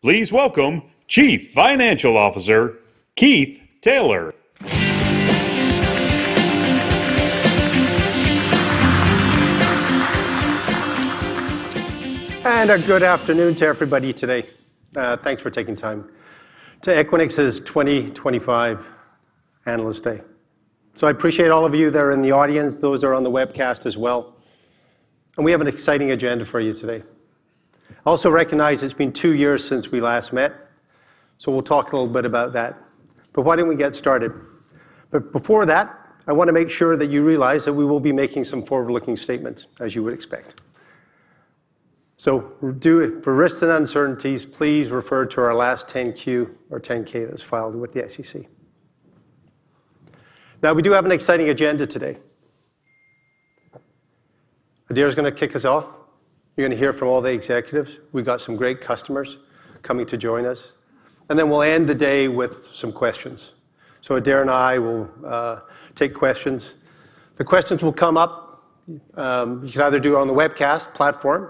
Please welcome Chief Financial Officer Keith Taylor. Good afternoon to everybody today. Thanks for taking time to Equinix's 2025 Analyst Day. I appreciate all of you that are in the audience, those that are on the webcast as well. We have an exciting agenda for you today. I also recognize it's been two years since we last met, so we'll talk a little bit about that. Why don't we get started? Before that, I want to make sure that you realize that we will be making some forward-looking statements, as you would expect. For risks and uncertainties, please refer to our last 10-Q or 10-K that was filed with the SEC. We do have an exciting agenda today. Adaire is going to kick us off. You're going to hear from all the executives. We've got some great customers coming to join us. We will end the day with some questions. Adaire and I will take questions. The questions will come up. You can either do it on the webcast platform,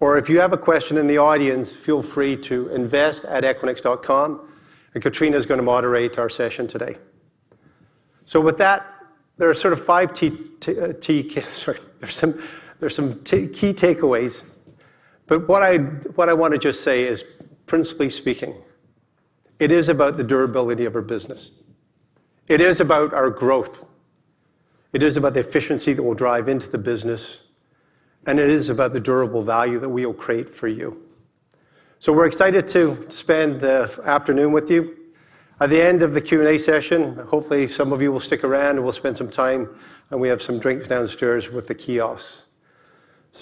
or if you have a question in the audience, feel free to ir@equinix.com. Katrina is going to moderate our session today. With that, there are sort of five key takeaways. What I want to just say is, principally speaking, it is about the durability of our business. It is about our growth. It is about the efficiency that we will drive into the business. It is about the durable value that we will create for you. We are excited to spend the afternoon with you. At the end of the Q&A session, hopefully some of you will stick around and we will spend some time, and we have some drinks downstairs with the kiosks.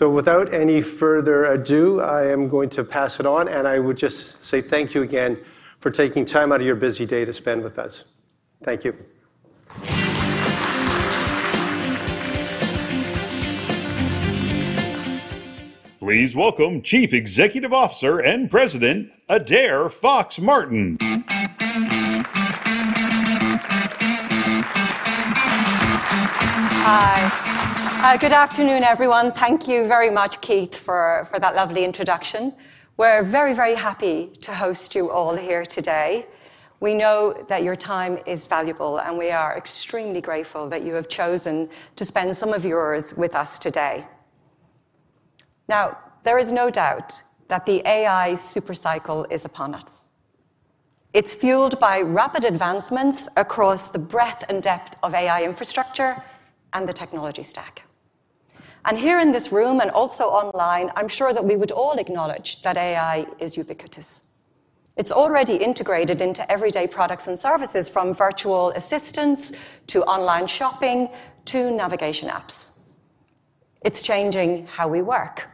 Without any further ado, I am going to pass it on. I would just say thank you again for taking time out of your busy day to spend with us. Thank you. Please welcome Chief Executive Officer and President Adaire Fox-Martin. Hi. Good afternoon, everyone. Thank you very much, Keith, for that lovely introduction. We're very, very happy to host you all here today. We know that your time is valuable, and we are extremely grateful that you have chosen to spend some of yours with us today. Now, there is no doubt that the AI supercycle is upon us. It's fueled by rapid advancements across the breadth and depth of AI infrastructure and the technology stack. Here in this room and also online, I'm sure that we would all acknowledge that AI is ubiquitous. It's already integrated into everyday products and services, from virtual assistants to online shopping to navigation apps. It's changing how we work.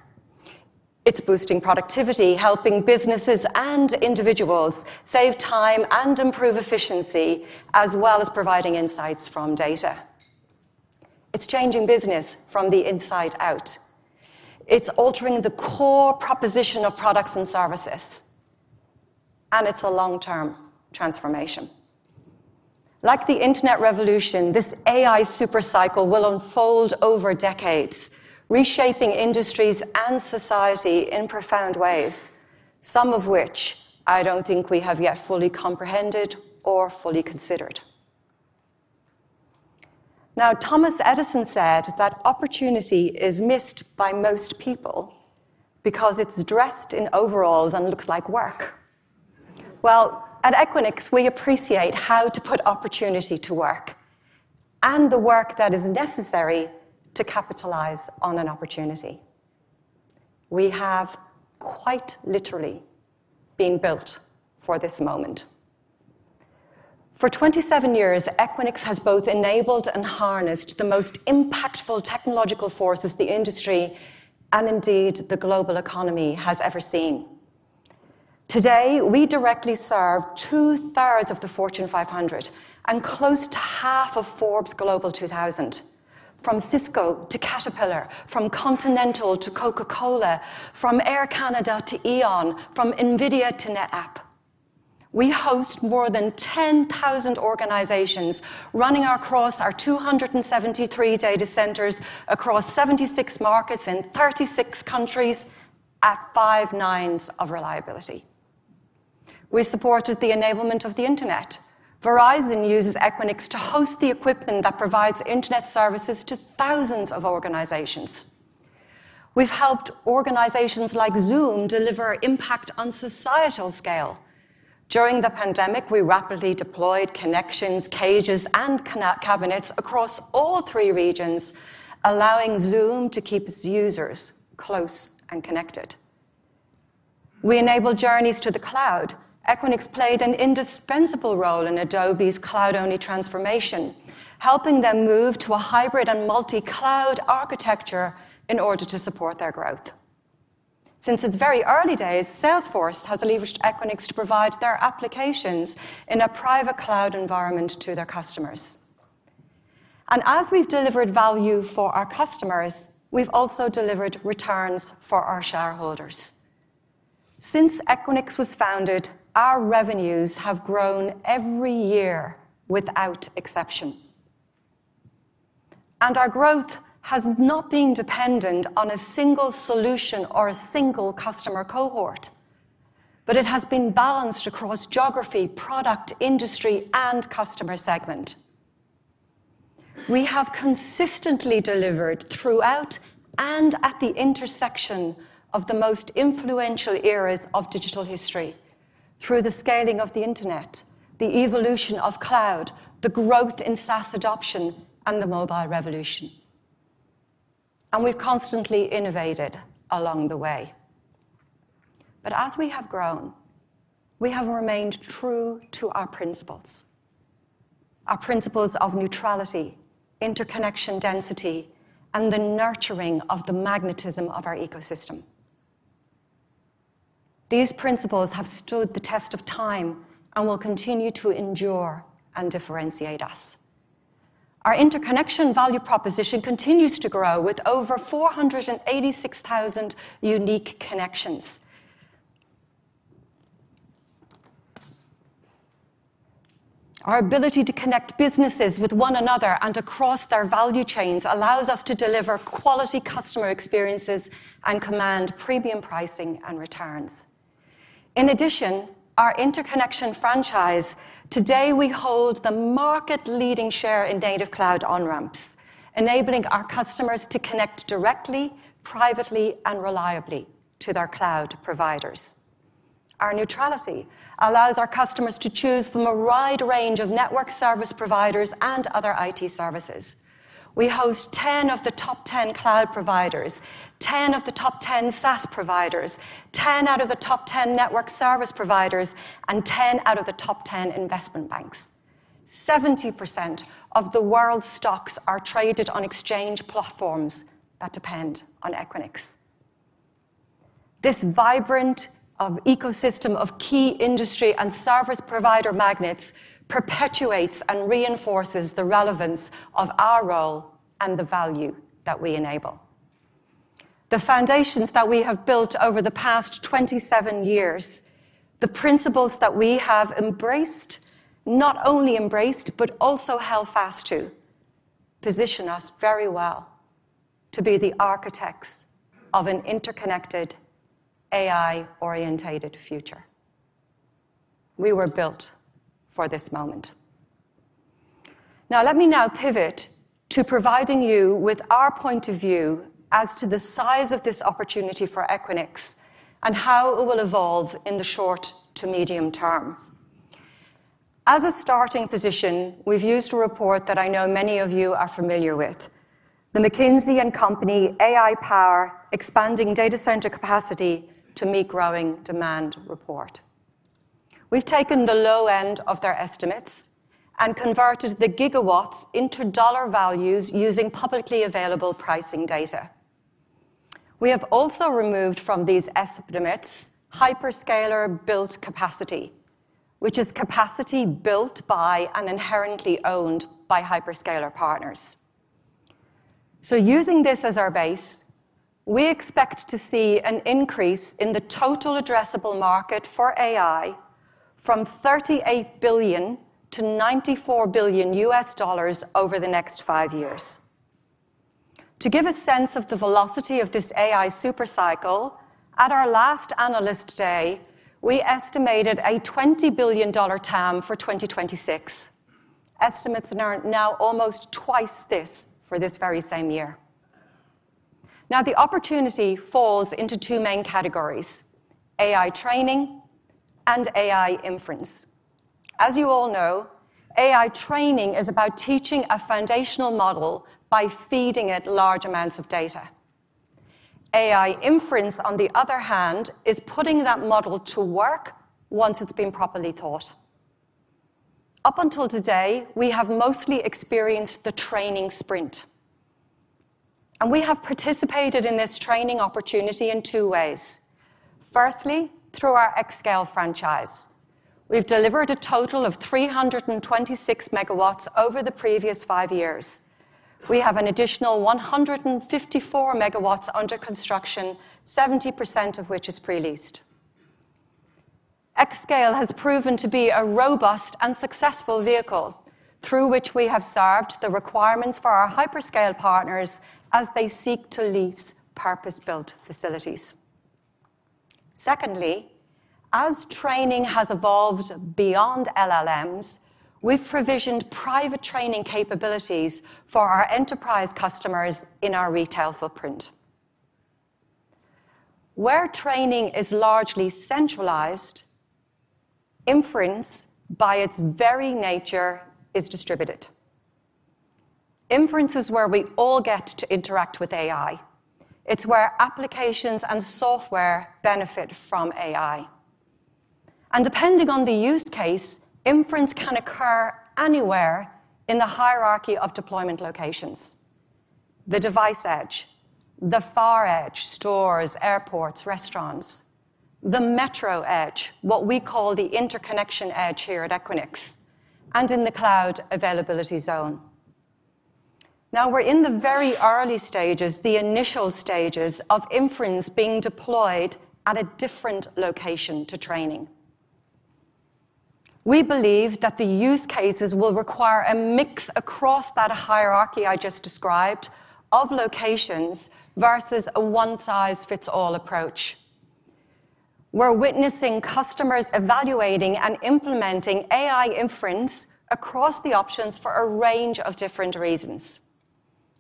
It's boosting productivity, helping businesses and individuals save time and improve efficiency, as well as providing insights from data. It's changing business from the inside out. It's altering the core proposition of products and services. And it's a long-term transformation. Like the internet revolution, this AI supercycle will unfold over decades, reshaping industries and society in profound ways, some of which I don't think we have yet fully comprehended or fully considered. Now, Thomas Edison said that opportunity is missed by most people because it's dressed in overalls and looks like work. At Equinix, we appreciate how to put opportunity to work and the work that is necessary to capitalize on an opportunity. We have quite literally been built for this moment. For 27 years, Equinix has both enabled and harnessed the most impactful technological forces the industry and indeed the global economy has ever seen. Today, we directly serve two-thirds of the Fortune 500 and close to half of Forbes Global 2000, from Cisco to Caterpillar, from Continental to Coca-Cola, from Air Canada to E.ON, from NVIDIA to NetApp. We host more than 10,000 organizations running across our 273 data centers across 76 markets in 36 countries at five nines of reliability. We supported the enablement of the internet. Verizon uses Equinix to host the equipment that provides internet services to thousands of organizations. We've helped organizations like Zoom deliver impact on societal scale. During the pandemic, we rapidly deployed connections, cages, and cabinets across all three regions, allowing Zoom to keep its users close and connected. We enable journeys to the cloud. Equinix played an indispensable role in Adobe's cloud-only transformation, helping them move to a hybrid and multi-cloud architecture in order to support their growth. Since its very early days, Salesforce has leveraged Equinix to provide their applications in a private cloud environment to their customers. As we have delivered value for our customers, we have also delivered returns for our shareholders. Since Equinix was founded, our revenues have grown every year without exception. Our growth has not been dependent on a single solution or a single customer cohort, but it has been balanced across geography, product, industry, and customer segment. We have consistently delivered throughout and at the intersection of the most influential eras of digital history through the scaling of the internet, the evolution of cloud, the growth in SaaS adoption, and the mobile revolution. We have constantly innovated along the way. As we have grown, we have remained true to our principles: our principles of neutrality, interconnection density, and the nurturing of the magnetism of our ecosystem. These principles have stood the test of time and will continue to endure and differentiate us. Our interconnection value proposition continues to grow with over 486,000 unique connections. Our ability to connect businesses with one another and across their value chains allows us to deliver quality customer experiences and command premium pricing and returns. In addition, our interconnection franchise, today we hold the market-leading share in native cloud on-ramps, enabling our customers to connect directly, privately, and reliably to their cloud providers. Our neutrality allows our customers to choose from a wide range of network service providers and other IT services. We host 10 of the top 10 cloud providers, 10 of the top 10 SaaS providers, 10 out of the top 10 network service providers, and 10 out of the top 10 investment banks. 70% of the world's stocks are traded on exchange platforms that depend on Equinix. This vibrant ecosystem of key industry and service provider magnets perpetuates and reinforces the relevance of our role and the value that we enable. The foundations that we have built over the past 27 years, the principles that we have embraced, not only embraced, but also held fast to, position us very well to be the architects of an interconnected, AI-orientated future. We were built for this moment. Now, let me now pivot to providing you with our point of view as to the size of this opportunity for Equinix and how it will evolve in the short to medium term. As a starting position, we've used a report that I know many of you are familiar with, the McKinsey & Company AI Power Expanding Data Center Capacity to Meet Growing Demand report. We've taken the low end of their estimates and converted the gigawatts into dollar values using publicly available pricing data. We have also removed from these estimates hyperscaler-built capacity, which is capacity built by and inherently owned by hyperscaler partners. Using this as our base, we expect to see an increase in the total addressable market for AI from $38 billion to $94 billion U.S. dollars over the next five years. To give a sense of the velocity of this AI supercycle, at our last analyst day, we estimated a $20 billion TAM for 2026. Estimates are now almost twice this for this very same year. Now, the opportunity falls into two main categories: AI training and AI inference. As you all know, AI training is about teaching a foundational model by feeding it large amounts of data. AI inference, on the other hand, is putting that model to work once it's been properly taught. Up until today, we have mostly experienced the training sprint. We have participated in this training opportunity in two ways. Firstly, through our xScale franchise. We've delivered a total of 326 megawatts over the previous five years. We have an additional 154 megawatts under construction, 70% of which is pre-leased. xScale has proven to be a robust and successful vehicle through which we have served the requirements for our hyperscale partners as they seek to lease purpose-built facilities. Secondly, as training has evolved beyond LLMs, we've provisioned private training capabilities for our enterprise customers in our retail footprint. Where training is largely centralized, inference, by its very nature, is distributed. Inference is where we all get to interact with AI. It's where applications and software benefit from AI. Depending on the use case, inference can occur anywhere in the hierarchy of deployment locations: the device edge, the far edge, stores, airports, restaurants, the metro edge, what we call the interconnection edge here at Equinix, and in the cloud availability zone. Now, we're in the very early stages, the initial stages of inference being deployed at a different location to training. We believe that the use cases will require a mix across that hierarchy I just described of locations versus a one-size-fits-all approach. We're witnessing customers evaluating and implementing AI inference across the options for a range of different reasons,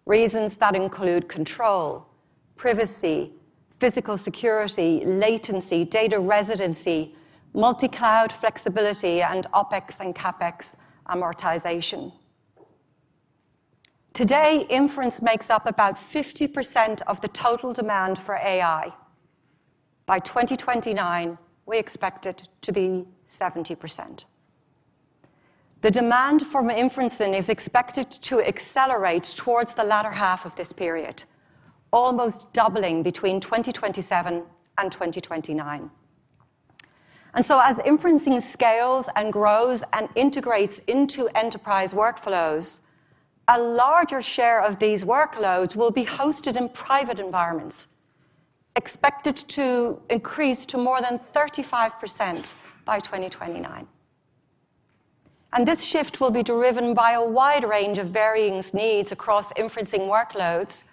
reasons that include control, privacy, physical security, latency, data residency, multi-cloud flexibility, and OpEx and CapEx amortization. Today, inference makes up about 50% of the total demand for AI. By 2029, we expect it to be 70%. The demand for inferencing is expected to accelerate towards the latter half of this period, almost doubling between 2027 and 2029. As inferencing scales and grows and integrates into enterprise workflows, a larger share of these workloads will be hosted in private environments, expected to increase to more than 35% by 2029. This shift will be driven by a wide range of varying needs across inferencing workloads,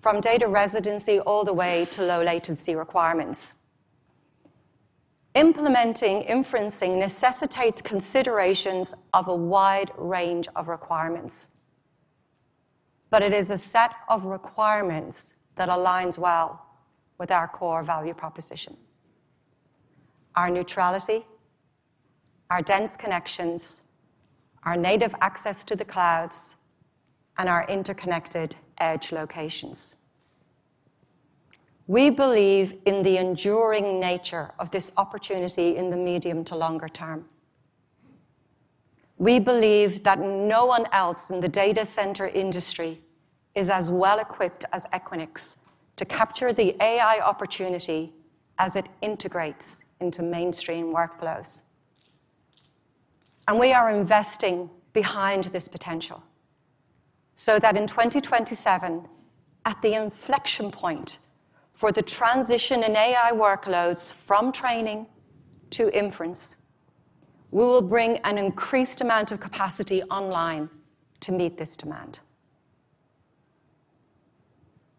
from data residency all the way to low-latency requirements. Implementing inferencing necessitates considerations of a wide range of requirements. It is a set of requirements that aligns well with our core value proposition: our neutrality, our dense connections, our native access to the clouds, and our interconnected edge locations. We believe in the enduring nature of this opportunity in the medium to longer term. We believe that no one else in the data center industry is as well equipped as Equinix to capture the AI opportunity as it integrates into mainstream workflows. We are investing behind this potential so that in 2027, at the inflection point for the transition in AI workloads from training to inference, we will bring an increased amount of capacity online to meet this demand.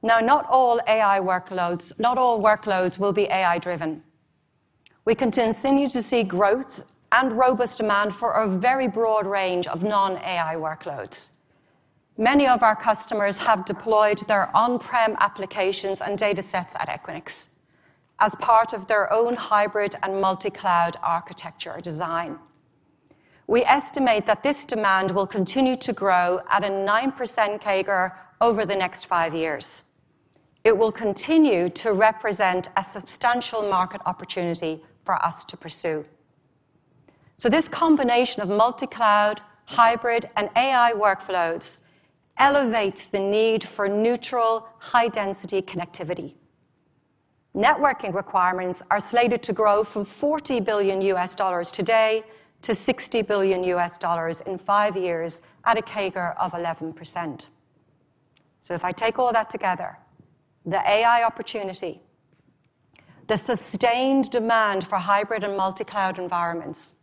Not all AI workloads will be AI-driven. We continue to see growth and robust demand for a very broad range of non-AI workloads. Many of our customers have deployed their on-prem applications and data sets at Equinix as part of their own hybrid and multi-cloud architecture design. We estimate that this demand will continue to grow at a 9% CAGR over the next five years. It will continue to represent a substantial market opportunity for us to pursue. This combination of multi-cloud, hybrid, and AI workflows elevates the need for neutral, high-density connectivity. Networking requirements are slated to grow from $40 billion today to $60 billion in five years at a CAGR of 11%. If I take all that together, the AI opportunity, the sustained demand for hybrid and multi-cloud environments,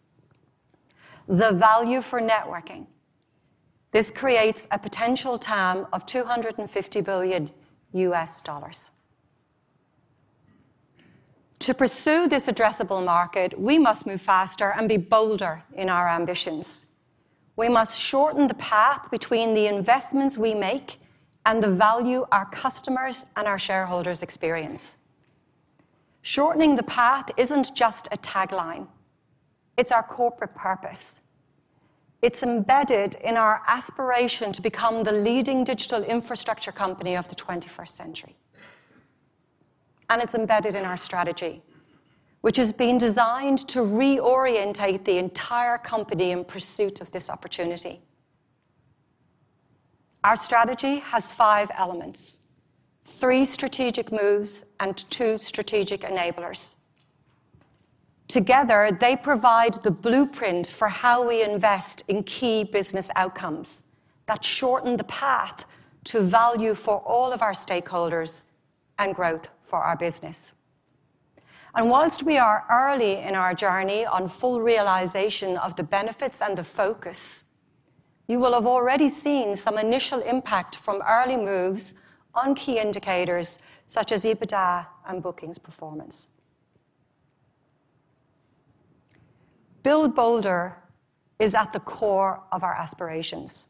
the value for networking, this creates a potential TAM of $250 billion. To pursue this addressable market, we must move faster and be bolder in our ambitions. We must shorten the path between the investments we make and the value our customers and our shareholders experience. Shortening the path is not just a tagline. It is our corporate purpose. It is embedded in our aspiration to become the leading digital infrastructure company of the 21st century. It is embedded in our strategy, which has been designed to reorientate the entire company in pursuit of this opportunity. Our strategy has five elements: three strategic moves and two strategic enablers. Together, they provide the blueprint for how we invest in key business outcomes that shorten the path to value for all of our stakeholders and growth for our business. Whilst we are early in our journey on full realization of the benefits and the focus, you will have already seen some initial impact from early moves on key indicators such as EBITDA and bookings performance. Build bolder is at the core of our aspirations.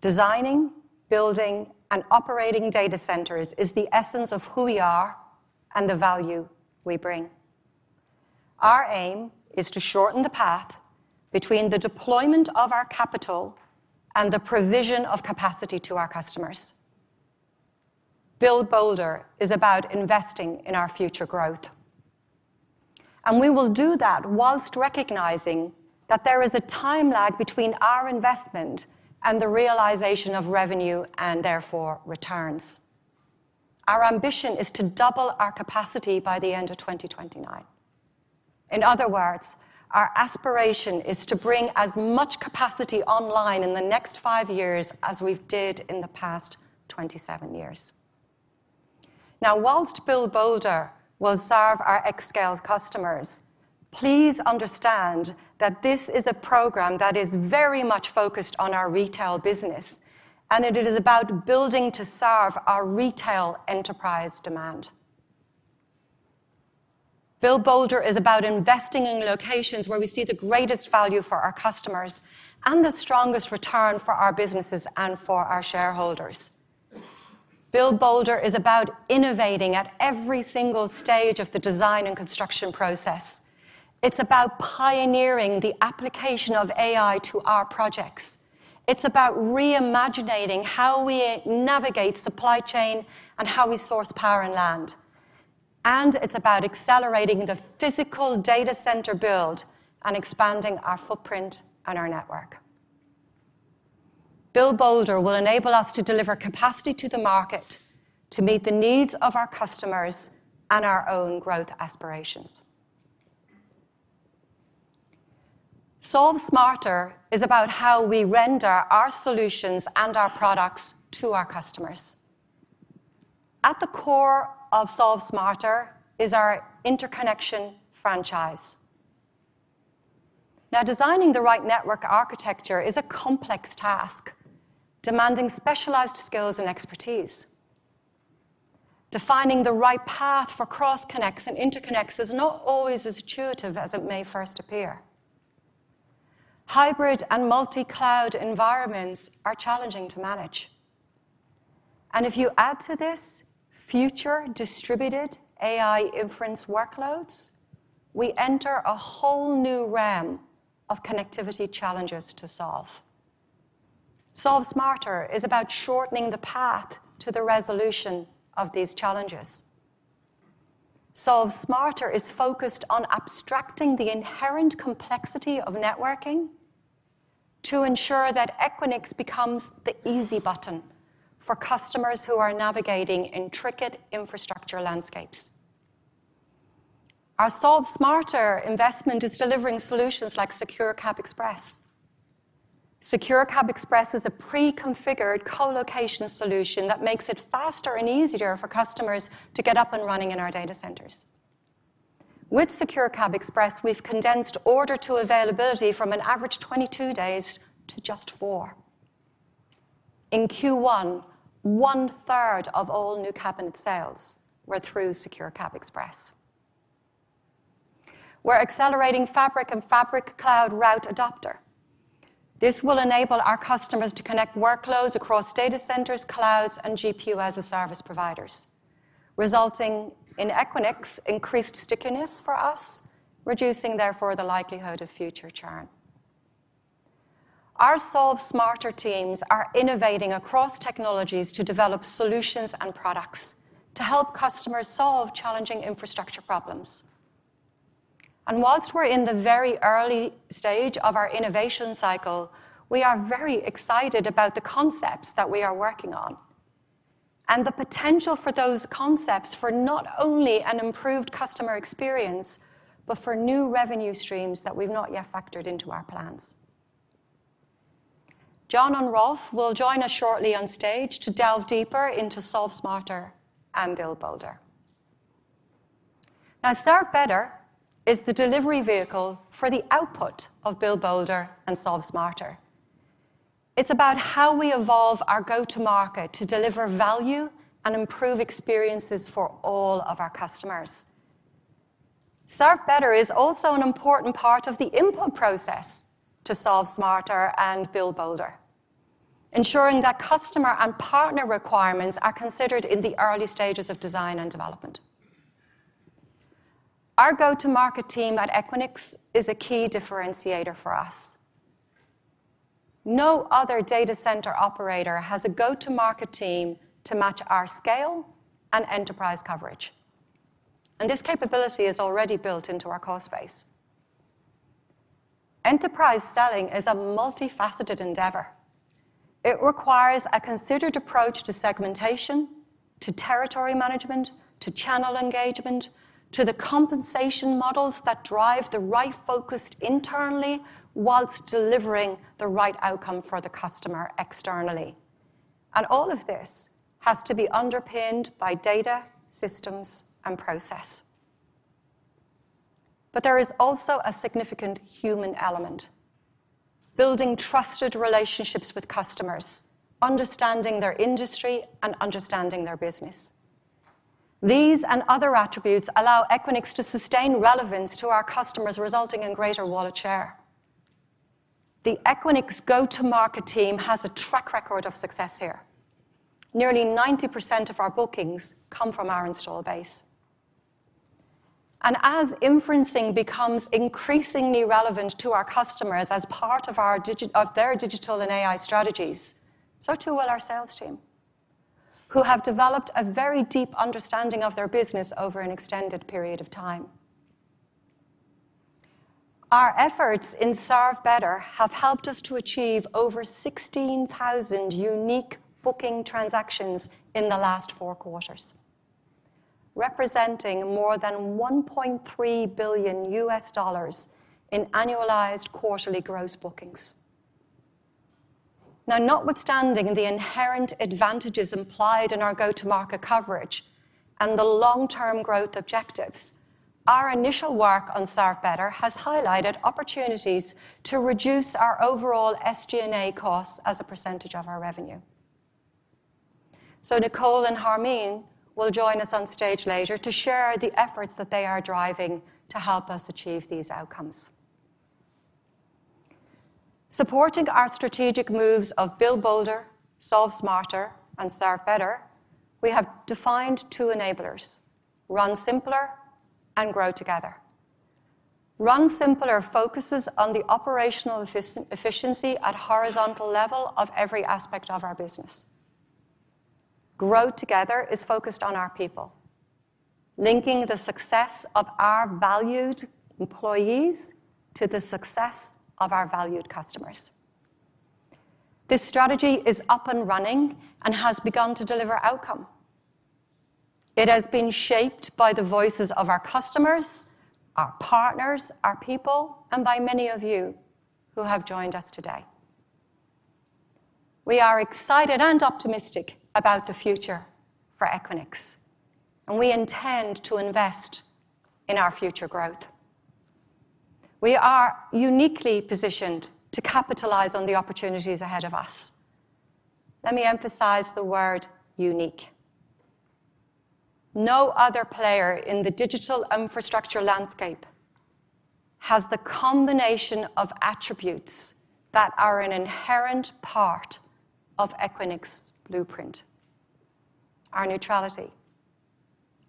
Designing, building, and operating data centers is the essence of who we are and the value we bring. Our aim is to shorten the path between the deployment of our capital and the provision of capacity to our customers. Build Bolder is about investing in our future growth. We will do that whilst recognizing that there is a time lag between our investment and the realization of revenue and therefore returns. Our ambition is to double our capacity by the end of 2029. In other words, our aspiration is to bring as much capacity online in the next five years as we did in the past 27 years. Now, whilst Build Bolder will serve our xScale customers, please understand that this is a program that is very much focused on our retail business, and it is about building to serve our retail enterprise demand. Build Bolder is about investing in locations where we see the greatest value for our customers and the strongest return for our businesses and for our shareholders. Build Bolder is about innovating at every single stage of the design and construction process. It's about pioneering the application of AI to our projects. It's about reimagining how we navigate supply chain and how we source power and land. It's about accelerating the physical data center build and expanding our footprint and our network. Build Bolder will enable us to deliver capacity to the market to meet the needs of our customers and our own growth aspirations. Solve Smarter is about how we render our solutions and our products to our customers. At the core of Solve Smarter is our interconnection franchise. Now, designing the right network architecture is a complex task, demanding specialized skills and expertise. Defining the right path for cross-connects and interconnects is not always as intuitive as it may first appear. Hybrid and multi-cloud environments are challenging to manage. If you add to this future distributed AI inference workloads, we enter a whole new realm of connectivity challenges to solve. Solve Smarter is about shortening the path to the resolution of these challenges. Solve Smarter is focused on abstracting the inherent complexity of networking to ensure that Equinix becomes the easy button for customers who are navigating intricate infrastructure landscapes. Our Solve Smarter investment is delivering solutions like SecureCabExpress. SecureCabExpress is a pre-configured co-location solution that makes it faster and easier for customers to get up and running in our data centers. With SecureCabExpress, we have condensed order-to-availability from an average 22 days to just four. In Q1, one-third of all new cabinet sales were through SecureCabExpress. We are accelerating Fabric and Equinix Cloud Router. This will enable our customers to connect workloads across data centers, clouds, and GPU-as-a-service providers, resulting in Equinix's increased stickiness for us, reducing therefore the likelihood of future churn. Our Solve Smarter teams are innovating across technologies to develop solutions and products to help customers solve challenging infrastructure problems. Whilst we're in the very early stage of our innovation cycle, we are very excited about the concepts that we are working on and the potential for those concepts for not only an improved customer experience, but for new revenue streams that we've not yet factored into our plans. Jonathan and Raouf Abdel will join us shortly on stage to delve deeper into Solve Smarter and Build Bolder. Now, Start Better is the delivery vehicle for the output of Build Bolder and Solve Smarter. It's about how we evolve our go-to-market to deliver value and improve experiences for all of our customers. Start Better is also an important part of the input process to Solve Smarter and Build Bolder, ensuring that customer and partner requirements are considered in the early stages of design and development. Our go-to-market team at Equinix is a key differentiator for us. No other data center operator has a go-to-market team to match our scale and enterprise coverage. This capability is already built into our core space. Enterprise selling is a multifaceted endeavor. It requires a considered approach to segmentation, to territory management, to channel engagement, to the compensation models that drive the right focus internally whilst delivering the right outcome for the customer externally. All of this has to be underpinned by data, systems, and process. There is also a significant human element: building trusted relationships with customers, understanding their industry, and understanding their business. These and other attributes allow Equinix to sustain relevance to our customers, resulting in greater wallet share. The Equinix go-to-market team has a track record of success here. Nearly 90% of our bookings come from our install base. As inferencing becomes increasingly relevant to our customers as part of their digital and AI strategies, so too will our sales team, who have developed a very deep understanding of their business over an extended period of time. Our efforts in Start Better have helped us to achieve over 16,000 unique booking transactions in the last four quarters, representing more than $1.3 billion in annualized quarterly gross bookings. Now, notwithstanding the inherent advantages implied in our go-to-market coverage and the long-term growth objectives, our initial work on Start Better has highlighted opportunities to reduce our overall SG&A costs as a percentage of our revenue. Nicole and Harmeen will join us on stage later to share the efforts that they are driving to help us achieve these outcomes. Supporting our strategic moves of Build Bolder, Solve Smarter, and Start Better, we have defined two enablers: Run Simpler and Grow Together. Run Simpler focuses on the operational efficiency at a horizontal level of every aspect of our business. Grow Together is focused on our people, linking the success of our valued employees to the success of our valued customers. This strategy is up and running and has begun to deliver outcome. It has been shaped by the voices of our customers, our partners, our people, and by many of you who have joined us today. We are excited and optimistic about the future for Equinix, and we intend to invest in our future growth. We are uniquely positioned to capitalize on the opportunities ahead of us. Let me emphasize the word unique. No other player in the digital infrastructure landscape has the combination of attributes that are an inherent part of Equinix's blueprint: our neutrality,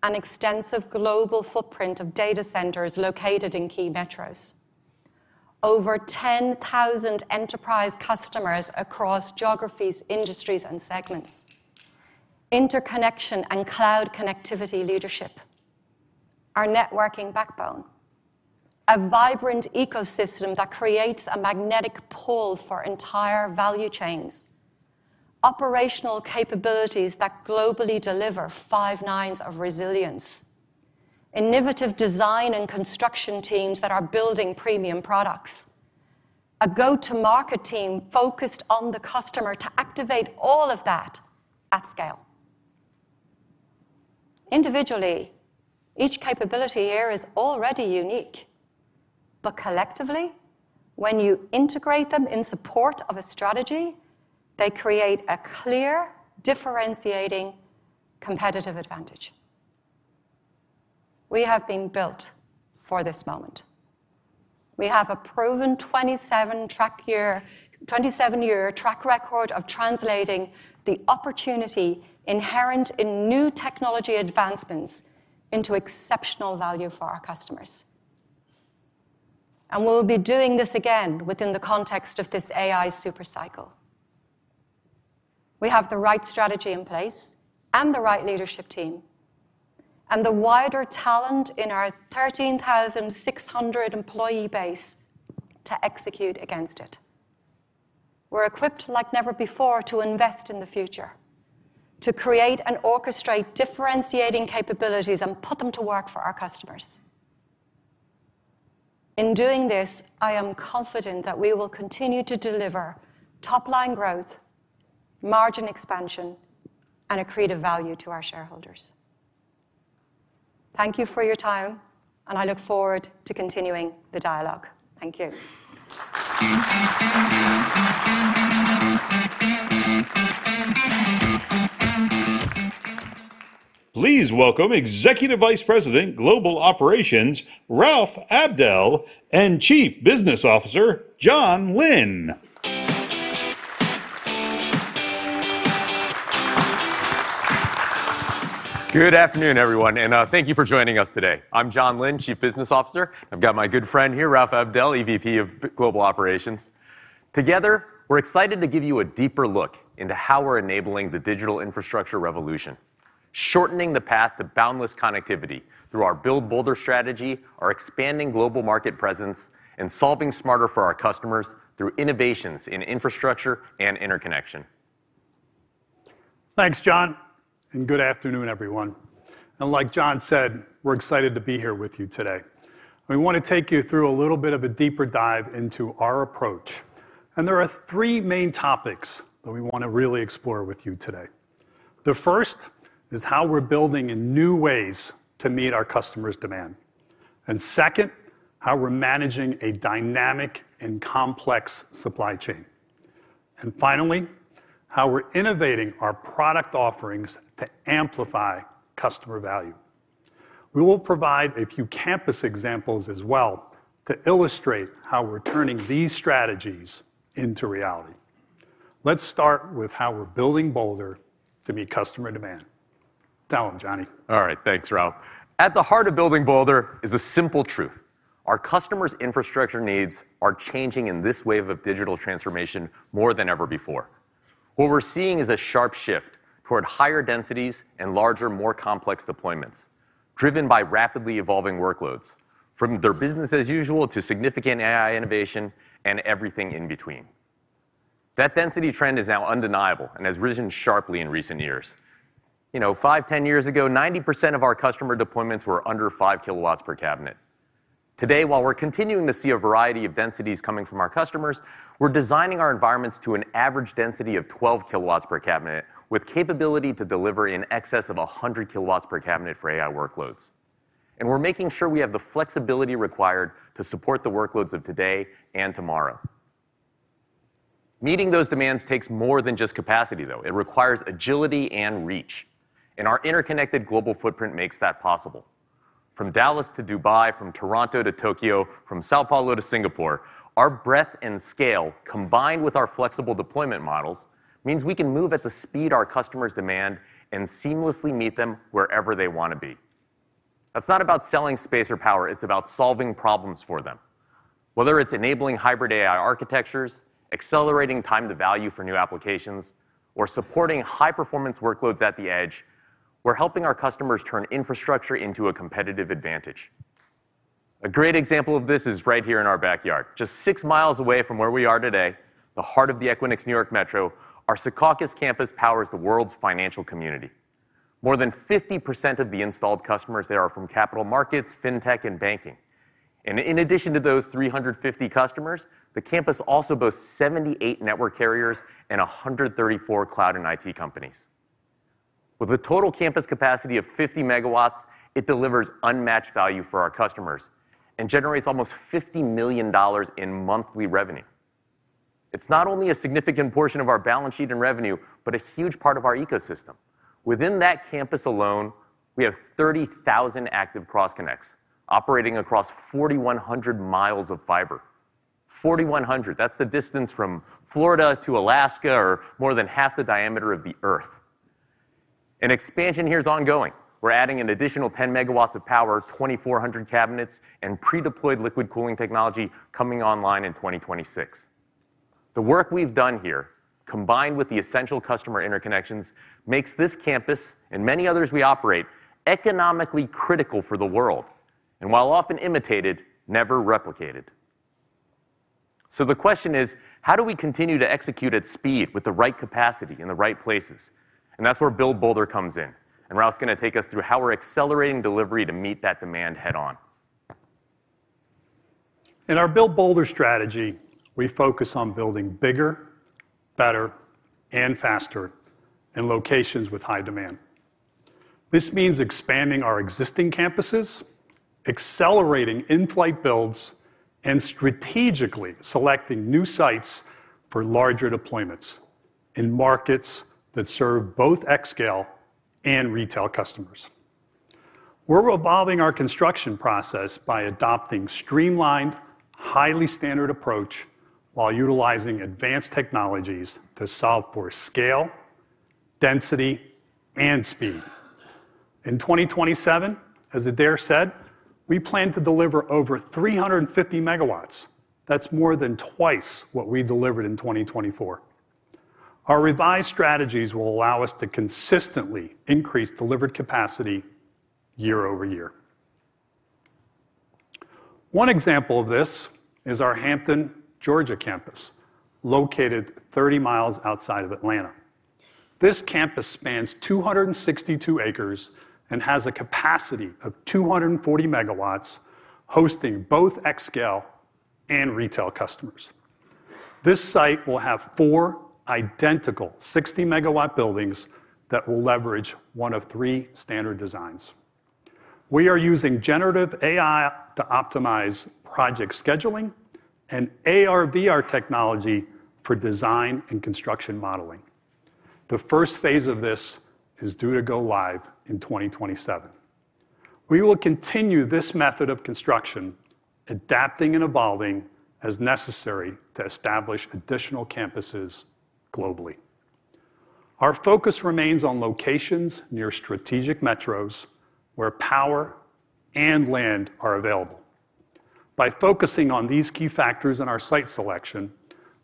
an extensive global footprint of data centers located in key metros, over 10,000 enterprise customers across geographies, industries, and segments, interconnection and cloud connectivity leadership, our networking backbone, a vibrant ecosystem that creates a magnetic pull for entire value chains, operational capabilities that globally deliver five nines of resilience, innovative design and construction teams that are building premium products, a go-to-market team focused on the customer to activate all of that at scale. Individually, each capability here is already unique, but collectively, when you integrate them in support of a strategy, they create a clear differentiating competitive advantage. We have been built for this moment. We have a proven 27-year track record of translating the opportunity inherent in new technology advancements into exceptional value for our customers. We will be doing this again within the context of this AI supercycle. We have the right strategy in place and the right leadership team and the wider talent in our 13,600 employee base to execute against it. We are equipped like never before to invest in the future, to create and orchestrate differentiating capabilities and put them to work for our customers. In doing this, I am confident that we will continue to deliver top-line growth, margin expansion, and accretive value to our shareholders. Thank you for your time, and I look forward to continuing the dialogue. Thank you. Please welcome Executive Vice President, Global Operations, Raouf Abdel, and Chief Business Officer, Jonathan Lin. Good afternoon, everyone, and thank you for joining us today. I'm Jonathan Lin, Chief Business Officer. I've got my good friend here, Raouf Abdel, EVP of Global Operations. Together, we're excited to give you a deeper look into how we're enabling the digital infrastructure revolution, shortening the path to boundless connectivity through our Build Bolder strategy, our expanding global market presence, and solving smarter for our customers through innovations in infrastructure and interconnection. Thanks, Jonathan, and good afternoon, everyone. Like Jonathan said, we're excited to be here with you today. We want to take you through a little bit of a deeper dive into our approach. There are three main topics that we want to really explore with you today. The first is how we're building in new ways to meet our customers' demand. Second, how we're managing a dynamic and complex supply chain. Finally, how we're innovating our product offerings to amplify customer value. We will provide a few campus examples as well to illustrate how we're turning these strategies into reality. Let's start with how we're building bolder to meet customer demand. Down, Jonathan. All right, thanks, Raouf Abdel. At the heart of building Bolder is a simple truth. Our customers' infrastructure needs are changing in this wave of digital transformation more than ever before. What we're seeing is a sharp shift toward higher densities and larger, more complex deployments driven by rapidly evolving workloads from their business as usual to significant AI innovation and everything in between. That density trend is now undeniable and has risen sharply in recent years. You know, five, ten years ago, 90% of our customer deployments were under 5 kilowatts per cabinet. Today, while we're continuing to see a variety of densities coming from our customers, we're designing our environments to an average density of 12 kilowatts per cabinet with capability to deliver in excess of 100 kilowatts per cabinet for AI workloads. We are making sure we have the flexibility required to support the workloads of today and tomorrow. Meeting those demands takes more than just capacity, though. It requires agility and reach. Our interconnected global footprint makes that possible. From Dallas to Dubai, from Toronto to Tokyo, from São Paulo to Singapore, our breadth and scale, combined with our flexible deployment models, means we can move at the speed our customers demand and seamlessly meet them wherever they want to be. That is not about selling space or power. It is about solving problems for them. Whether it is enabling hybrid AI architectures, accelerating time to value for new applications, or supporting high-performance workloads at the edge, we are helping our customers turn infrastructure into a competitive advantage. A great example of this is right here in our backyard. Just six miles away from where we are today, the heart of the Equinix New York Metro, our Secaucus campus powers the world's financial community. More than 50% of the installed customers there are from capital markets, fintech, and banking. In addition to those 350 customers, the campus also boasts 78 network carriers and 134 cloud and IT companies. With a total campus capacity of 50 megawatts, it delivers unmatched value for our customers and generates almost $50 million in monthly revenue. It is not only a significant portion of our balance sheet and revenue, but a huge part of our ecosystem. Within that campus alone, we have 30,000 active cross-connects operating across 4,100 miles of fiber. 4,100, that is the distance from Florida to Alaska or more than half the diameter of the Earth. Expansion here is ongoing. We're adding an additional 10 megawatts of power, 2,400 cabinets, and pre-deployed liquid cooling technology coming online in 2026. The work we've done here, combined with the essential customer interconnections, makes this campus and many others we operate economically critical for the world. While often imitated, never replicated. The question is, how do we continue to execute at speed with the right capacity in the right places? That's where Build Bolder comes in. Raouf Abdel going to take us through how we're accelerating delivery to meet that demand head-on. In our Build Bolder strategy, we focus on building bigger, better, and faster in locations with high demand. This means expanding our existing campuses, accelerating in-flight builds, and strategically selecting new sites for larger deployments in markets that serve both xScale and retail customers. We're evolving our construction process by adopting a streamlined, highly standard approach while utilizing advanced technologies to solve for scale, density, and speed. In 2027, as Adaire said, we plan to deliver over 350 megawatts. That's more than twice what we delivered in 2024. Our revised strategies will allow us to consistently increase delivered capacity year over year. One example of this is our Hampton, Georgia campus, located 30 mi outside of Atlanta. This campus spans 262 acres and has a capacity of 240 megawatts, hosting both xScale and retail customers. This site will have four identical 60-megawatt buildings that will leverage one of three standard designs. We are using generative AI to optimize project scheduling and AR/VR technology for design and construction modeling. The first phase of this is due to go live in 2027. We will continue this method of construction, adapting and evolving as necessary to establish additional campuses globally. Our focus remains on locations near strategic metros where power and land are available. By focusing on these key factors in our site selection,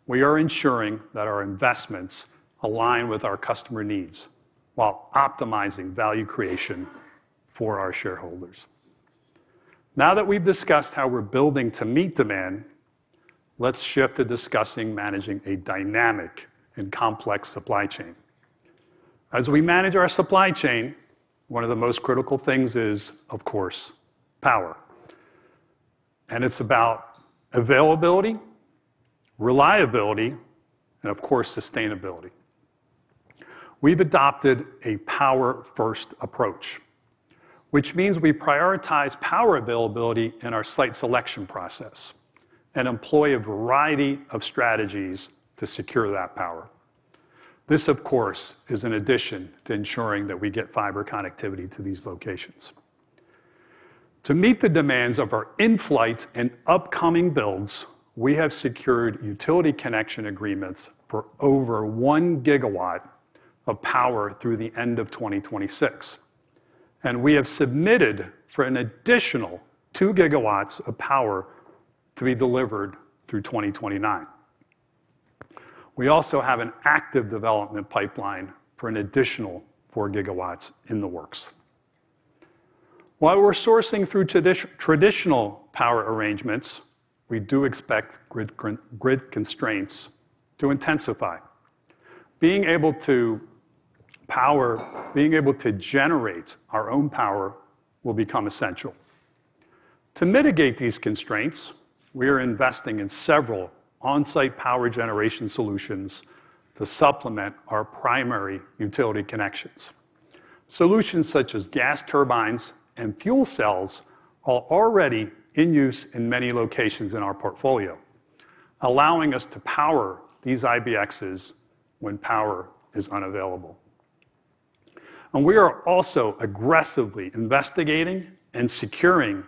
we are ensuring that our investments align with our customer needs while optimizing value creation for our shareholders. Now that we've discussed how we're building to meet demand, let's shift to discussing managing a dynamic and complex supply chain. As we manage our supply chain, one of the most critical things is, of course, power. It's about availability, reliability, and, of course, sustainability. We've adopted a power-first approach, which means we prioritize power availability in our site selection process and employ a variety of strategies to secure that power. This, of course, is in addition to ensuring that we get fiber connectivity to these locations. To meet the demands of our in-flight and upcoming builds, we have secured utility connection agreements for over 1 gigawatt of power through the end of 2026. We have submitted for an additional 2 gigawatts of power to be delivered through 2029. We also have an active development pipeline for an additional 4 gigawatts in the works. While we're sourcing through traditional power arrangements, we do expect grid constraints to intensify. Being able to power, being able to generate our own power will become essential. To mitigate these constraints, we are investing in several on-site power generation solutions to supplement our primary utility connections. Solutions such as gas turbines and fuel cells are already in use in many locations in our portfolio, allowing us to power these IBXs when power is unavailable. We are also aggressively investigating and securing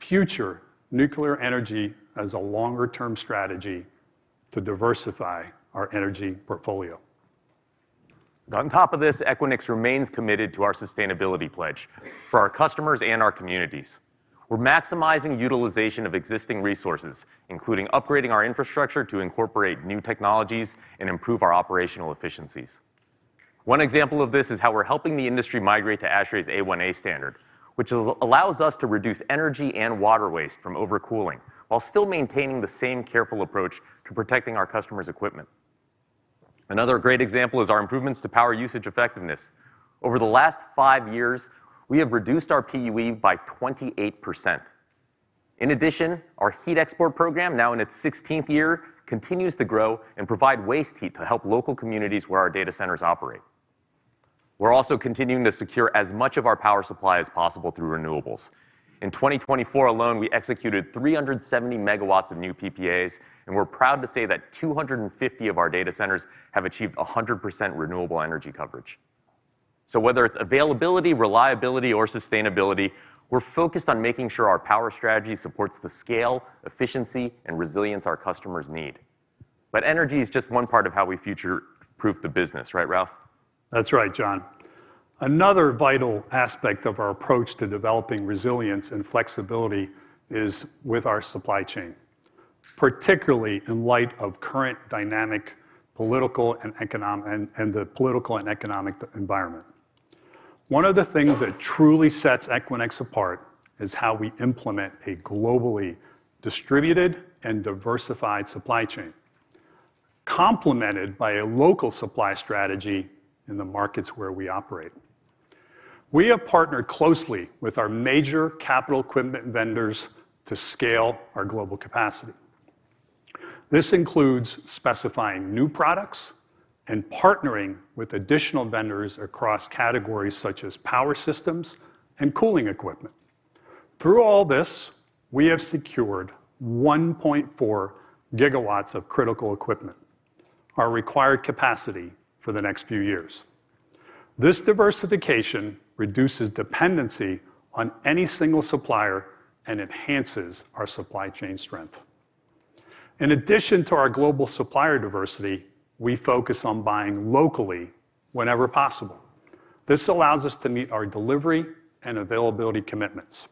future nuclear energy as a longer-term strategy to diversify our energy portfolio. On top of this, Equinix remains committed to our sustainability pledge for our customers and our communities. We're maximizing utilization of existing resources, including upgrading our infrastructure to incorporate new technologies and improve our operational efficiencies. One example of this is how we're helping the industry migrate to ASHRAE Class A1, which allows us to reduce energy and water waste from overcooling while still maintaining the same careful approach to protecting our customers' equipment. Another great example is our improvements to power usage effectiveness. Over the last five years, we have reduced our PUE by 28%. In addition, our heat export program, now in its 16th year, continues to grow and provide waste heat to help local communities where our data centers operate. We're also continuing to secure as much of our power supply as possible through renewables. In 2024 alone, we executed 370 megawatts of new PPAs, and we're proud to say that 250 of our data centers have achieved 100% renewable energy coverage. Whether it's availability, reliability, or sustainability, we're focused on making sure our power strategy supports the scale, efficiency, and resilience our customers need. Energy is just one part of how we future-proof the business, right, Raouf Abdel? That's right, John. Another vital aspect of our approach to developing resilience and flexibility is with our supply chain, particularly in light of current dynamic political and economic and the political and economic environment. One of the things that truly sets Equinix apart is how we implement a globally distributed and diversified supply chain, complemented by a local supply strategy in the markets where we operate. We have partnered closely with our major capital equipment vendors to scale our global capacity. This includes specifying new products and partnering with additional vendors across categories such as power systems and cooling equipment. Through all this, we have secured 1.4 gigawatts of critical equipment, our required capacity for the next few years. This diversification reduces dependency on any single supplier and enhances our supply chain strength. In addition to our global supplier diversity, we focus on buying locally whenever possible. This allows us to meet our delivery and availability commitments.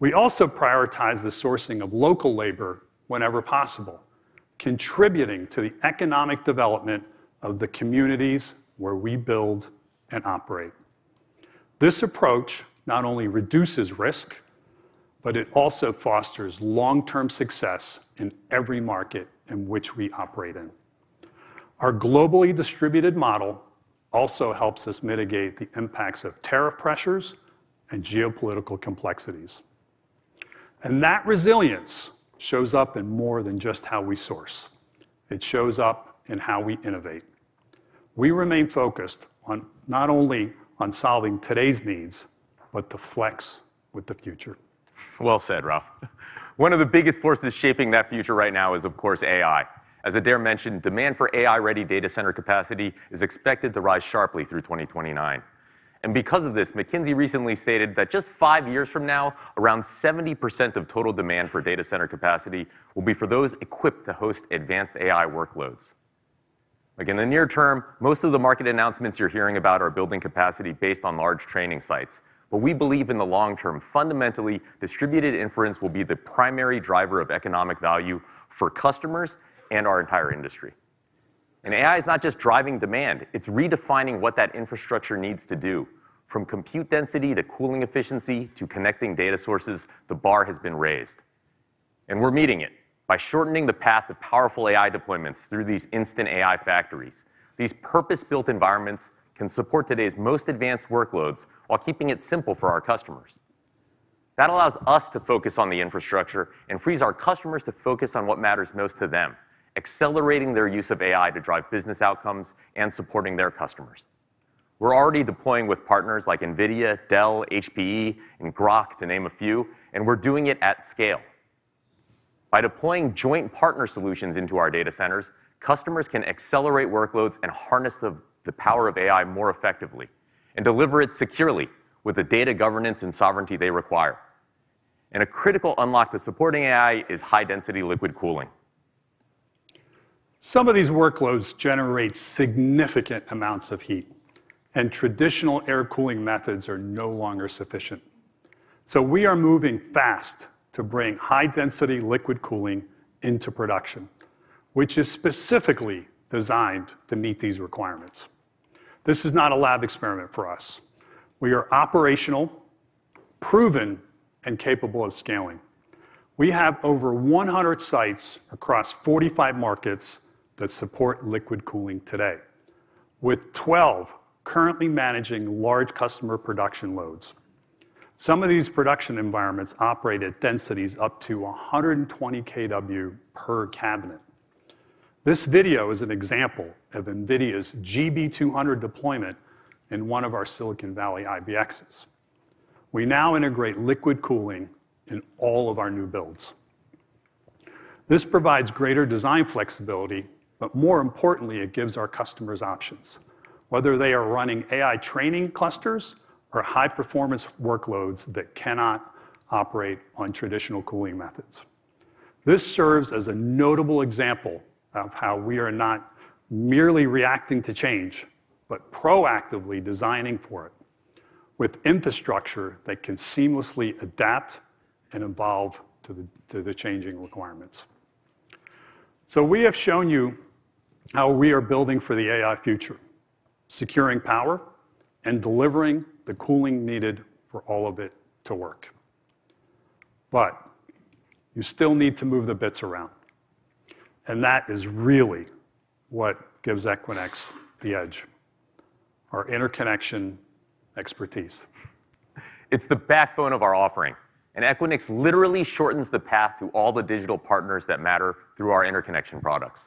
We also prioritize the sourcing of local labor whenever possible, contributing to the economic development of the communities where we build and operate. This approach not only reduces risk, but it also fosters long-term success in every market in which we operate. Our globally distributed model also helps us mitigate the impacts of tariff pressures and geopolitical complexities. That resilience shows up in more than just how we source. It shows up in how we innovate. We remain focused not only on solving today's needs, but to flex with the future. One of the biggest forces shaping that future right now is, of course, AI. As Adaire mentioned, demand for AI-ready data center capacity is expected to rise sharply through 2029. Because of this, McKinsey recently stated that just five years from now, around 70% of total demand for data center capacity will be for those equipped to host advanced AI workloads. Again, in the near term, most of the market announcements you're hearing about are building capacity based on large training sites. We believe in the long term, fundamentally, distributed inference will be the primary driver of economic value for customers and our entire industry. AI is not just driving demand. It's redefining what that infrastructure needs to do. From compute density to cooling efficiency to connecting data sources, the bar has been raised. We are meeting it by shortening the path of powerful AI deployments through these instant AI factories. These purpose-built environments can support today's most advanced workloads while keeping it simple for our customers. That allows us to focus on the infrastructure and frees our customers to focus on what matters most to them, accelerating their use of AI to drive business outcomes and supporting their customers. We are already deploying with partners like NVIDIA, Dell, HPE, and Grok, to name a few, and we are doing it at scale. By deploying joint partner solutions into our data centers, customers can accelerate workloads and harness the power of AI more effectively and deliver it securely with the data governance and sovereignty they require. A critical unlock to supporting AI is high-density liquid cooling. Some of these workloads generate significant amounts of heat, and traditional air cooling methods are no longer sufficient. We are moving fast to bring high-density liquid cooling into production, which is specifically designed to meet these requirements. This is not a lab experiment for us. We are operational, proven, and capable of scaling. We have over 100 sites across 45 markets that support liquid cooling today, with 12 currently managing large customer production loads. Some of these production environments operate at densities up to 120 kW per cabinet. This video is an example of NVIDIA's GB200 deployment in one of our Silicon Valley IBXs. We now integrate liquid cooling in all of our new builds. This provides greater design flexibility, but more importantly, it gives our customers options, whether they are running AI training clusters or high-performance workloads that cannot operate on traditional cooling methods. This serves as a notable example of how we are not merely reacting to change, but proactively designing for it with infrastructure that can seamlessly adapt and evolve to the changing requirements. We have shown you how we are building for the AI future, securing power and delivering the cooling needed for all of it to work. You still need to move the bits around. That is really what gives Equinix the edge: our interconnection expertise. It's the backbone of our offering. Equinix literally shortens the path to all the digital partners that matter through our interconnection products.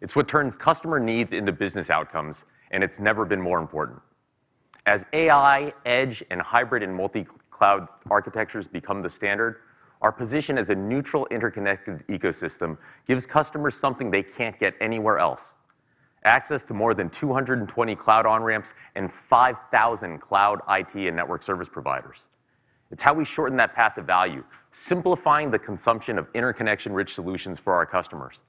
It's what turns customer needs into business outcomes, and it's never been more important. As AI, edge, and hybrid and multi-cloud architectures become the standard, our position as a neutral interconnected ecosystem gives customers something they can't get anywhere else: access to more than 220 cloud on-ramps and 5,000 cloud IT and network service providers. It's how we shorten that path of value, simplifying the consumption of interconnection-rich solutions for our customers.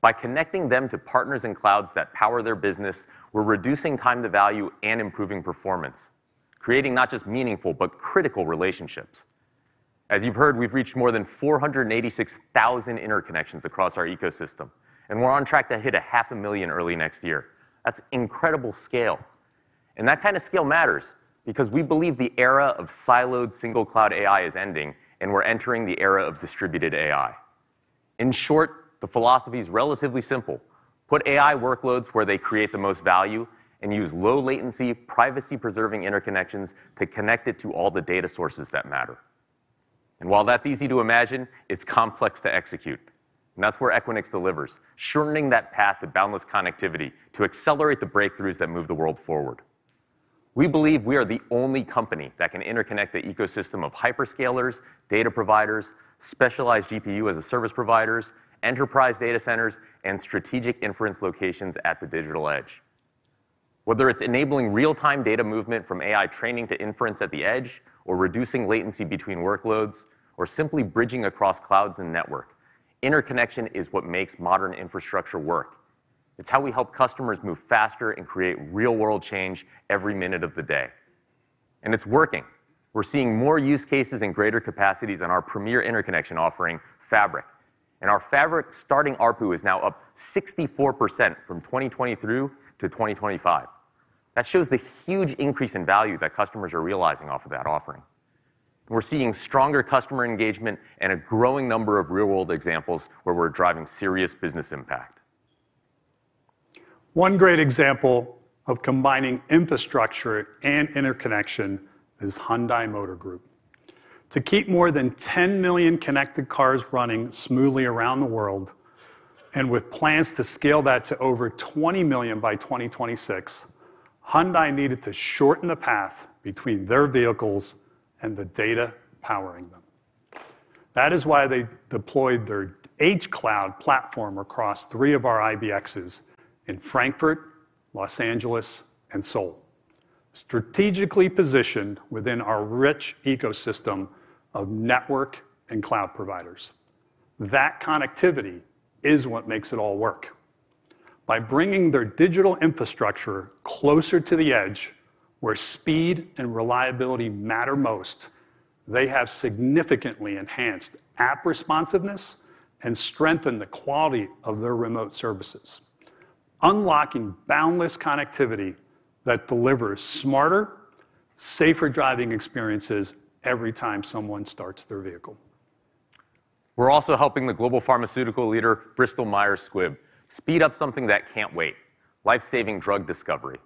By connecting them to partners and clouds that power their business, we're reducing time to value and improving performance, creating not just meaningful, but critical relationships. As you've heard, we've reached more than 486,000 interconnections across our ecosystem, and we're on track to hit half a million early next year. That's incredible scale. That kind of scale matters because we believe the era of siloed single-cloud AI is ending, and we're entering the era of distributed AI. In short, the philosophy is relatively simple: put AI workloads where they create the most value and use low-latency, privacy-preserving interconnections to connect it to all the data sources that matter. While that's easy to imagine, it's complex to execute. That's where Equinix delivers, shortening that path to boundless connectivity to accelerate the breakthroughs that move the world forward. We believe we are the only company that can interconnect the ecosystem of hyperscalers, data providers, specialized GPU-as-a-service providers, enterprise data centers, and strategic inference locations at the digital edge. Whether it's enabling real-time data movement from AI training to inference at the edge, or reducing latency between workloads, or simply bridging across clouds and network, interconnection is what makes modern infrastructure work. It's how we help customers move faster and create real-world change every minute of the day. It's working. We're seeing more use cases and greater capacities on our premier interconnection offering, Fabric. Our Fabric starting ARPU is now up 64% from 2023 to 2025. That shows the huge increase in value that customers are realizing off of that offering. We're seeing stronger customer engagement and a growing number of real-world examples where we're driving serious business impact. One great example of combining infrastructure and interconnection is Hyundai Motor Group. To keep more than 10 million connected cars running smoothly around the world and with plans to scale that to over 20 million by 2026, Hyundai needed to shorten the path between their vehicles and the data powering them. That is why they deployed their H-Cloud platform across three of our IBXs in Frankfurt, Los Angeles, and Seoul, strategically positioned within our rich ecosystem of network and cloud providers. That connectivity is what makes it all work. By bringing their digital infrastructure closer to the edge, where speed and reliability matter most, they have significantly enhanced app responsiveness and strengthened the quality of their remote services, unlocking boundless connectivity that delivers smarter, safer driving experiences every time someone starts their vehicle. We're also helping the global pharmaceutical leader, Bristol Myers Squibb, speed up something that can't wait: lifesaving drug discovery.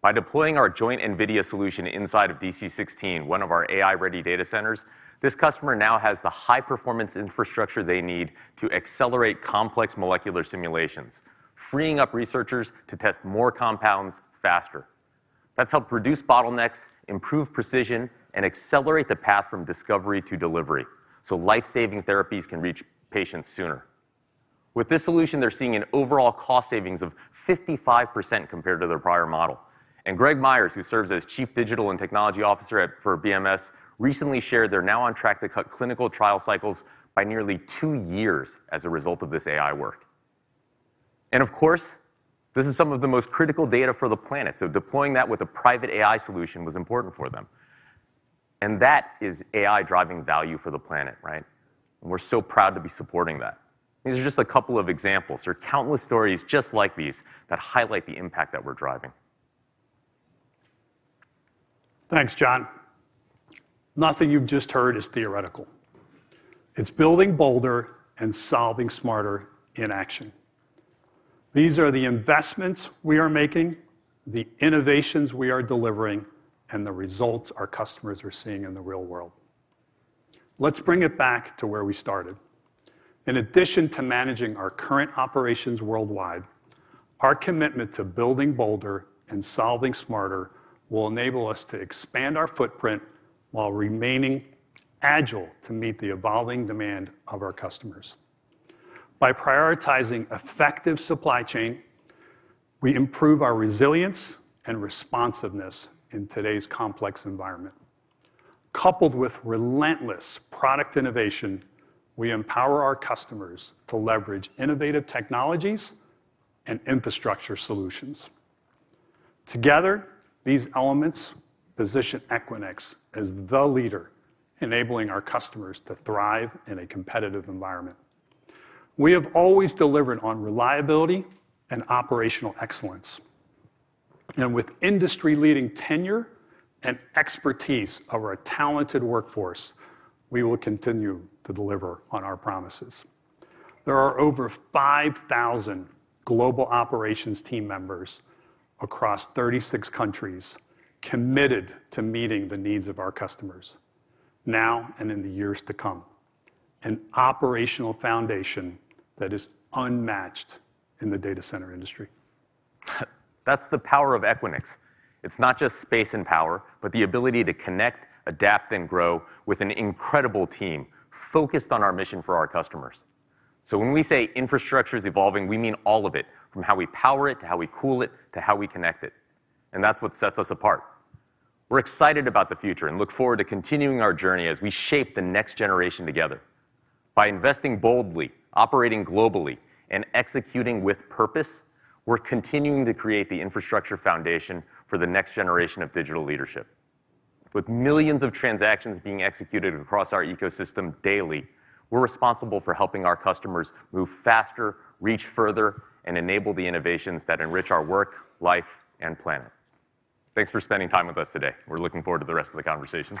By deploying our joint NVIDIA solution inside of DC16, one of our AI-ready data centers, this customer now has the high-performance infrastructure they need to accelerate complex molecular simulations, freeing up researchers to test more compounds faster. That's helped reduce bottlenecks, improve precision, and accelerate the path from discovery to delivery so lifesaving therapies can reach patients sooner. With this solution, they're seeing an overall cost savings of 55% compared to their prior model. Greg Meyers, who serves as Chief Digital and Technology Officer for Bristol Myers Squibb, recently shared they're now on track to cut clinical trial cycles by nearly two years as a result of this AI work. Of course, this is some of the most critical data for the planet, so deploying that with a private AI solution was important for them. That is AI driving value for the planet, right? We are so proud to be supporting that. These are just a couple of examples. There are countless stories just like these that highlight the impact that we are driving. Thanks, Jonathan. Nothing you've just heard is theoretical. It's building bolder and solving smarter in action. These are the investments we are making, the innovations we are delivering, and the results our customers are seeing in the real world. Let's bring it back to where we started. In addition to managing our current operations worldwide, our commitment to building bolder and solving smarter will enable us to expand our footprint while remaining agile to meet the evolving demand of our customers. By prioritizing effective supply chain, we improve our resilience and responsiveness in today's complex environment. Coupled with relentless product innovation, we empower our customers to leverage innovative technologies and infrastructure solutions. Together, these elements position Equinix as the leader, enabling our customers to thrive in a competitive environment. We have always delivered on reliability and operational excellence. With industry-leading tenure and expertise of our talented workforce, we will continue to deliver on our promises. There are over 5,000 global operations team members across 36 countries committed to meeting the needs of our customers now and in the years to come, an operational foundation that is unmatched in the data center industry. That's the power of Equinix. It's not just space and power, but the ability to connect, adapt, and grow with an incredible team focused on our mission for our customers. When we say infrastructure is evolving, we mean all of it, from how we power it to how we cool it to how we connect it. That's what sets us apart. We're excited about the future and look forward to continuing our journey as we shape the next generation together. By investing boldly, operating globally, and executing with purpose, we're continuing to create the infrastructure foundation for the next generation of digital leadership. With millions of transactions being executed across our ecosystem daily, we're responsible for helping our customers move faster, reach further, and enable the innovations that enrich our work, life, and planet. Thanks for spending time with us today. We're looking forward to the rest of the conversation.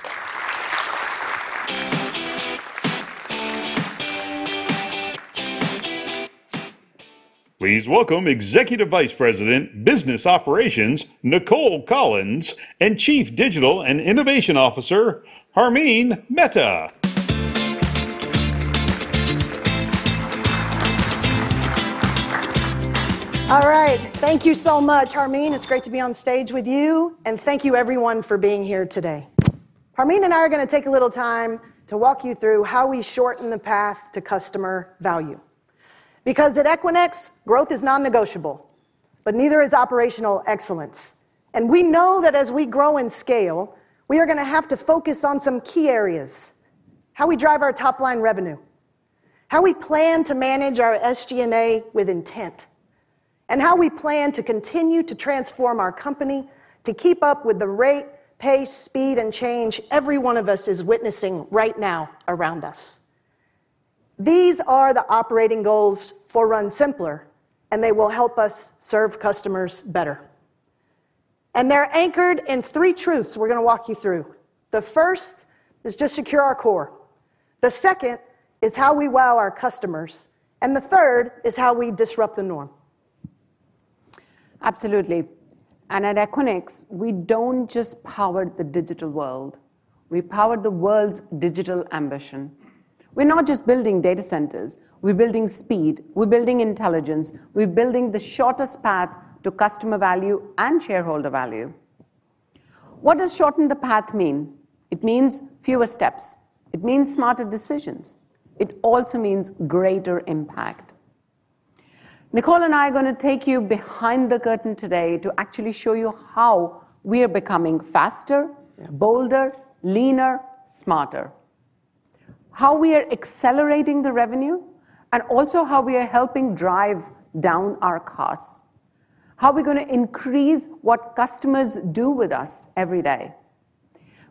Please welcome Executive Vice President, Business Operations, Nicole Collins, and Chief Digital and Innovation Officer, Harmeen Mehta. All right. Thank you so much, Harmeen. It's great to be on stage with you. Thank you, everyone, for being here today. Harmeen and I are going to take a little time to walk you through how we shorten the path to customer value. Because at Equinix, growth is non-negotiable, but neither is operational excellence. We know that as we grow in scale, we are going to have to focus on some key areas: how we drive our top-line revenue, how we plan to manage our SG&A with intent, and how we plan to continue to transform our company to keep up with the rate, pace, speed, and change every one of us is witnessing right now around us. These are the operating goals for Run Simpler, and they will help us serve customers better. They're anchored in three truths we're going to walk you through. The first is to secure our core. The second is how we wow our customers. The third is how we disrupt the norm. Absolutely. At Equinix, we do not just power the digital world. We power the world's digital ambition. We are not just building data centers. We are building speed. We are building intelligence. We are building the shortest path to customer value and shareholder value. What does shorten the path mean? It means fewer steps. It means smarter decisions. It also means greater impact. Nicole and I are going to take you behind the curtain today to actually show you how we are becoming faster, bolder, leaner, smarter, how we are accelerating the revenue, and also how we are helping drive down our costs, how we are going to increase what customers do with us every day.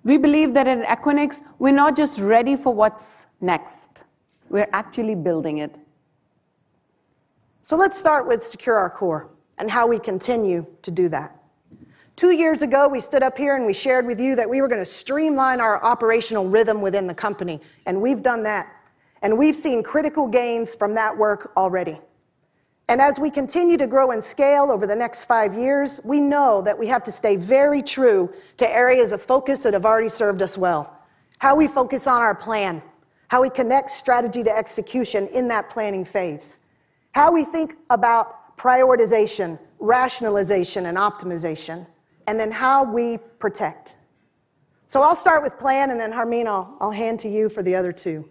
We believe that at Equinix, we are not just ready for what is next. We are actually building it. Let's start with secure our core and how we continue to do that. Two years ago, we stood up here and we shared with you that we were going to streamline our operational rhythm within the company. We have done that. We have seen critical gains from that work already. As we continue to grow and scale over the next five years, we know that we have to stay very true to areas of focus that have already served us well: how we focus on our plan, how we connect strategy to execution in that planning phase, how we think about prioritization, rationalization, and optimization, and then how we protect. I'll start with plan, and then, Harmeen, I'll hand to you for the other two.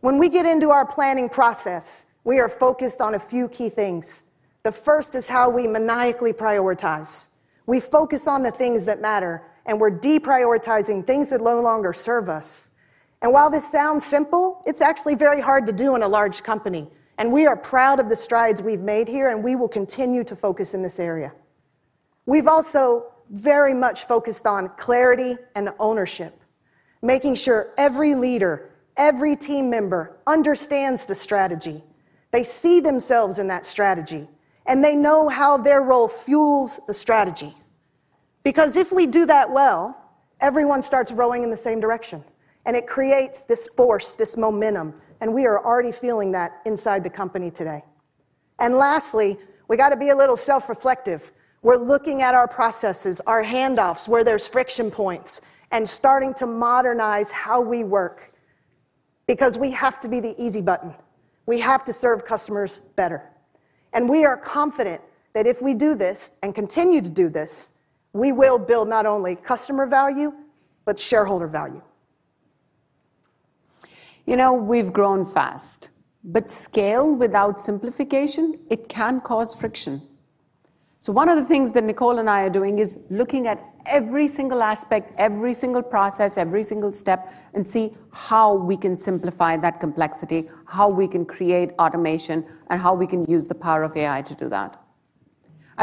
When we get into our planning process, we are focused on a few key things. The first is how we maniacally prioritize. We focus on the things that matter, and we are deprioritizing things that no longer serve us. While this sounds simple, it is actually very hard to do in a large company. We are proud of the strides we have made here, and we will continue to focus in this area. We have also very much focused on clarity and ownership, making sure every leader, every team member understands the strategy. They see themselves in that strategy, and they know how their role fuels the strategy. Because if we do that well, everyone starts rowing in the same direction. It creates this force, this momentum. We are already feeling that inside the company today. Lastly, we have to be a little self-reflective. We are looking at our processes, our handoffs, where there are friction points, and starting to modernize how we work. We have to be the easy button. We have to serve customers better. We are confident that if we do this and continue to do this, we will build not only customer value, but shareholder value. You know, we've grown fast. Scale without simplification, it can cause friction. One of the things that Nicole and I are doing is looking at every single aspect, every single process, every single step, and see how we can simplify that complexity, how we can create automation, and how we can use the power of AI to do that.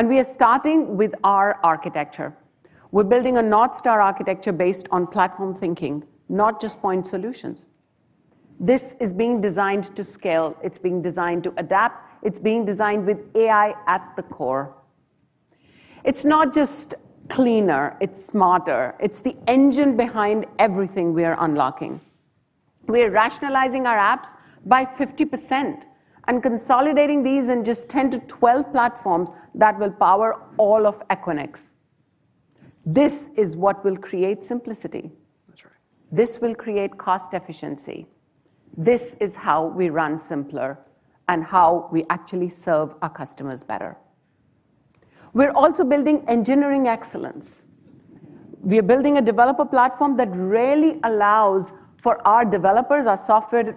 We are starting with our architecture. We're building a North Star architecture based on platform thinking, not just point solutions. This is being designed to scale. It's being designed to adapt. It's being designed with AI at the core. It's not just cleaner. It's smarter. It's the engine behind everything we are unlocking. We are rationalizing our apps by 50% and consolidating these in just 10-12 platforms that will power all of Equinix. This is what will create simplicity. This will create cost efficiency. This is how we run Simpler and how we actually serve our customers better. We're also building engineering excellence. We are building a developer platform that really allows for our developers, our software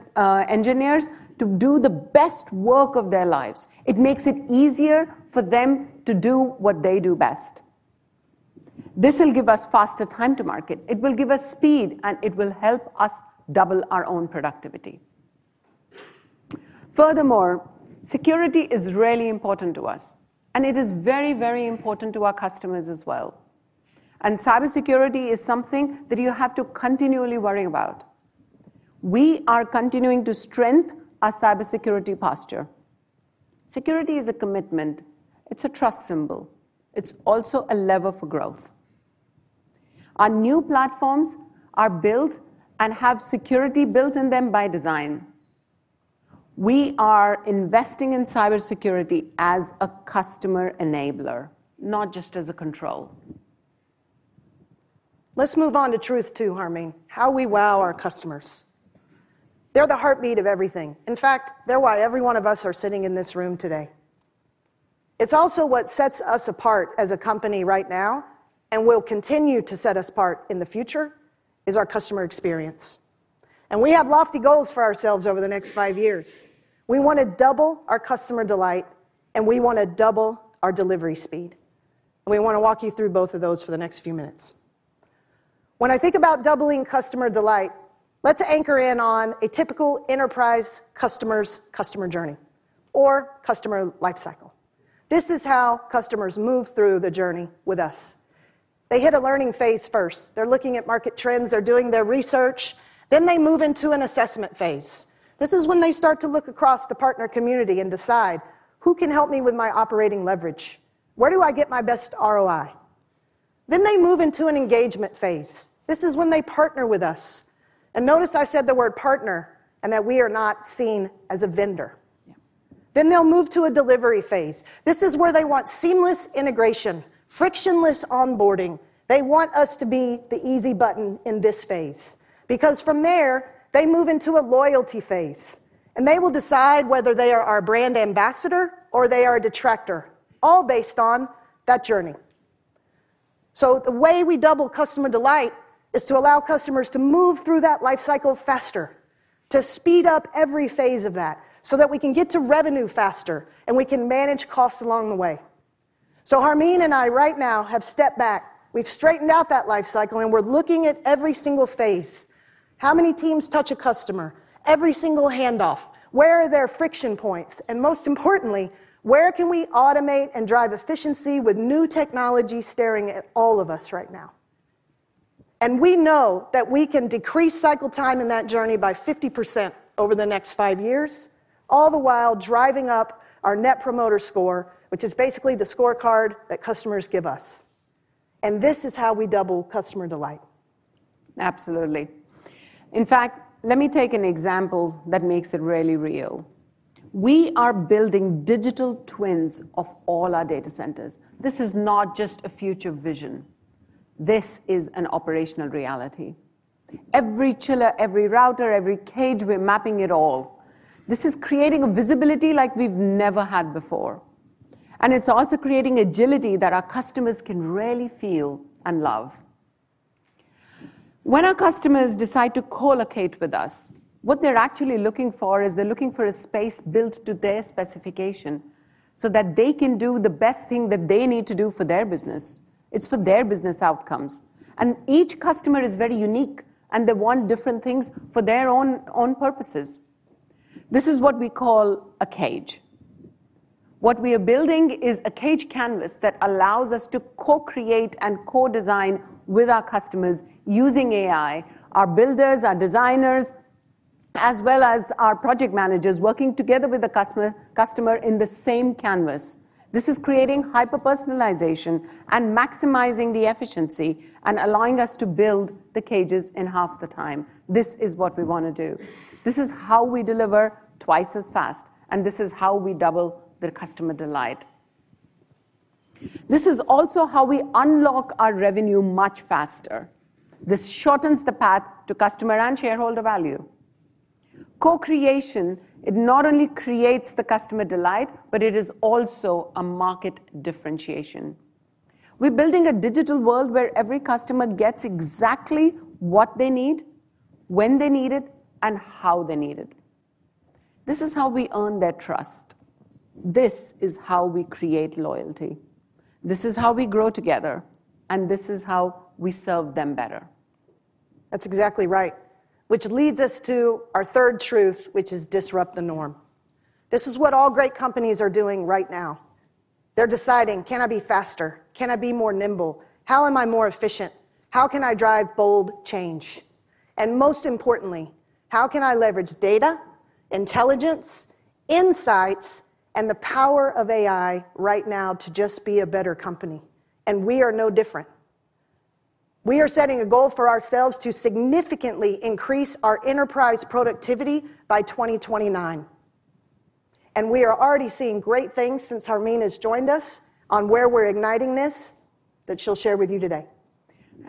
engineers, to do the best work of their lives. It makes it easier for them to do what they do best. This will give us faster time to market. It will give us speed, and it will help us double our own productivity. Furthermore, security is really important to us, and it is very, very important to our customers as well. Cybersecurity is something that you have to continually worry about. We are continuing to strengthen our cybersecurity posture. Security is a commitment. It's a trust symbol. It's also a lever for growth. Our new platforms are built and have security built in them by design. We are investing in cybersecurity as a customer enabler, not just as a control. Let's move on to truth two, Harmeen: how we wow our customers. They're the heartbeat of everything. In fact, they're why every one of us is sitting in this room today. It's also what sets us apart as a company right now and will continue to set us apart in the future: our customer experience. We have lofty goals for ourselves over the next five years. We want to double our customer delight, and we want to double our delivery speed. We want to walk you through both of those for the next few minutes. When I think about doubling customer delight, let's anchor in on a typical enterprise customer's customer journey or customer lifecycle. This is how customers move through the journey with us. They hit a learning phase first. They're looking at market trends. They're doing their research. They move into an assessment phase. This is when they start to look across the partner community and decide, "Who can help me with my operating leverage? Where do I get my best ROI?" They move into an engagement phase. This is when they partner with us. Notice I said the word partner and that we are not seen as a vendor. They will move to a delivery phase. This is where they want seamless integration, frictionless onboarding. They want us to be the easy button in this phase. From there, they move into a loyalty phase. They will decide whether they are our brand ambassador or they are a detractor, all based on that journey. The way we double customer delight is to allow customers to move through that lifecycle faster, to speed up every phase of that so that we can get to revenue faster and we can manage costs along the way. Harmeen and I right now have stepped back. We have straightened out that lifecycle, and we are looking at every single phase: how many teams touch a customer, every single handoff, where are their friction points, and most importantly, where can we automate and drive efficiency with new technology staring at all of us right now. We know that we can decrease cycle time in that journey by 50% over the next five years, all the while driving up our net promoter score, which is basically the scorecard that customers give us. This is how we double customer delight. Absolutely. In fact, let me take an example that makes it really real. We are building digital twins of all our data centers. This is not just a future vision. This is an operational reality. Every chiller, every router, every cage, we're mapping it all. This is creating a visibility like we've never had before. It is also creating agility that our customers can really feel and love. When our customers decide to co-locate with us, what they're actually looking for is they're looking for a space built to their specification so that they can do the best thing that they need to do for their business. It's for their business outcomes. Each customer is very unique, and they want different things for their own purposes. This is what we call a cage. What we are building is a cage canvas that allows us to co-create and co-design with our customers using AI: our builders, our designers, as well as our project managers working together with the customer in the same canvas. This is creating hyper-personalization and maximizing the efficiency and allowing us to build the cages in half the time. This is what we want to do. This is how we deliver twice as fast, and this is how we double their customer delight. This is also how we unlock our revenue much faster. This shortens the path to customer and shareholder value. Co-creation, it not only creates the customer delight, but it is also a market differentiation. We are building a digital world where every customer gets exactly what they need, when they need it, and how they need it. This is how we earn their trust. This is how we create loyalty. This is how we grow together, and this is how we serve them better. That's exactly right, which leads us to our third truth, which is to disrupt the norm. This is what all great companies are doing right now. They're deciding, "Can I be faster? Can I be more nimble? How am I more efficient? How can I drive bold change?" Most importantly, "How can I leverage data, intelligence, insights, and the power of AI right now to just be a better company?" We are no different. We are setting a goal for ourselves to significantly increase our enterprise productivity by 2029. We are already seeing great things since Harmeen has joined us on where we're igniting this that she'll share with you today.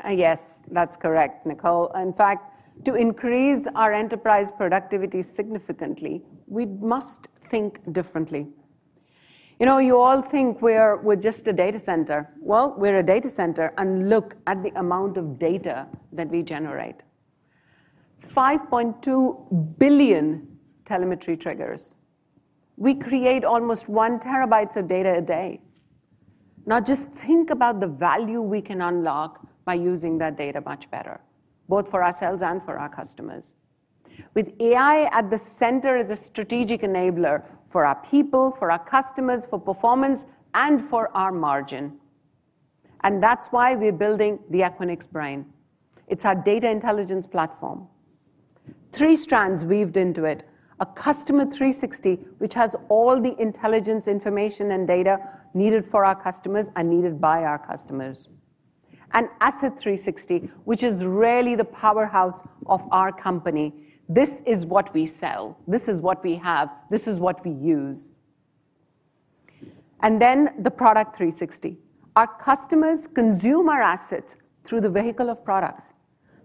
Yes, that's correct, Nicole. In fact, to increase our enterprise productivity significantly, we must think differently. You know, you all think we're just a data center. Well, we're a data center. And look at the amount of data that we generate: 5.2 billion telemetry triggers. We create almost one terabyte of data a day. Now just think about the value we can unlock by using that data much better, both for ourselves and for our customers. With AI at the center as a strategic enabler for our people, for our customers, for performance, and for our margin. That is why we're building the Equinix Brain. It's our data intelligence platform: three strands weaved into it, a Customer 360, which has all the intelligence information and data needed for our customers and needed by our customers, and Asset 360, which is really the powerhouse of our company. This is what we sell. This is what we have. This is what we use. And then the Product 360. Our customers consume our assets through the vehicle of products.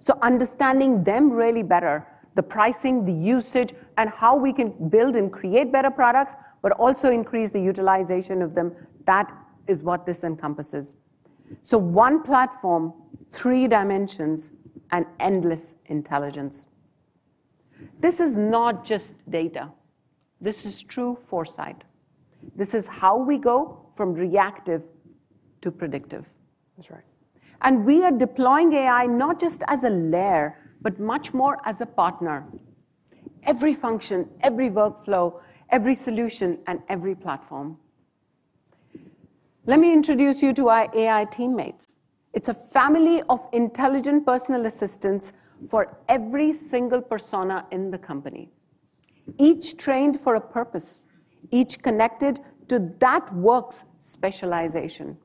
So understanding them really better, the pricing, the usage, and how we can build and create better products, but also increase the utilization of them, that is what this encompasses. One platform, three dimensions, and endless intelligence. This is not just data. This is true foresight. This is how we go from reactive to predictive. We are deploying AI not just as a layer, but much more as a partner: every function, every workflow, every solution, and every platform. Let me introduce you to our AI teammates. It is a family of intelligent personal assistants for every single persona in the company, each trained for a purpose, each connected to that work's specialization.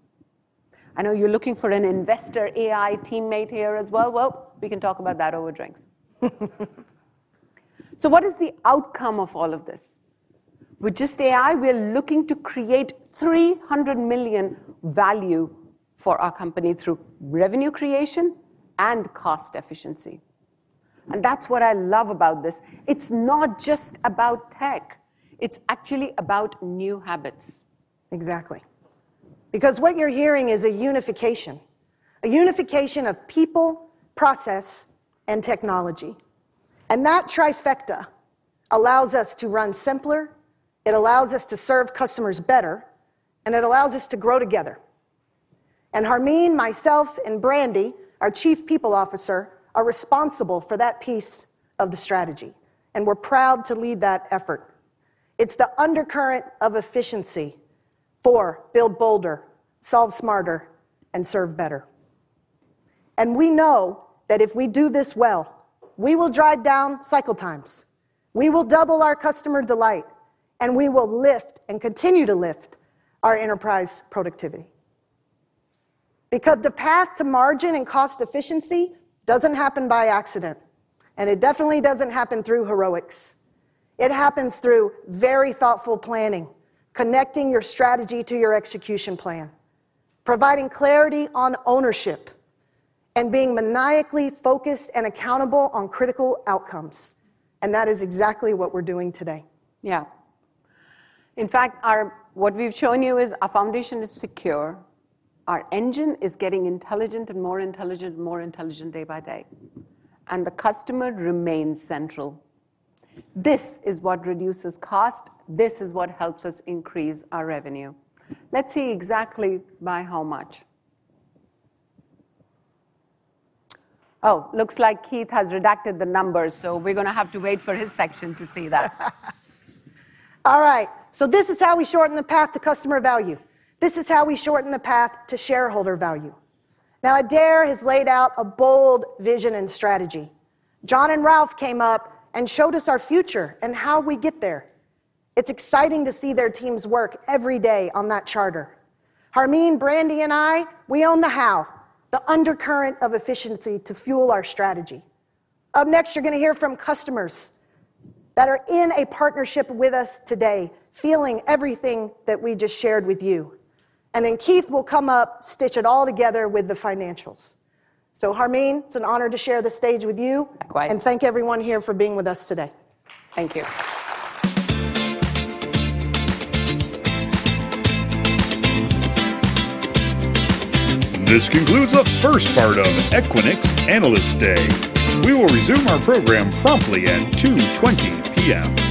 I know you're looking for an investor AI teammate here as well. We can talk about that over drinks. What is the outcome of all of this? With just AI, we're looking to create $300 million value for our company through revenue creation and cost efficiency. That's what I love about this. It's not just about tech. It's actually about new habits. Exactly. Because what you're hearing is a unification, a unification of people, process, and technology. That trifecta allows us to run simpler. It allows us to serve customers better, and it allows us to grow together. Harmeen, myself, and Brandi Morandi, our Chief People Officer, are responsible for that piece of the strategy. We're proud to lead that effort. It's the undercurrent of efficiency for build bolder, solve smarter, and serve better. We know that if we do this well, we will drive down cycle times, we will double our customer delight, and we will lift and continue to lift our enterprise productivity. Because the path to margin and cost efficiency doesn't happen by accident, and it definitely doesn't happen through heroics. It happens through very thoughtful planning, connecting your strategy to your execution plan, providing clarity on ownership, and being maniacally focused and accountable on critical outcomes. That is exactly what we're doing today. Yeah. In fact, what we've shown you is our foundation is secure. Our engine is getting intelligent and more intelligent and more intelligent day by day. And the customer remains central. This is what reduces cost. This is what helps us increase our revenue. Let's see exactly by how much. Oh, looks like Keith has redacted the numbers, so we're going to have to wait for his section to see that. All right. This is how we shorten the path to customer value. This is how we shorten the path to shareholder value. Now, Adaire has laid out a bold vision and strategy. John and Raouf came up and showed us our future and how we get there. It is exciting to see their teams work every day on that charter. Harmeen, Brandi Morandi, and I, we own the how, the undercurrent of efficiency to fuel our strategy. Up next, you are going to hear from customers that are in a partnership with us today, feeling everything that we just shared with you. Keith will come up, stitch it all together with the financials. Harmeen, it is an honor to share the stage with you. Likewise. Thank everyone here for being with us today. Thank you. This concludes the first part of Equinix Analyst Day. We will resume our program promptly at 2:20 P.M.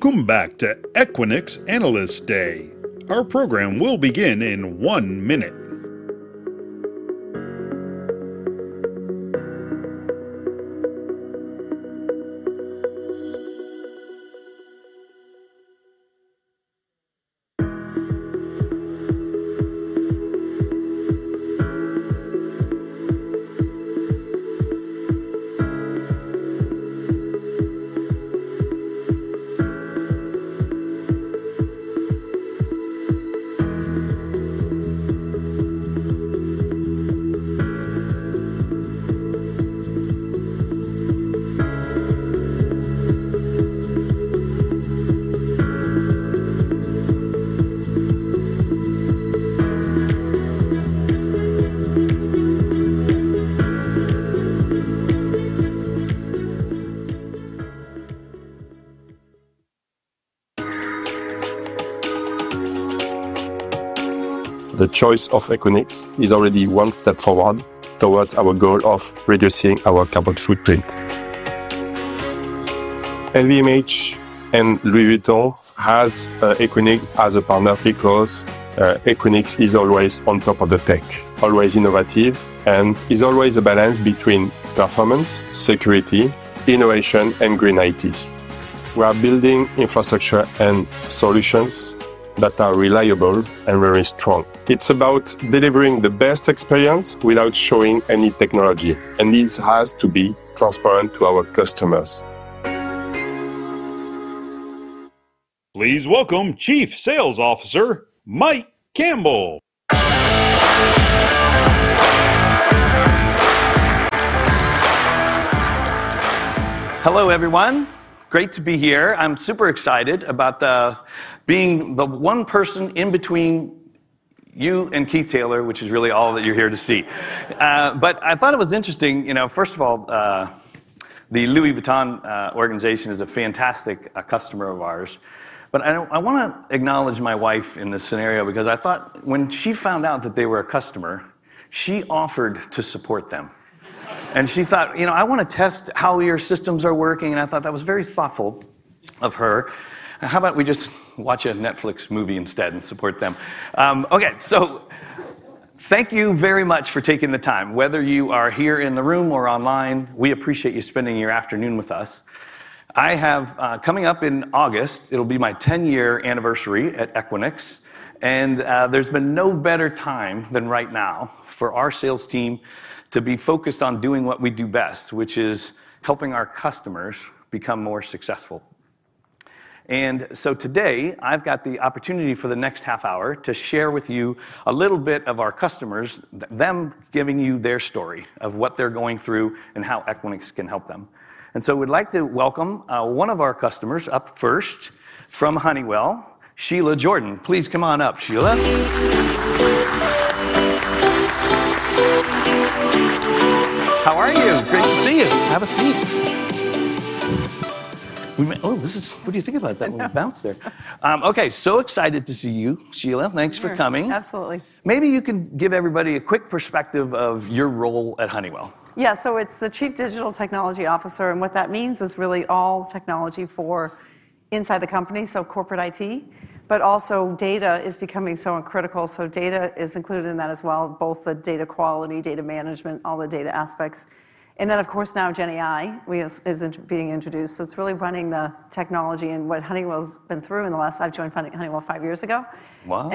Welcome back to Equinix Analyst Day. Our program will begin in one minute. The choice of Equinix is already one step forward towards our goal of reducing our carbon footprint. LVMH and Louis Vuitton have Equinix as a partner. Equinix is always on top of the tech, always innovative, and is always a balance between performance, security, innovation, and green IT. We are building infrastructure and solutions that are reliable and very strong. It's about delivering the best experience without showing any technology, and this has to be transparent to our customers. Please welcome Chief Sales Officer Mike Campbell. Hello everyone. Great to be here. I'm super excited about being the one person in between you and Keith Taylor, which is really all that you're here to see. I thought it was interesting. You know, first of all, the Louis Vuitton organization is a fantastic customer of ours. I want to acknowledge my wife in this scenario because I thought when she found out that they were a customer, she offered to support them. She thought, you know, I want to test how your systems are working. I thought that was very thoughtful of her. How about we just watch a Netflix movie instead and support them? Okay, thank you very much for taking the time. Whether you are here in the room or online, we appreciate you spending your afternoon with us. I have coming up in August, it'll be my 10-year anniversary at Equinix, and there's been no better time than right now for our sales team to be focused on doing what we do best, which is helping our customers become more successful. Today I've got the opportunity for the next half hour to share with you a little bit of our customers, them giving you their story of what they're going through and how Equinix can help them. We'd like to welcome one of our customers up first from Honeywell, Sheila Jordan. Please come on up, Sheila. How are you? Great to see you. Have a seat. Oh, this is what do you think about that little bounce there? Okay, so excited to see you, Sheila. Thanks for coming. Absolutely. Maybe you can give everybody a quick perspective of your role at Honeywell. Yeah, so it's the Chief Digital Technology Officer. What that means is really all technology for inside the company, so corporate IT, but also data is becoming so critical. Data is included in that as well, both the data quality, data management, all the data aspects. Of course, now GenAI is being introduced. It's really running the technology and what Honeywell has been through in the last I joined Honeywell five years ago. Wow.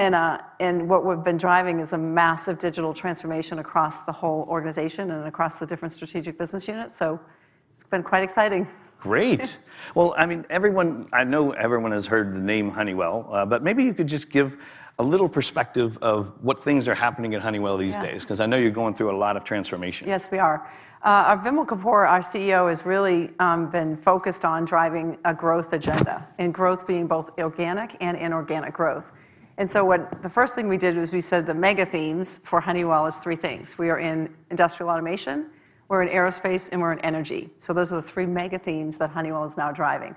What we've been driving is a massive digital transformation across the whole organization and across the different strategic business units. It's been quite exciting. Great. I mean, everyone, I know everyone has heard the name Honeywell, but maybe you could just give a little perspective of what things are happening at Honeywell these days, because I know you're going through a lot of transformation. Yes, we are. Our Vimal Kapur, our CEO, has really been focused on driving a growth agenda and growth being both organic and inorganic growth. What the first thing we did was we said the mega themes for Honeywell are three things. We are in industrial automation, we're in aerospace, and we're in energy. Those are the three mega themes that Honeywell is now driving.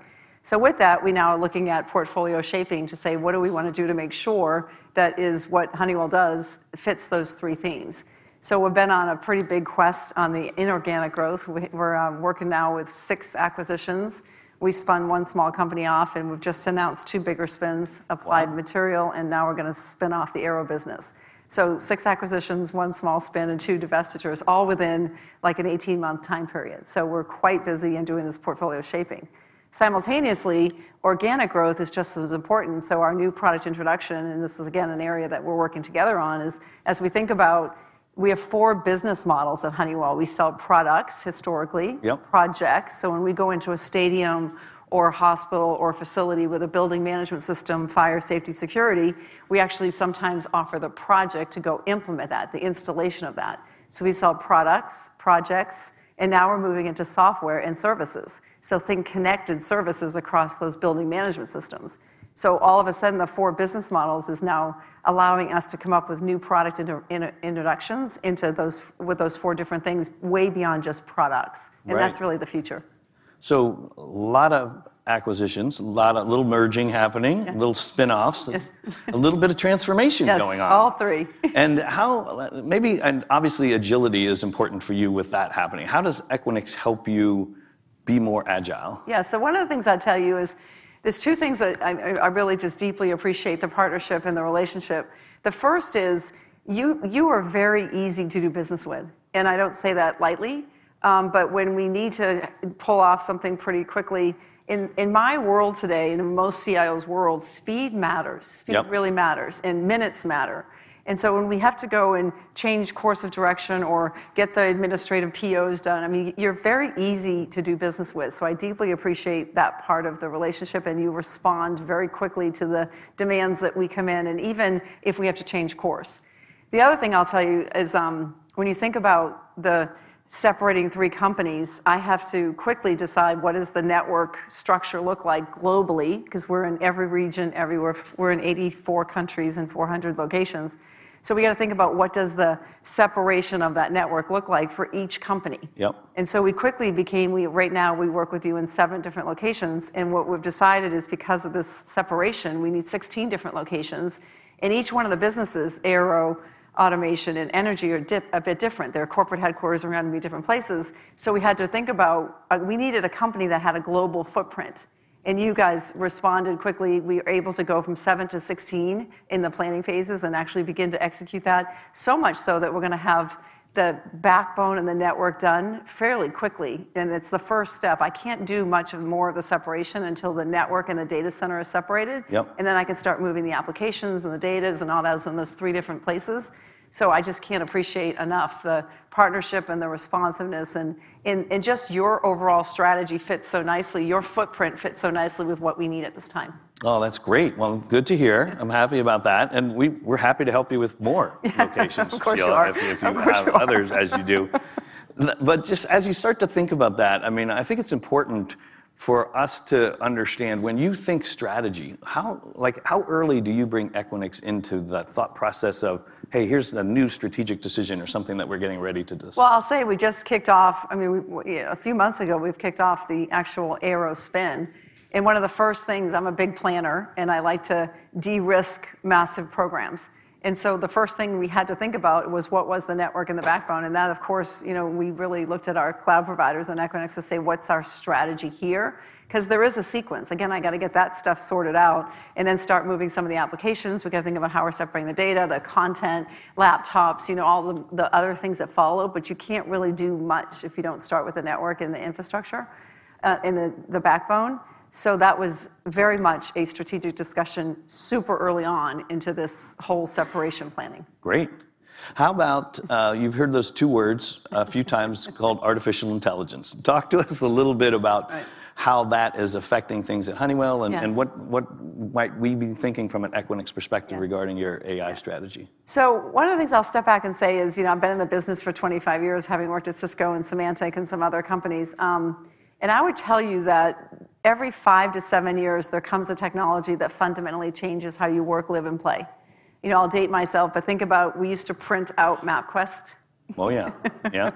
With that, we now are looking at portfolio shaping to say, what do we want to do to make sure that is what Honeywell does fits those three themes? We've been on a pretty big quest on the inorganic growth. We're working now with six acquisitions. We spun one small company off, and we've just announced two bigger spins, Advanced Materials, and now we're going to spin off the aero business. Six acquisitions, one small spin, and two divestitures, all within like an 18-month time period. We're quite busy in doing this portfolio shaping. Simultaneously, organic growth is just as important. Our new product introduction, and this is again an area that we're working together on, is as we think about, we have four business models at Honeywell. We sell products historically, projects. When we go into a stadium or hospital or facility with a building management system, fire, safety, security, we actually sometimes offer the project to go implement that, the installation of that. We sell products, projects, and now we're moving into software and services. Think connected services across those building management systems. All of a sudden, the four business models are now allowing us to come up with new product introductions into those with those four different things way beyond just products. That is really the future. A lot of acquisitions, a lot of little merging happening, little spinoffs, a little bit of transformation going on. Yes, all three. Maybe, and obviously agility is important for you with that happening. How does Equinix help you be more agile? Yeah, one of the things I'll tell you is there are two things that I really just deeply appreciate: the partnership and the relationship. The first is you are very easy to do business with. I do not say that lightly, but when we need to pull off something pretty quickly, in my world today, in most CIOs' world, speed matters. Speed really matters, and minutes matter. When we have to go and change course of direction or get the administrative POs done, I mean, you're very easy to do business with. I deeply appreciate that part of the relationship, and you respond very quickly to the demands that we come in, even if we have to change course. The other thing I'll tell you is when you think about the separating three companies, I have to quickly decide what does the network structure look like globally, because we're in every region, everywhere. We're in 84 countries and 400 locations. We got to think about what does the separation of that network look like for each company. We quickly became, right now we work with you in seven different locations. What we've decided is because of this separation, we need 16 different locations. Each one of the businesses, Aero, Automation, and Energy are a bit different. Their corporate headquarters are going to be different places. We had to think about, we needed a company that had a global footprint. You guys responded quickly. We were able to go from seven to 16 in the planning phases and actually begin to execute that, so much so that we're going to have the backbone and the network done fairly quickly. It's the first step. I can't do much more of the separation until the network and the data center are separated. Then I can start moving the applications and the datas and all that in those three different places. I just can't appreciate enough the partnership and the responsiveness and just your overall strategy fits so nicely. Your footprint fits so nicely with what we need at this time. Oh, that's great. Good to hear. I'm happy about that. We're happy to help you with more locations. Of course, we are. If you have others as you do. Just as you start to think about that, I think it's important for us to understand when you think strategy, how early do you bring Equinix into that thought process of, hey, here's the new strategic decision or something that we're getting ready to decide? I'll say we just kicked off, I mean, a few months ago, we've kicked off the actual Aero spin. One of the first things, I'm a big planner, and I like to de-risk massive programs. The first thing we had to think about was what was the network and the backbone. That, of course, you know, we really looked at our cloud providers and Equinix to say, what's our strategy here? Because there is a sequence. Again, I got to get that stuff sorted out and then start moving some of the applications. We got to think about how we're separating the data, the content, laptops, you know, all the other things that follow. You can't really do much if you don't start with the network and the infrastructure and the backbone. That was very much a strategic discussion super early on into this whole separation planning. Great. You have heard those two words a few times called artificial intelligence. Talk to us a little bit about how that is affecting things at Honeywell and what might we be thinking from an Equinix perspective regarding your AI strategy? One of the things I'll step back and say is, you know, I've been in the business for 25 years, having worked at Cisco and Symantec and some other companies. I would tell you that every five to seven years, there comes a technology that fundamentally changes how you work, live, and play. You know, I'll date myself, but think about we used to print out MapQuest. Oh, yeah. Yeah.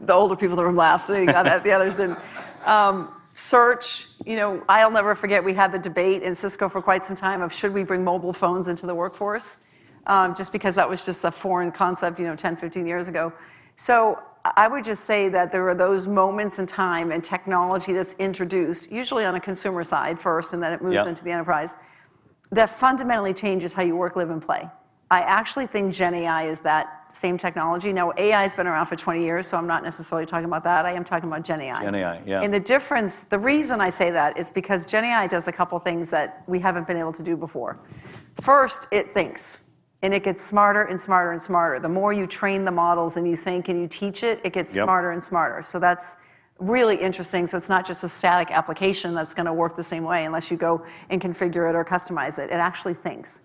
The older people are laughing. The others didn't. Search, you know, I'll never forget. We had the debate in Cisco for quite some time of should we bring mobile phones into the workforce? Just because that was just a foreign concept, you know, 10, 15 years ago. I would just say that there are those moments in time and technology that's introduced, usually on a consumer side first, and then it moves into the enterprise, that fundamentally changes how you work, live, and play. I actually think GenAI is that same technology. Now, AI has been around for 20 years, so I'm not necessarily talking about that. I am talking about GenAI. GenAI, yeah. The difference, the reason I say that is because GenAI does a couple of things that we haven't been able to do before. First, it thinks, and it gets smarter and smarter and smarter. The more you train the models and you think and you teach it, it gets smarter and smarter. That's really interesting. It's not just a static application that's going to work the same way unless you go and configure it or customize it. It actually thinks.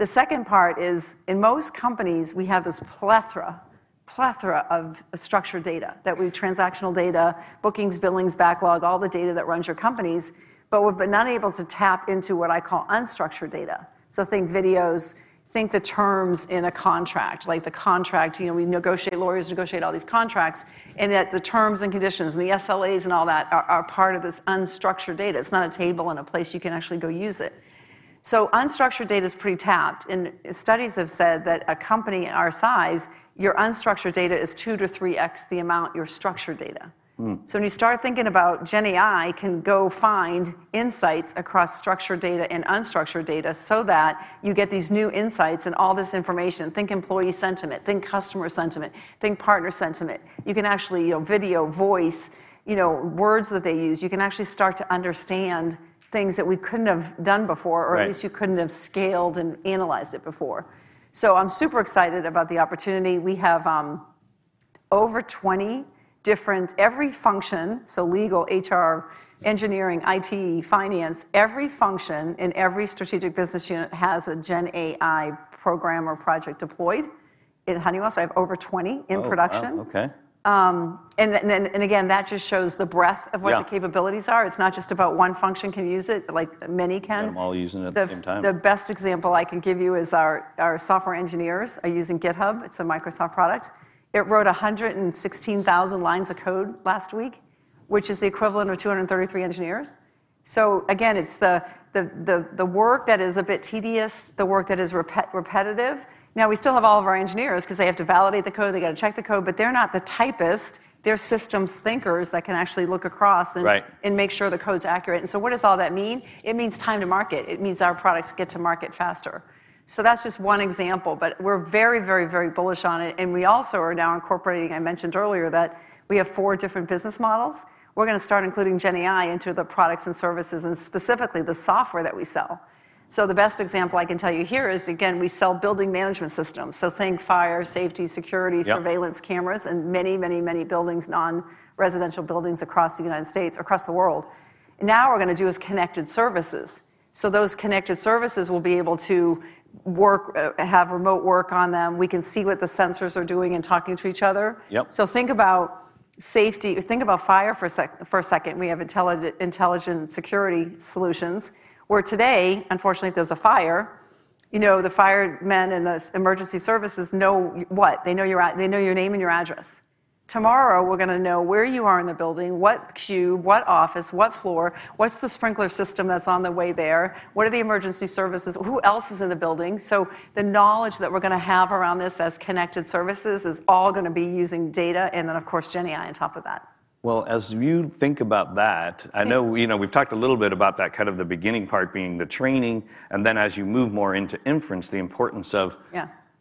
The second part is, in most companies, we have this plethora, plethora of structured data that we, transactional data, bookings, billings, backlog, all the data that runs your companies, but we've been unable to tap into what I call unstructured data. Think videos, think the terms in a contract, like the contract, you know, we negotiate, lawyers negotiate all these contracts, and that the terms and conditions and the SLAs and all that are part of this unstructured data. It's not a table and a place you can actually go use it. Unstructured data is pretty tapped. Studies have said that a company our size, your unstructured data is two to three X the amount your structured data. When you start thinking about GenAI, you can go find insights across structured data and unstructured data so that you get these new insights and all this information. Think employee sentiment, think customer sentiment, think partner sentiment. You can actually, you know, video, voice, you know, words that they use, you can actually start to understand things that we could not have done before or at least you could not have scaled and analyzed it before. I am super excited about the opportunity. We have over 20 different, every function, so legal, HR, engineering, IT, finance, every function in every strategic business unit has a GenAI program or project deployed. In Honeywell, I have over 20 in production. Okay. Again, that just shows the breadth of what the capabilities are. It is not just about one function can use it, like many can. While using it at the same time. The best example I can give you is our software engineers are using GitHub. It's a Microsoft product. It wrote 116,000 lines of code last week, which is the equivalent of 233 engineers. Again, it's the work that is a bit tedious, the work that is repetitive. Now, we still have all of our engineers because they have to validate the code, they got to check the code, but they're not the typist. They're systems thinkers that can actually look across and make sure the code's accurate. What does all that mean? It means time to market. It means our products get to market faster. That's just one example, but we're very, very, very bullish on it. We also are now incorporating, I mentioned earlier, that we have four different business models. We're going to start including GenAI into the products and services and specifically the software that we sell. The best example I can tell you here is, again, we sell building management systems. Think fire, safety, security, surveillance cameras, and many, many, many buildings, non-residential buildings across the United States, across the world. Now what we're going to do is connected services. Those connected services will be able to work, have remote work on them. We can see what the sensors are doing and talking to each other. Think about safety, think about fire for a second. We have intelligent security solutions where today, unfortunately, there's a fire. You know, the firemen and the emergency services know what? They know your, they know your name and your address. Tomorrow, we're going to know where you are in the building, what queue, what office, what floor, what's the sprinkler system that's on the way there, what are the emergency services, who else is in the building. The knowledge that we're going to have around this as connected services is all going to be using data and then, of course, GenAI on top of that. As you think about that, I know, you know, we've talked a little bit about that kind of the beginning part being the training, and then as you move more into inference, the importance of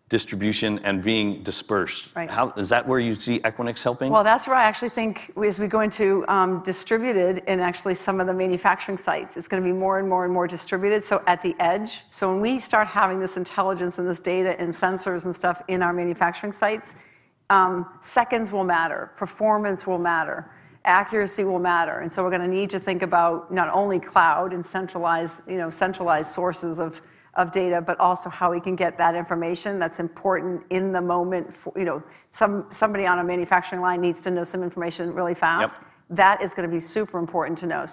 distribution and being dispersed. Is that where you see Equinix helping? That is where I actually think as we go into distributed and actually some of the manufacturing sites, it's going to be more and more and more distributed. At the edge, when we start having this intelligence and this data and sensors and stuff in our manufacturing sites, seconds will matter, performance will matter, accuracy will matter. We're going to need to think about not only cloud and centralized, you know, centralized sources of data, but also how we can get that information that's important in the moment. You know, somebody on a manufacturing line needs to know some information really fast. That is going to be super important to know.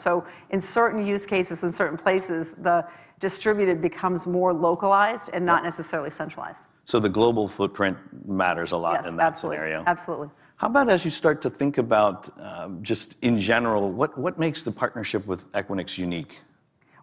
In certain use cases, in certain places, the distributed becomes more localized and not necessarily centralized. The global footprint matters a lot in that scenario. Absolutely. How about as you start to think about just in general, what makes the partnership with Equinix unique?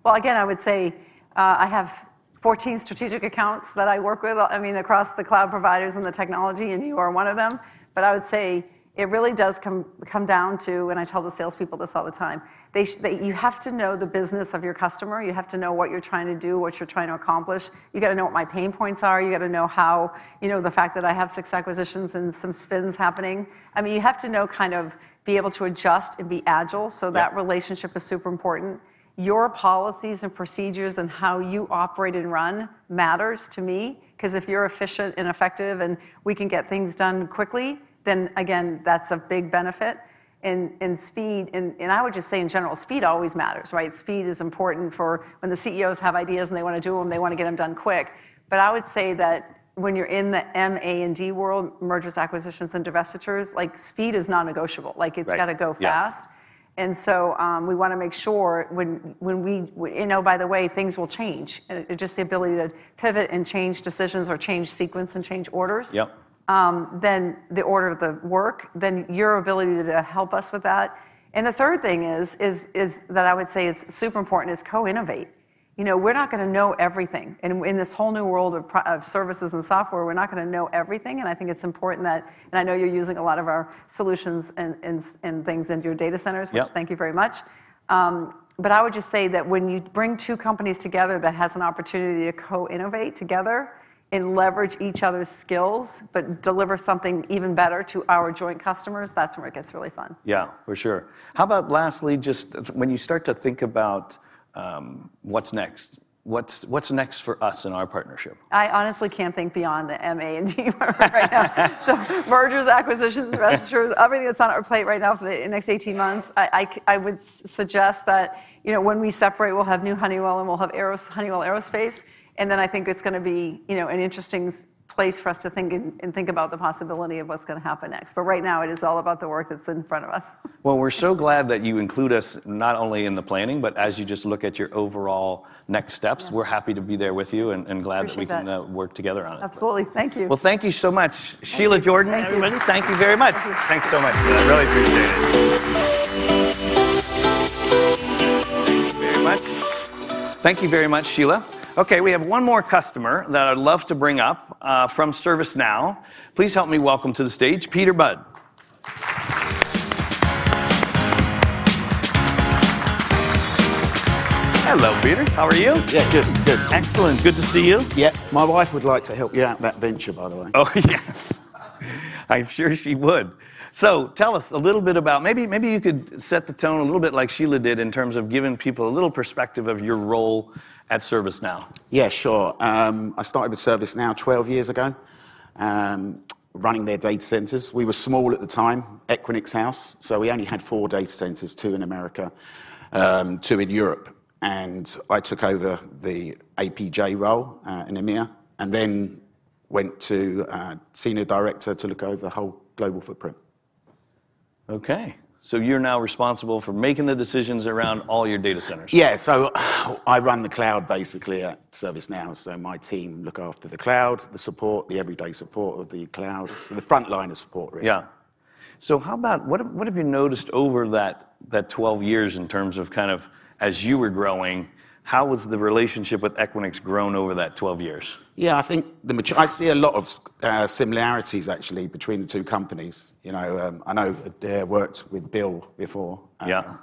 I would say I have 14 strategic accounts that I work with, I mean, across the cloud providers and the technology, and you are one of them. I would say it really does come down to, and I tell the salespeople this all the time, you have to know the business of your customer. You have to know what you're trying to do, what you're trying to accomplish. You got to know what my pain points are. You got to know how, you know, the fact that I have six acquisitions and some spins happening. I mean, you have to know, kind of be able to adjust and be agile. That relationship is super important. Your policies and procedures and how you operate and run matters to me, because if you're efficient and effective and we can get things done quickly, that's a big benefit. Speed, and I would just say in general, speed always matters, right? Speed is important for when the CEOs have ideas and they want to do them, they want to get them done quick. I would say that when you're in the M, A, and D world, mergers, acquisitions, and divestitures, speed is non-negotiable. It's got to go fast. We want to make sure when we, you know, by the way, things will change. Just the ability to pivot and change decisions or change sequence and change orders, the order of the work, your ability to help us with that. The third thing I would say is super important is co-innovate. You know, we're not going to know everything. In this whole new world of services and software, we're not going to know everything. I think it's important that, and I know you're using a lot of our solutions and things into your data centers, which thank you very much. I would just say that when you bring two companies together that have an opportunity to co-innovate together and leverage each other's skills, but deliver something even better to our joint customers, that's where it gets really fun. Yeah, for sure. How about lastly, just when you start to think about what's next, what's next for us in our partnership? I honestly can't think beyond the M, A, and D right now. Mergers, acquisitions, divestitures, everything that's on our plate right now for the next 18 months, I would suggest that, you know, when we separate, we'll have new Honeywell and we'll have Honeywell Aerospace. I think it's going to be, you know, an interesting place for us to think and think about the possibility of what's going to happen next. Right now, it is all about the work that's in front of us. We're so glad that you include us not only in the planning, but as you just look at your overall next steps, we're happy to be there with you and glad that we can work together on it. Absolutely. Thank you. Thank you so much, Sheila Jordan. Thank you very much. Thanks so much. I really appreciate it. Thank you very much. Thank you very much, Sheila. Okay, we have one more customer that I'd love to bring up from ServiceNow. Please help me welcome to the stage, Peter Baddeley. Hello, Peter. How are you? Yeah, good. Good. Excellent. Good to see you. My wife would like to help you out in that venture, by the way. Oh, yeah. I'm sure she would. Tell us a little bit about, maybe you could set the tone a little bit like Sheila did in terms of giving people a little perspective of your role at ServiceNow. Yeah, sure. I started with ServiceNow 12 years ago, running their data centers. We were small at the time, Equinix House. We only had four data centers, two in America, two in Europe. I took over the APJ role in EMEA and then went to Senior Director to look over the whole global footprint. Okay. You're now responsible for making the decisions around all your data centers. Yeah. I run the cloud basically at ServiceNow. My team look after the cloud, the support, the everyday support of the cloud. The front line of support, really. Yeah. What have you noticed over that 12 years in terms of as you were growing, how has the relationship with Equinix grown over that 12 years? Yeah, I think the mature, I see a lot of similarities actually between the two companies. You know, I know I worked with Bill before. Yeah.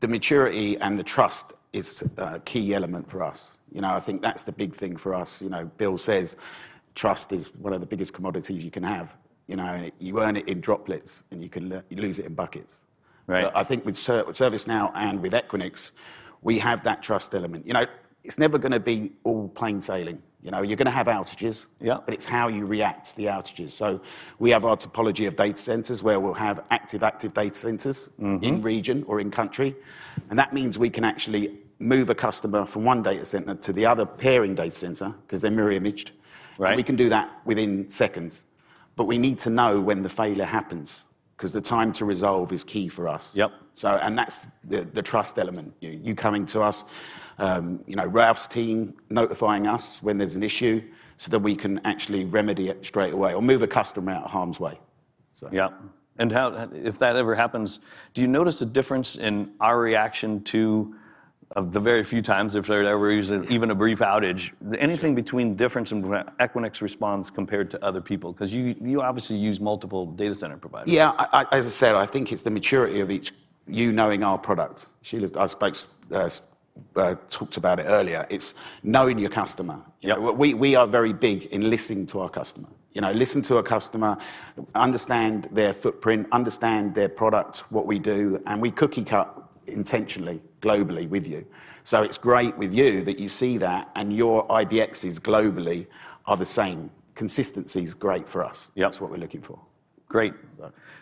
The maturity and the trust is a key element for us. I think that's the big thing for us. Bill says trust is one of the biggest commodities you can have. You know, you earn it in droplets and you can lose it in buckets. Right. But I think with ServiceNow and with Equinix, we have that trust element. You know, it's never going to be all plain sailing. You know, you're going to have outages. Yeah. But it's how you react to the outages. We have our topology of data centers where we'll have active, active data centers in region or in country. That means we can actually move a customer from one data center to the other peering data center because they're mirror imaged. Right. We can do that within seconds. We need to know when the failure happens because the time to resolve is key for us. Yep. That is the trust element. You coming to us, you know, Ralph's team notifying us when there's an issue so that we can actually remedy it straight away or move a customer out of harm's way. Yeah. And how, if that ever happens, do you notice a difference in our reaction to the very few times if there's ever even a brief outage? Anything between difference and Equinix response compared to other people? Because you obviously use multiple data center providers. Yeah. As I said, I think it's the maturity of each, you knowing our product. Sheila talked about it earlier. It's knowing your customer. We are very big in listening to our customer. You know, listen to a customer, understand their footprint, understand their product, what we do, and we cookie cut intentionally globally with you. It's great with you that you see that and your IBXs globally are the same. Consistency is great for us. That's what we're looking for. Great.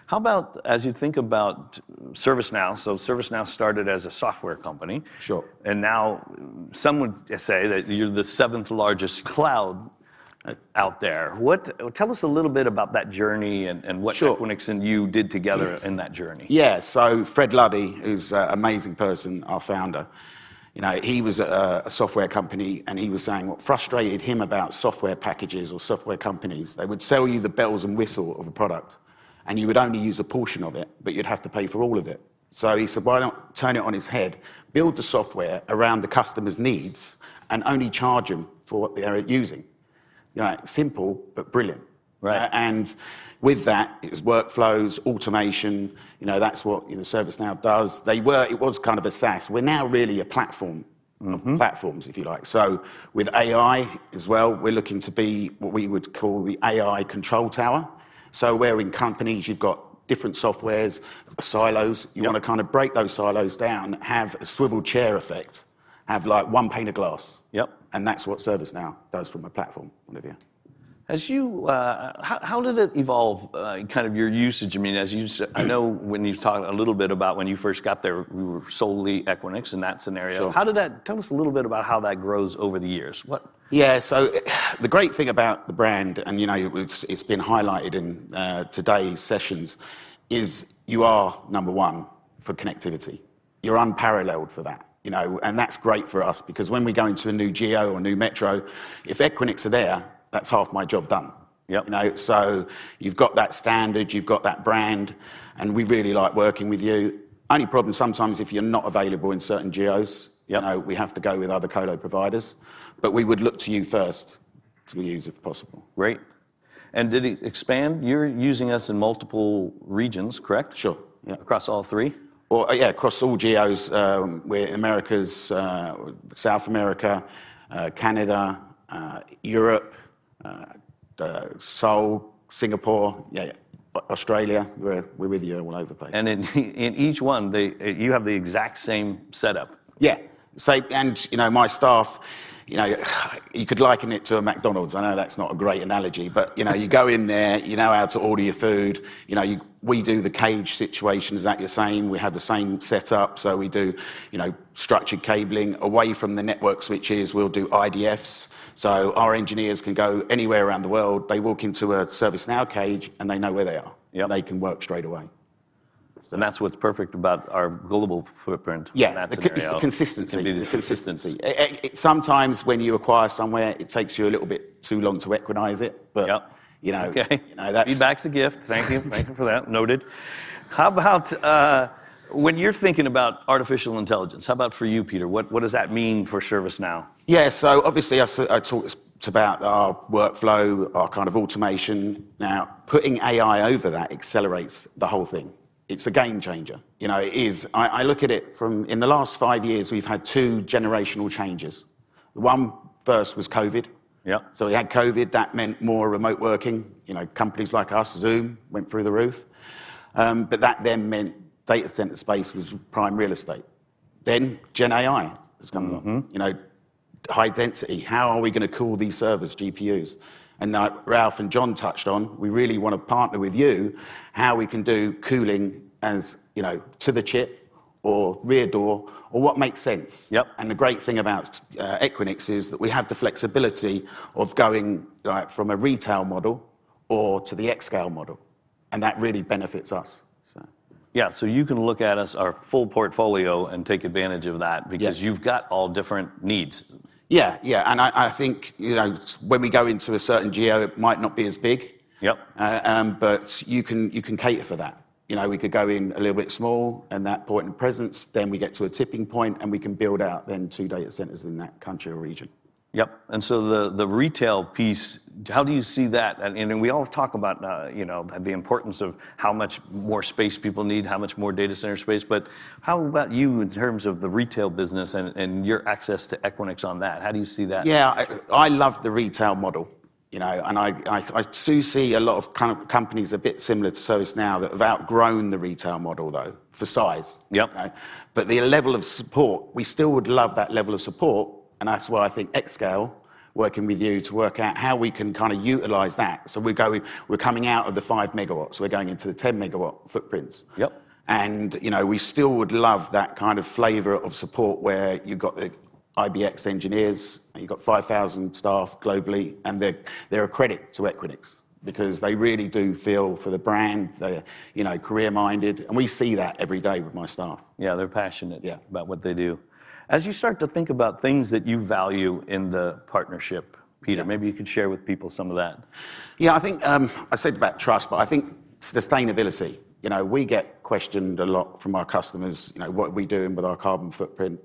How about as you think about ServiceNow? ServiceNow started as a software company. Sure. Now some would say that you're the seventh largest cloud out there. What, tell us a little bit about that journey and what Equinix and you did together in that journey. Yeah. Fred Luddy, who's an amazing person, our founder, you know, he was a software company and he was saying what frustrated him about software packages or software companies, they would sell you the bells and whistles of a product and you would only use a portion of it, but you'd have to pay for all of it. He said, why not turn it on its head, build the software around the customer's needs and only charge them for what they're using. You know, simple, but brilliant. Right. With that, it was workflows, automation, you know, that's what ServiceNow does. It was kind of a SaaS. We're now really a platform of platforms, if you like. With AI as well, we're looking to be what we would call the AI control tower. Where in companies you've got different softwares, silos, you want to kind of break those silos down, have a swivel chair effect, have like one pane of glass. Yep. That's what ServiceNow does from a platform, Olivia. As you, how did it evolve kind of your usage? I mean, as you said, I know when you talked a little bit about when you first got there, we were solely Equinix in that scenario. Tell us a little bit about how that grows over the years. What? Yeah. The great thing about the brand and, you know, it's been highlighted in today's sessions is you are number one for connectivity. You're unparalleled for that, you know, and that's great for us because when we go into a new geo or new metro, if Equinix are there, that's half my job done. Yep. You know, so you've got that standard, you've got that brand, and we really like working with you. Only problem sometimes if you're not available in certain geos, you know, we have to go with other colo providers, but we would look to you first to use if possible. Great. Did it expand? You're using us in multiple regions, correct? Sure. Yeah. Across all three? Yeah, across all geos. We're in Americas, South America, Canada, Europe, Seoul, Singapore, Australia. We're with you all over the place. In each one, you have the exact same setup? Yeah. You know, my staff, you could liken it to a McDonald's. I know that's not a great analogy, but you go in there, you know how to order your food. We do the cage situation. Is that your same? We have the same setup. We do structured cabling away from the network switches. We'll do IDFs. Our engineers can go anywhere around the world. They walk into a ServiceNow cage and they know where they are. Yeah. They can work straight away. That's what's perfect about our global footprint. Yeah. It's the consistency. Consistency. Sometimes when you acquire somewhere, it takes you a little bit too long to equalize it. You know, okay. That's. Feedback's a gift. Thank you. Thank you for that. Noted. How about when you're thinking about artificial intelligence, how about for you, Peter? What does that mean for ServiceNow? Yeah. So obviously I talked about our workflow, our kind of automation. Now putting AI over that accelerates the whole thing. It's a game changer. You know, it is. I look at it from, in the last five years, we've had two generational changes. The one first was COVID. So we had COVID. That meant more remote working. You know, companies like us, Zoom went through the roof. That then meant data center space was prime real estate. GenAI has come along, you know, high density. How are we going to cool these servers, GPUs? Like Ralph and John touched on, we really want to partner with you how we can do cooling as, you know, to the chip or rear door or what makes sense. Yep. The great thing about Equinix is that we have the flexibility of going from a retail model to the xScale model. That really benefits us. Yeah. You can look at us, our full portfolio, and take advantage of that because you have all different needs. Yeah. I think, you know, when we go into a certain geo, it might not be as big. Yep. You can cater for that. We could go in a little bit small in that point of presence, then we get to a tipping point and we can build out two data centers in that country or region. Yep. The retail piece, how do you see that? We all talk about the importance of how much more space people need, how much more data center space. How about you in terms of the retail business and your access to Equinix on that? How do you see that? Yeah. I love the retail model, you know, and I do see a lot of kind of companies a bit similar to ServiceNow that have outgrown the retail model though for size. Yep. The level of support, we still would love that level of support. That is why I think xScale, working with you to work out how we can kind of utilize that. We are going, we are coming out of the 5 megawatts. We are going into the 10 megawatt footprints. Yep. You know, we still would love that kind of flavor of support where you have got the IBX engineers, you have got 5,000 staff globally, and they are a credit to Equinix because they really do feel for the brand. They are, you know, career minded. We see that every day with my staff. Yeah. They are passionate about what they do. As you start to think about things that you value in the partnership, Peter, maybe you could share with people some of that. Yeah. I think I said about trust, but I think sustainability. You know, we get questioned a lot from our customers, you know, what are we doing with our carbon footprint?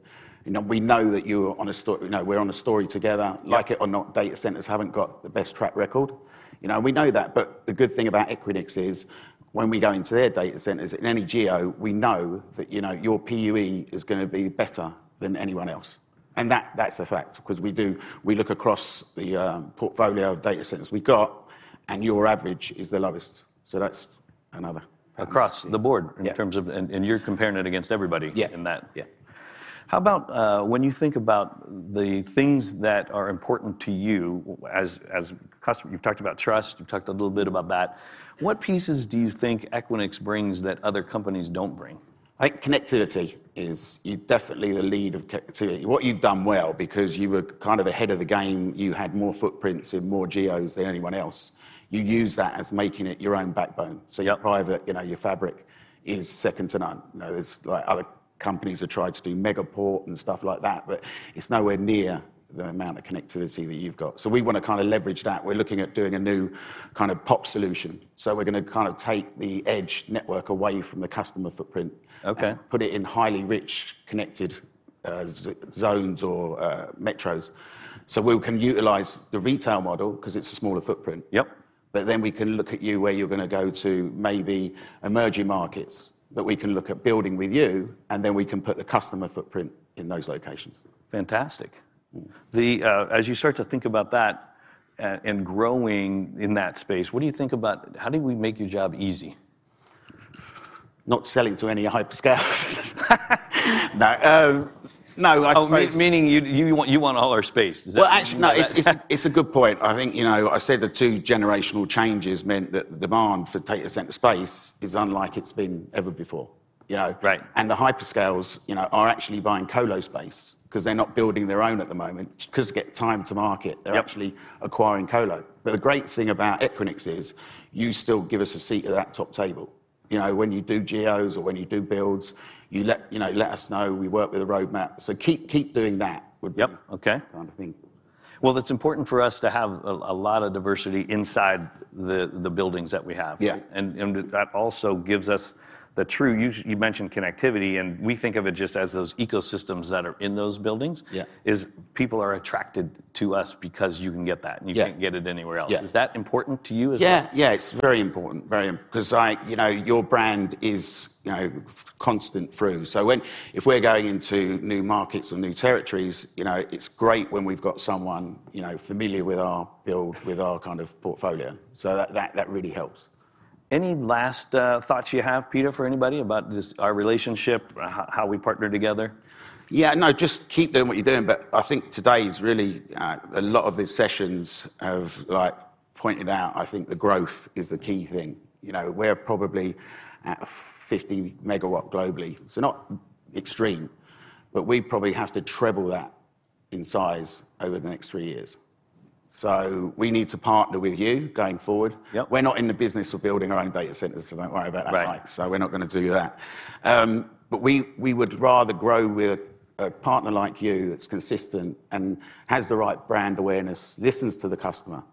You know, we know that you are on a story, you know, we are on a story together. Like it or not, data centers have not got the best track record. You know, we know that. The good thing about Equinix is when we go into their data centers in any geo, we know that, you know, your PUE is going to be better than anyone else. That is a fact because we do, we look across the portfolio of data centers we have, and your average is the lowest. That is another. Across the board in terms of, and you are comparing it against everybody in that. Yeah. How about when you think about the things that are important to you as customers, you have talked about trust, you have talked a little bit about that. What pieces do you think Equinix brings that other companies do not bring? I think connectivity is definitely the lead of connectivity. What you have done well, because you were kind of ahead of the game, you had more footprints in more geos than anyone else. You use that as making it your own backbone. Your private, you know, your Fabric is second to none. You know, there's like other companies that try to do MegaPort and stuff like that, but it's nowhere near the amount of connectivity that you've got. So we want to kind of leverage that. We're looking at doing a new kind of POP solution. So we're going to kind of take the edge network away from the customer footprint. Okay. Put it in highly rich connected zones or metros. So we can utilize the retail model because it's a smaller footprint. Yep. But then we can look at you where you're going to go to maybe emerging markets that we can look at building with you, and then we can put the customer footprint in those locations. Fantastic. As you start to think about that and growing in that space, what do you think about, how do we make your job easy? Not selling to any hyperscaers. No. I suppose. Meaning you want all our space. Actually, no, it's a good point. I think, you know, I said the two generational changes meant that the demand for data center space is unlike it's been ever before. You know. Right. And the hyperscales, you know, are actually buying colo space because they're not building their own at the moment because they get time to market. They're actually acquiring colo. The great thing about Equinix is you still give us a seat at that top table. You know, when you do geos or when you do builds, you let, you know, let us know. We work with a roadmap. To keep doing that would be kind of thing. It's important for us to have a lot of diversity inside the buildings that we have. Yeah. That also gives us the true, you mentioned connectivity, and we think of it just as those ecosystems that are in those buildings. Yeah. People are attracted to us because you can get that and you cannot get it anywhere else. Is that important to you as well? Yeah. Yeah. It is very important. Very important. Because I, you know, your brand is, you know, constant through. If we are going into new markets or new territories, it is great when we have got someone familiar with our build, with our kind of portfolio. That really helps. Any last thoughts you have, Peter, for anybody about just our relationship, how we partner together? Yeah. No, just keep doing what you are doing. I think today's really a lot of these sessions have pointed out, I think the growth is the key thing. You know, we're probably at 50 megawatt globally. So not extreme, but we probably have to treble that in size over the next three years. So we need to partner with you going forward. We're not in the business of building our own data centers, so do not worry about that, Mike. So we're not going to do that. But we would rather grow with a partner like you that's consistent and has the right brand awareness, listens to the customer,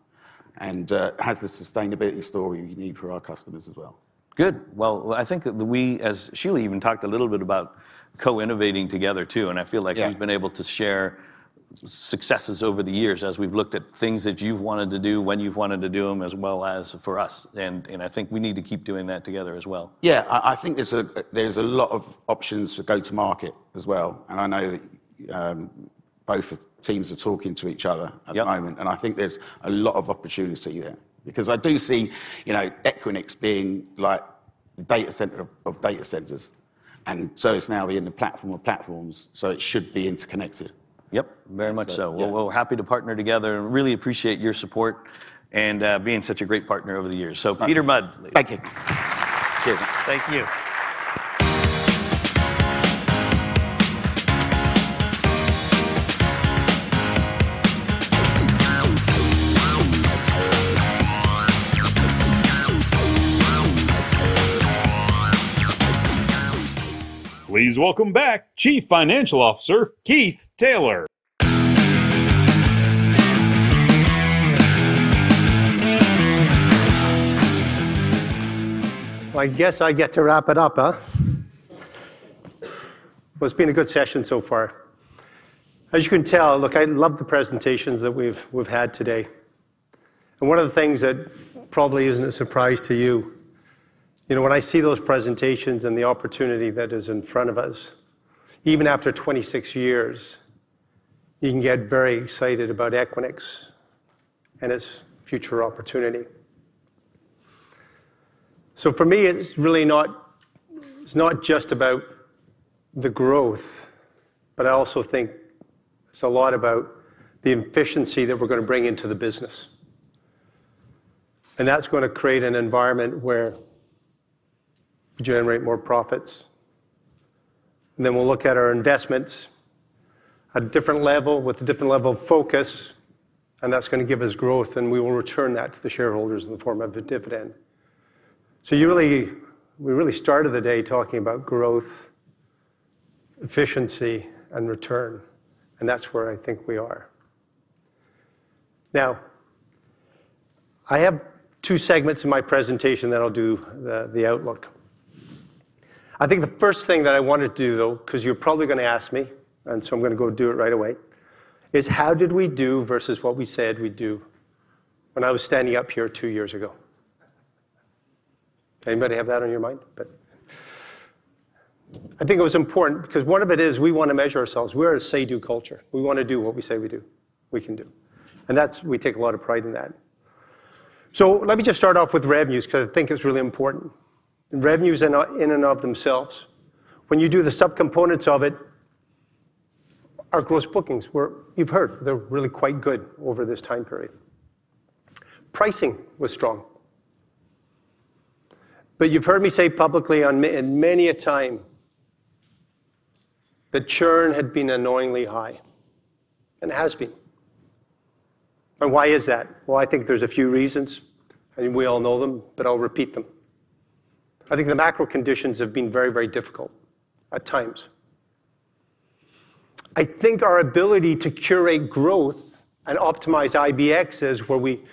and has the sustainability story we need for our customers as well. Good. I think that we, as Sheila even talked a little bit about co-innovating together too, and I feel like we've been able to share successes over the years as we've looked at things that you've wanted to do when you've wanted to do them as well as for us. I think we need to keep doing that together as well. Yeah. I think there is a lot of options for go to market as well. I know that both teams are talking to each other at the moment. I think there is a lot of opportunity there because I do see, you know, Equinix being like the data center of data centers. It is now being the platform of platforms. It should be interconnected. Yep. Very much so. We are happy to partner together and really appreciate your support and being such a great partner over the years. So Peter Baddeley. Thank you. Cheers. Thank you. Please welcome back Chief Financial Officer Keith Taylor. I guess I get to wrap it up, huh? It has been a good session so far. As you can tell, look, I love the presentations that we have had today. One of the things that probably isn't a surprise to you, you know, when I see those presentations and the opportunity that is in front of us, even after 26 years, you can get very excited about Equinix and its future opportunity. For me, it's really not, it's not just about the growth, but I also think it's a lot about the efficiency that we're going to bring into the business. That's going to create an environment where we generate more profits. Then we'll look at our investments at a different level with a different level of focus. That's going to give us growth. We will return that to the shareholders in the form of a dividend. You really, we really started the day talking about growth, efficiency, and return. That's where I think we are. Now, I have two segments in my presentation that I'll do the outlook. I think the first thing that I wanted to do though, because you're probably going to ask me, and so I'm going to go do it right away, is how did we do versus what we said we'd do when I was standing up here two years ago? Anybody have that on your mind? I think it was important because one of it is we want to measure ourselves. We're a say-do culture. We want to do what we say we do, we can do. That's, we take a lot of pride in that. Let me just start off with revenues because I think it's really important. Revenues in and of themselves, when you do the subcomponents of it, our gross bookings were, you've heard, they're really quite good over this time period. Pricing was strong. You have heard me say publicly on many a time the churn had been annoyingly high. It has been. Why is that? I think there are a few reasons. We all know them, but I will repeat them. I think the macro conditions have been very, very difficult at times. I think our ability to curate growth and optimize IBX is where we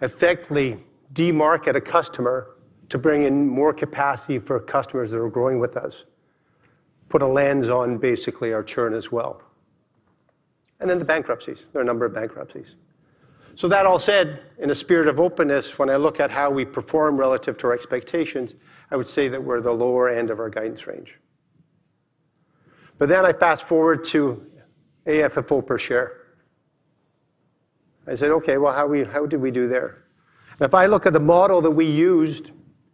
effectively demarket a customer to bring in more capacity for customers that are growing with us, put a lens on basically our churn as well. The bankruptcies, there are a number of bankruptcies. That all said, in a spirit of openness, when I look at how we perform relative to our expectations, I would say that we are at the lower end of our guidance range. I fast forward to AFFO per share. I said, okay, how did we do there? If I look at the model that we used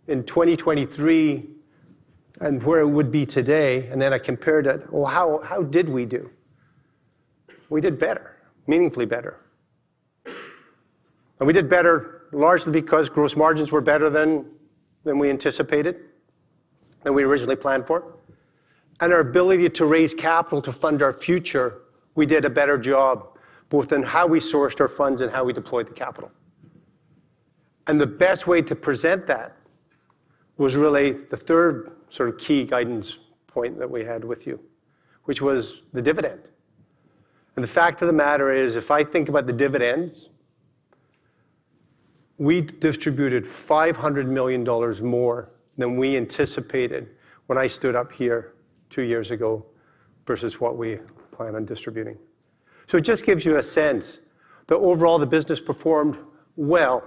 in 2023 and where it would be today, and then I compared it, how did we do? We did better, meaningfully better. We did better largely because gross margins were better than we anticipated, than we originally planned for. Our ability to raise capital to fund our future, we did a better job both in how we sourced our funds and how we deployed the capital. The best way to present that was really the third sort of key guidance point that we had with you, which was the dividend. The fact of the matter is if I think about the dividends, we distributed $500 million more than we anticipated when I stood up here two years ago versus what we plan on distributing. It just gives you a sense that overall the business performed well.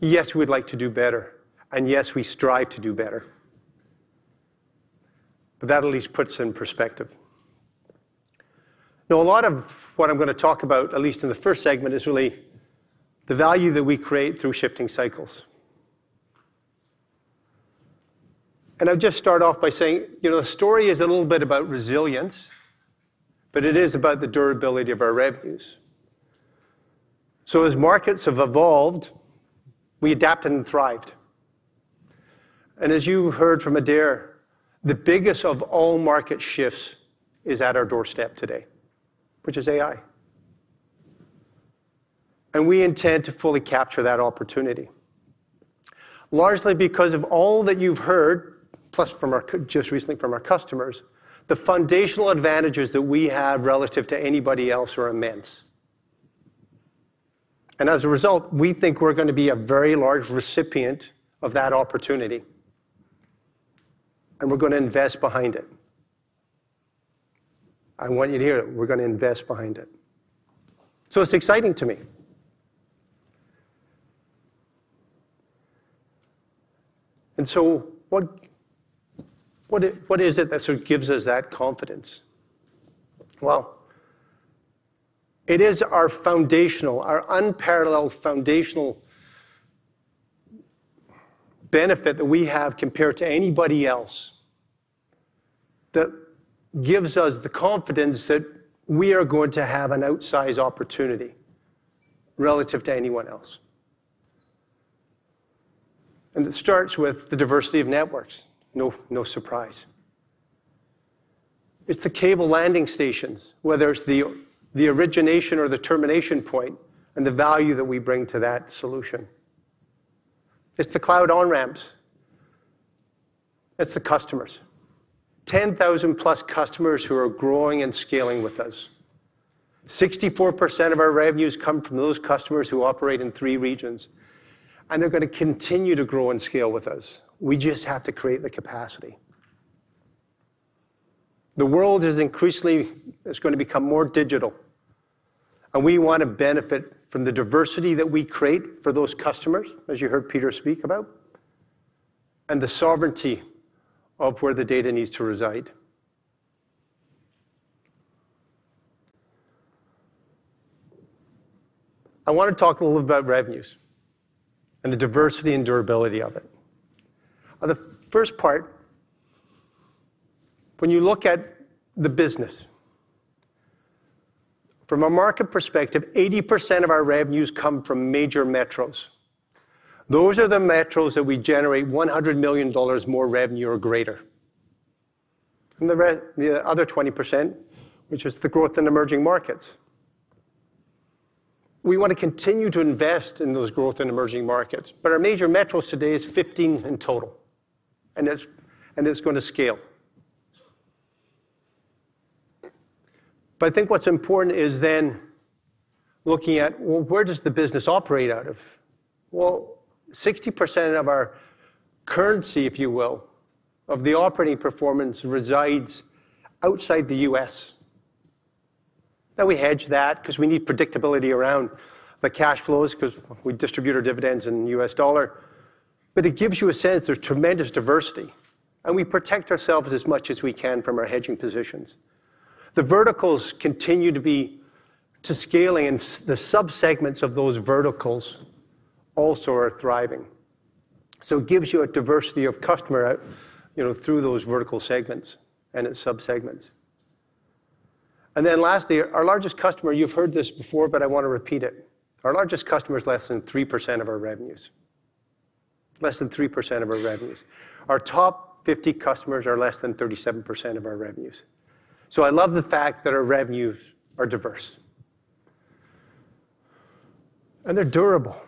Yes, we'd like to do better. Yes, we strive to do better. That at least puts it in perspective. Now, a lot of what I'm going to talk about, at least in the first segment, is really the value that we create through shifting cycles. I'll just start off by saying, you know, the story is a little bit about resilience, but it is about the durability of our revenues. As markets have evolved, we adapted and thrived. As you heard from Adaire, the biggest of all market shifts is at our doorstep today, which is AI. We intend to fully capture that opportunity, largely because of all that you've heard, plus just recently from our customers, the foundational advantages that we have relative to anybody else are immense. As a result, we think we're going to be a very large recipient of that opportunity. We're going to invest behind it. I want you to hear it. We're going to invest behind it. It's exciting to me. What is it that sort of gives us that confidence? It is our foundational, our unparalleled foundational benefit that we have compared to anybody else that gives us the confidence that we are going to have an outsized opportunity relative to anyone else. It starts with the diversity of networks. No surprise. It's the cable landing stations, whether it's the origination or the termination point and the value that we bring to that solution. It's the cloud on-ramps. It's the customers. 10,000 plus customers who are growing and scaling with us. 64% of our revenues come from those customers who operate in three regions. They're going to continue to grow and scale with us. We just have to create the capacity. The world is increasingly going to become more digital. We want to benefit from the diversity that we create for those customers, as you heard Peter speak about, and the sovereignty of where the data needs to reside. I want to talk a little bit about revenues and the diversity and durability of it. The first part, when you look at the business, from a market perspective, 80% of our revenues come from major metros. Those are the metros that we generate $100 million or greater revenue. The other 20% is the growth in emerging markets. We want to continue to invest in that growth in emerging markets. Our major metros today is 15 in total. It's going to scale. I think what's important is then looking at, where does the business operate out of? Sixty percent of our currency, if you will, of the operating performance resides outside the U.S. We hedge that because we need predictability around the cash flows because we distribute our dividends in U.S. dollar. It gives you a sense there's tremendous diversity. We protect ourselves as much as we can from our hedging positions. The verticals continue to be scaling and the subsegments of those verticals also are thriving. It gives you a diversity of customer out, you know, through those vertical segments and its subsegments. Lastly, our largest customer, you've heard this before, but I want to repeat it. Our largest customer is less than 3% of our revenues. Less than 3% of our revenues. Our top 50 customers are less than 37% of our revenues. I love the fact that our revenues are diverse. They're durable.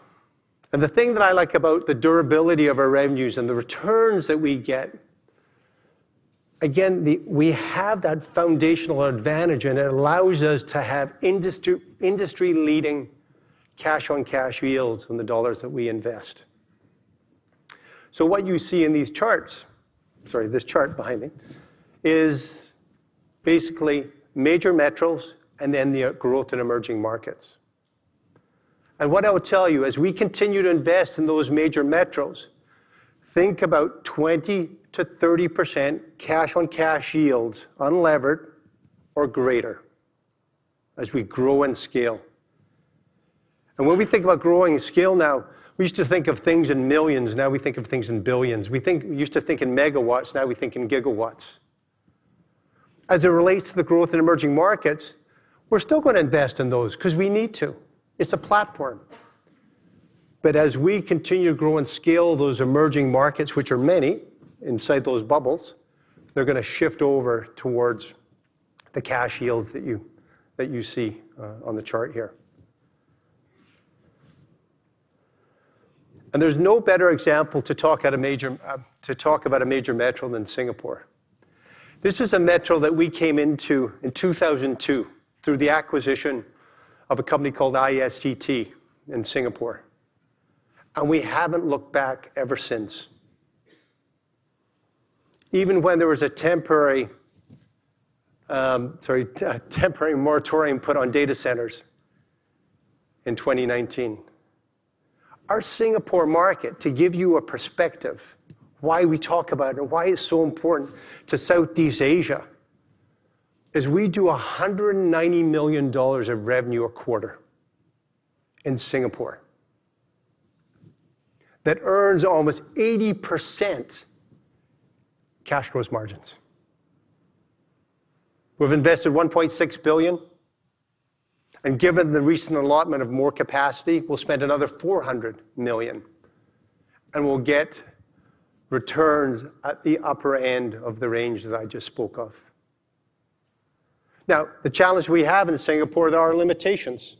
The thing that I like about the durability of our revenues and the returns that we get, again, we have that foundational advantage and it allows us to have industry-leading cash on cash yields on the dollars that we invest. What you see in these charts, sorry, this chart behind me is basically major metros and then the growth in emerging markets. What I will tell you as we continue to invest in those major metros, think about 20-30% cash on cash yields unlevered or greater as we grow and scale. When we think about growing and scale now, we used to think of things in millions. Now we think of things in billions. We think we used to think in megawatts. Now we think in gigawatts. As it relates to the growth in emerging markets, we're still going to invest in those because we need to. It's a platform. As we continue to grow and scale those emerging markets, which are many inside those bubbles, they're going to shift over towards the cash yields that you see on the chart here. There is no better example to talk about a major metro than Singapore. This is a metro that we came into in 2002 through the acquisition of a company called iST in Singapore. We haven't looked back ever since, even when there was a temporary, sorry, temporary moratorium put on data centers in 2019. Our Singapore market, to give you a perspective, why we talk about it and why it's so important to Southeast Asia is we do $190 million of revenue a quarter in Singapore that earns almost 80% cash growth margins. We've invested $1.6 billion. Given the recent allotment of more capacity, we'll spend another $400 million. We'll get returns at the upper end of the range that I just spoke of. Now, the challenge we have in Singapore, there are limitations.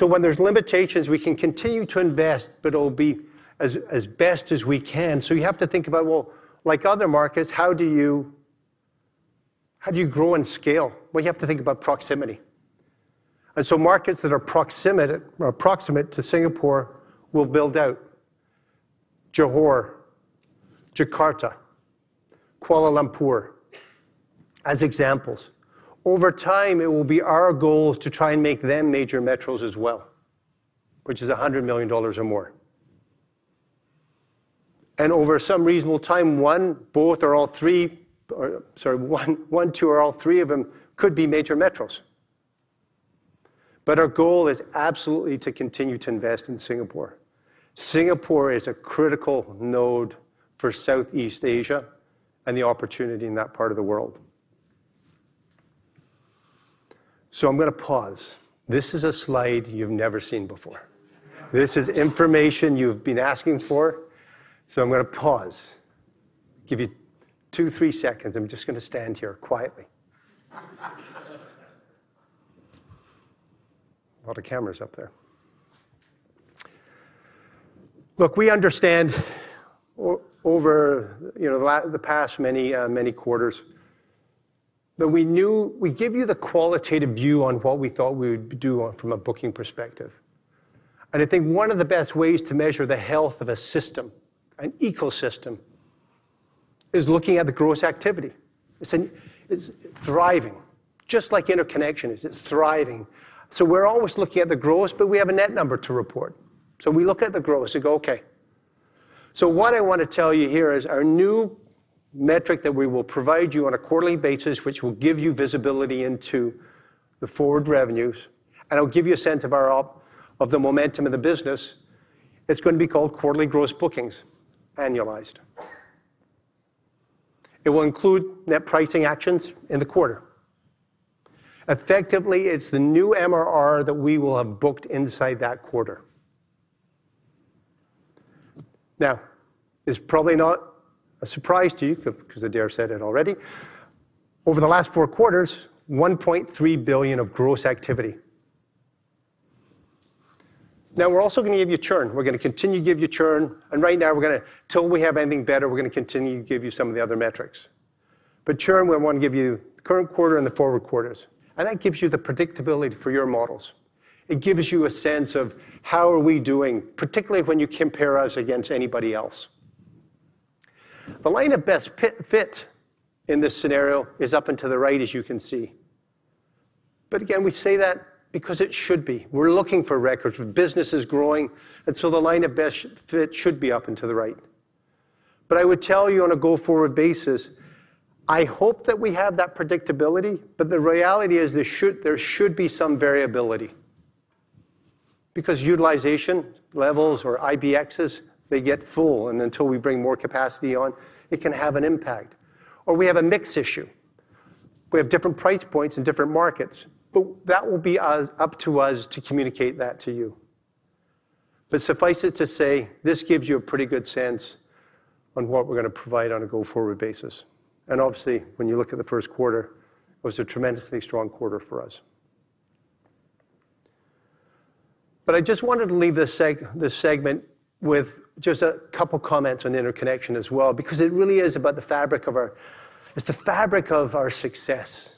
When there are limitations, we can continue to invest, but it'll be as best as we can. You have to think about, like other markets, how do you grow and scale? You have to think about proximity. Markets that are proximate to Singapore will build out Johor, Jakarta, Kuala Lumpur as examples. Over time, it will be our goal to try and make them major metros as well, which is $100 million or more. And over some reasonable time, one, both or all three, or sorry, one, two, or all three of them could be major metros. But our goal is absolutely to continue to invest in Singapore. Singapore is a critical node for Southeast Asia and the opportunity in that part of the world. I'm going to pause. This is a slide you've never seen before. This is information you've been asking for. I'm going to pause. Give you two, three seconds. I'm just going to stand here quietly. A lot of cameras up there. Look, we understand over the past many quarters that we knew we give you the qualitative view on what we thought we would do from a booking perspective. I think one of the best ways to measure the health of a system, an ecosystem, is looking at the gross activity. It's thriving. Just like interconnection is, it's thriving. We're always looking at the gross, but we have a net number to report. We look at the gross and go, okay. What I want to tell you here is our new metric that we will provide you on a quarterly basis, which will give you visibility into the forward revenues. It'll give you a sense of the momentum of the business. It's going to be called quarterly gross bookings annualized. It will include net pricing actions in the quarter. Effectively, it's the new MRR that we will have booked inside that quarter. Now, it's probably not a surprise to you because Adaire said it already. Over the last four quarters, $1.3 billion of gross activity. Now, we're also going to give you churn. We're going to continue to give you churn. Right now, we're going to, until we have anything better, we're going to continue to give you some of the other metrics. Churn, we want to give you the current quarter and the forward quarters. That gives you the predictability for your models. It gives you a sense of how are we doing, particularly when you compare us against anybody else. The line of best fit in this scenario is up and to the right, as you can see. Again, we say that because it should be. We're looking for records, business is growing. The line of best fit should be up and to the right. I would tell you on a go-forward basis, I hope that we have that predictability. The reality is there should be some variability, because utilization levels or IBXs, they get full. Until we bring more capacity on, it can have an impact. Or we have a mix issue. We have different price points in different markets. That will be up to us to communicate that to you. Suffice it to say, this gives you a pretty good sense on what we're going to provide on a go-forward basis. Obviously, when you look at the first quarter, it was a tremendously strong quarter for us. I just wanted to leave this segment with just a couple of comments on interconnection as well, because it really is about the fabric of our—it's the fabric of our success.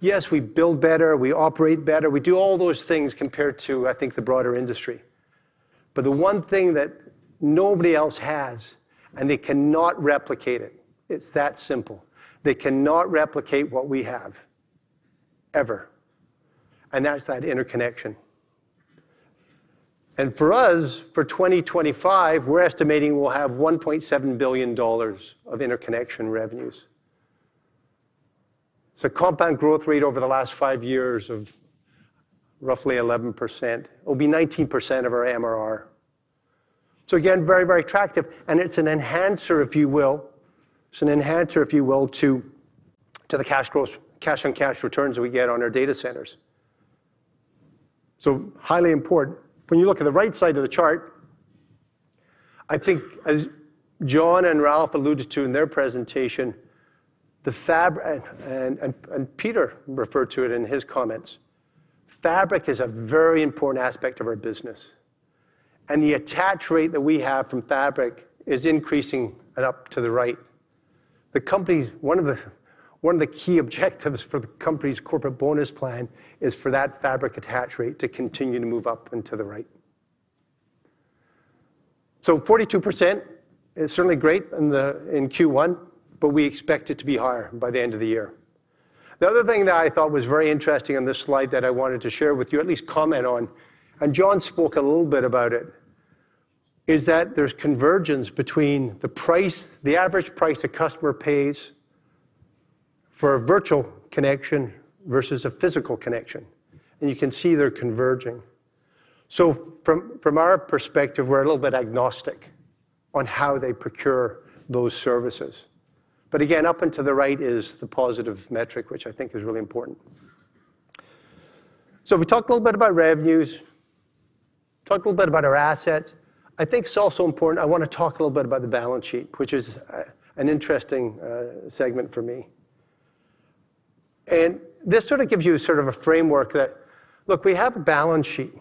Yes, we build better, we operate better, we do all those things compared to, I think, the broader industry. The one thing that nobody else has and they cannot replicate it, it's that simple. They cannot replicate what we have, ever. And that's that interconnection. For us, for 2025, we're estimating we'll have $1.7 billion of interconnection revenues. It's a compound growth rate over the last five years of roughly 11%. It'll be 19% of our MRR. Again, very, very attractive. It's an enhancer, if you will. It's an enhancer, if you will, to the cash on cash returns that we get on our data centers. Highly important. When you look at the right side of the chart, I think, as John and Raouf alluded to in their presentation, the Fabric, and Peter referred to it in his comments, Fabric is a very important aspect of our business. The attach rate that we have from Fabric is increasing up to the right. One of the key objectives for the company's corporate bonus plan is for that Fabric attach rate to continue to move up and to the right. 42% is certainly great in Q1, but we expect it to be higher by the end of the year. The other thing that I thought was very interesting on this slide that I wanted to share with you, at least comment on, and John spoke a little bit about it, is that there is convergence between the price, the average price a customer pays for a virtual connection versus a physical connection. You can see they are converging. From our perspective, we are a little bit agnostic on how they procure those services. Again, up and to the right is the positive metric, which I think is really important. We talked a little bit about revenues. Talked a little bit about our assets. I think it is also important I want to talk a little bit about the balance sheet, which is an interesting segment for me. This gives you a framework that, look, we have a balance sheet.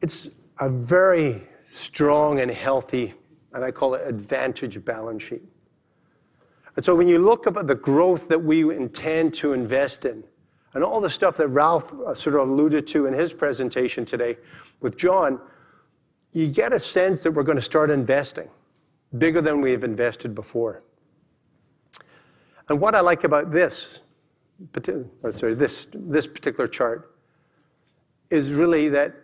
It's a very strong and healthy, and I call it advantage balance sheet. When you look at the growth that we intend to invest in and all the stuff that Raouf sort of alluded to in his presentation today with John, you get a sense that we're going to start investing bigger than we've invested before. What I like about this, or sorry, this particular chart, is really that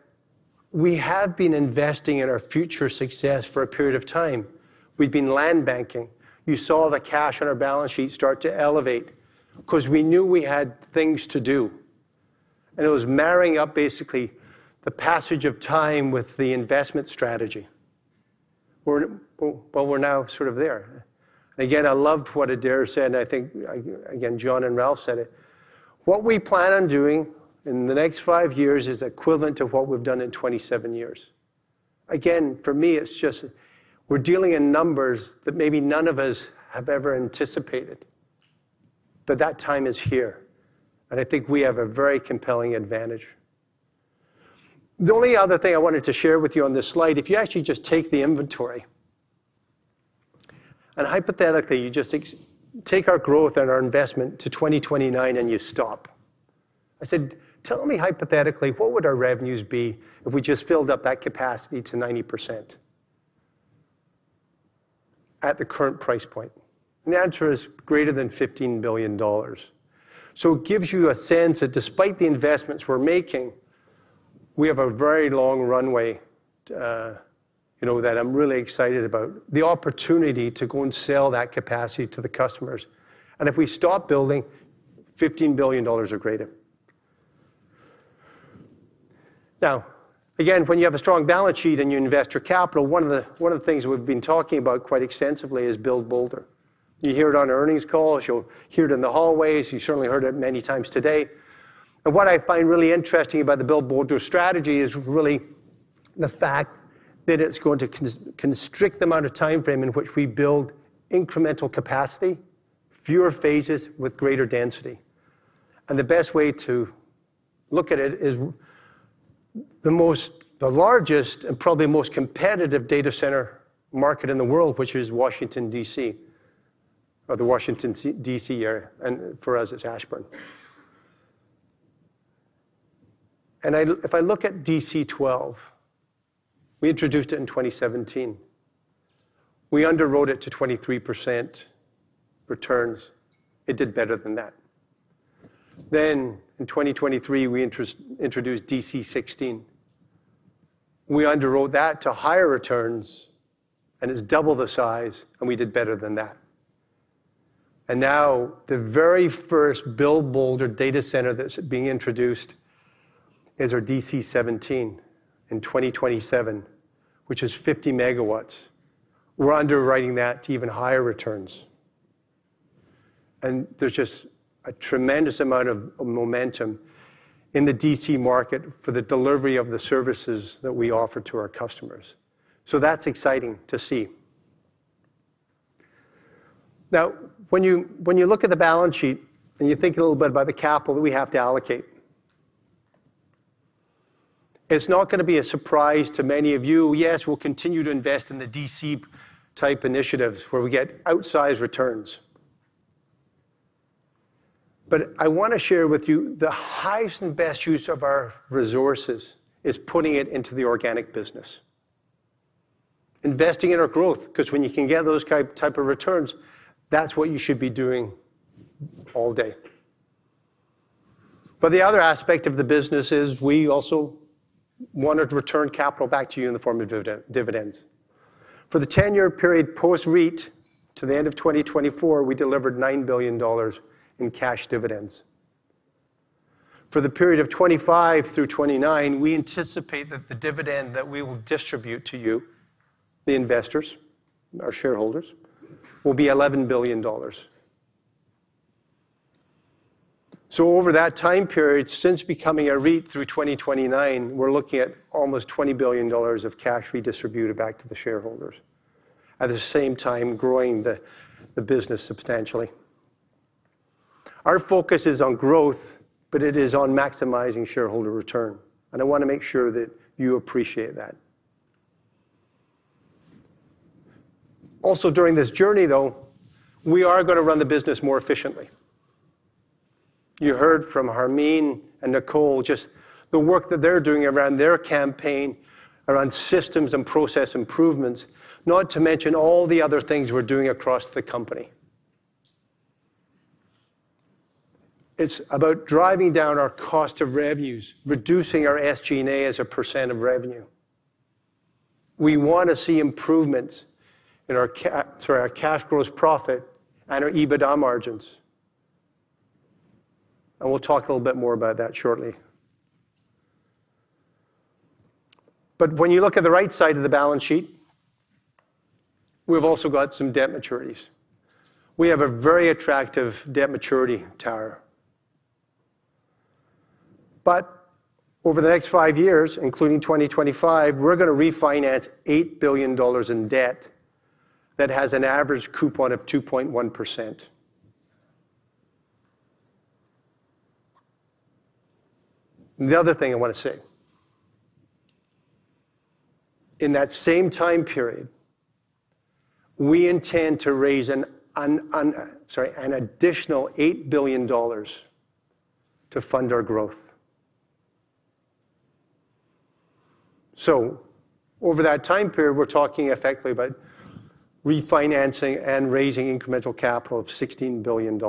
we have been investing in our future success for a period of time. We've been land banking. You saw the cash on our balance sheet start to elevate because we knew we had things to do. It was marrying up basically the passage of time with the investment strategy. We're now sort of there. I loved what Adaire said. I think, again, John and Raouf said it. What we plan on doing in the next five years is equivalent to what we've done in 27 years. Again, for me, it's just we're dealing in numbers that maybe none of us have ever anticipated. That time is here. I think we have a very compelling advantage. The only other thing I wanted to share with you on this slide, if you actually just take the inventory, and hypothetically, you just take our growth and our investment to 2029 and you stop. I said, tell me hypothetically, what would our revenues be if we just filled up that capacity to 90% at the current price point? The answer is greater than $15 billion. It gives you a sense that despite the investments we're making, we have a very long runway that I'm really excited about, the opportunity to go and sell that capacity to the customers. If we stop building, $15 billion or greater. Now, again, when you have a strong balance sheet and you invest your capital, one of the things we've been talking about quite extensively is big boulder. You hear it on earnings calls. You'll hear it in the hallways. You certainly heard it many times today. What I find really interesting about the big boulder strategy is really the fact that it's going to constrict the amount of time frame in which we build incremental capacity, fewer phases with greater density. The best way to look at it is the most, the largest and probably most competitive data center market in the world, which is Washington, D.C., or the Washington, D.C. area. For us, it's Ashburn. If I look at DC12, we introduced it in 2017. We underwrote it to 23% returns. It did better than that. In 2023, we introduced DC16. We underwrote that to higher returns and it's double the size, and we did better than that. Now the very first big boulder data center that's being introduced is our DC17 in 2027, which is 50 megawatts. We're underwriting that to even higher returns. There's just a tremendous amount of momentum in the DC market for the delivery of the services that we offer to our customers. That's exciting to see. Now, when you look at the balance sheet and you think a little bit about the capital that we have to allocate, it's not going to be a surprise to many of you. Yes, we'll continue to invest in the DC type initiatives where we get outsized returns. I want to share with you the highest and best use of our resources is putting it into the organic business, investing in our growth, because when you can get those type of returns, that's what you should be doing all day. The other aspect of the business is we also wanted to return capital back to you in the form of dividends. For the 10-year period post-REIT, to the end of 2024, we delivered $9 billion in cash dividends. For the period of 2025 through 2029, we anticipate that the dividend that we will distribute to you, the investors, our shareholders, will be $11 billion. Over that time period, since becoming a REIT through 2029, we are looking at almost $20 billion of cash redistributed back to the shareholders, at the same time growing the business substantially. Our focus is on growth, but it is on maximizing shareholder return. I want to make sure that you appreciate that. Also, during this journey, though, we are going to run the business more efficiently. You heard from Harmeen and Nicole just the work that they are doing around their campaign, around systems and process improvements, not to mention all the other things we are doing across the company. It is about driving down our cost of revenues, reducing our SG&A as a % of revenue. We want to see improvements in our cash growth profit and our EBITDA margins. We'll talk a little bit more about that shortly. When you look at the right side of the balance sheet, we've also got some debt maturities. We have a very attractive debt maturity tower. Over the next five years, including 2025, we're going to refinance $8 billion in debt that has an average coupon of 2.1%. The other thing I want to say, in that same time period, we intend to raise an additional $8 billion to fund our growth. Over that time period, we're talking effectively about refinancing and raising incremental capital of $16 billion.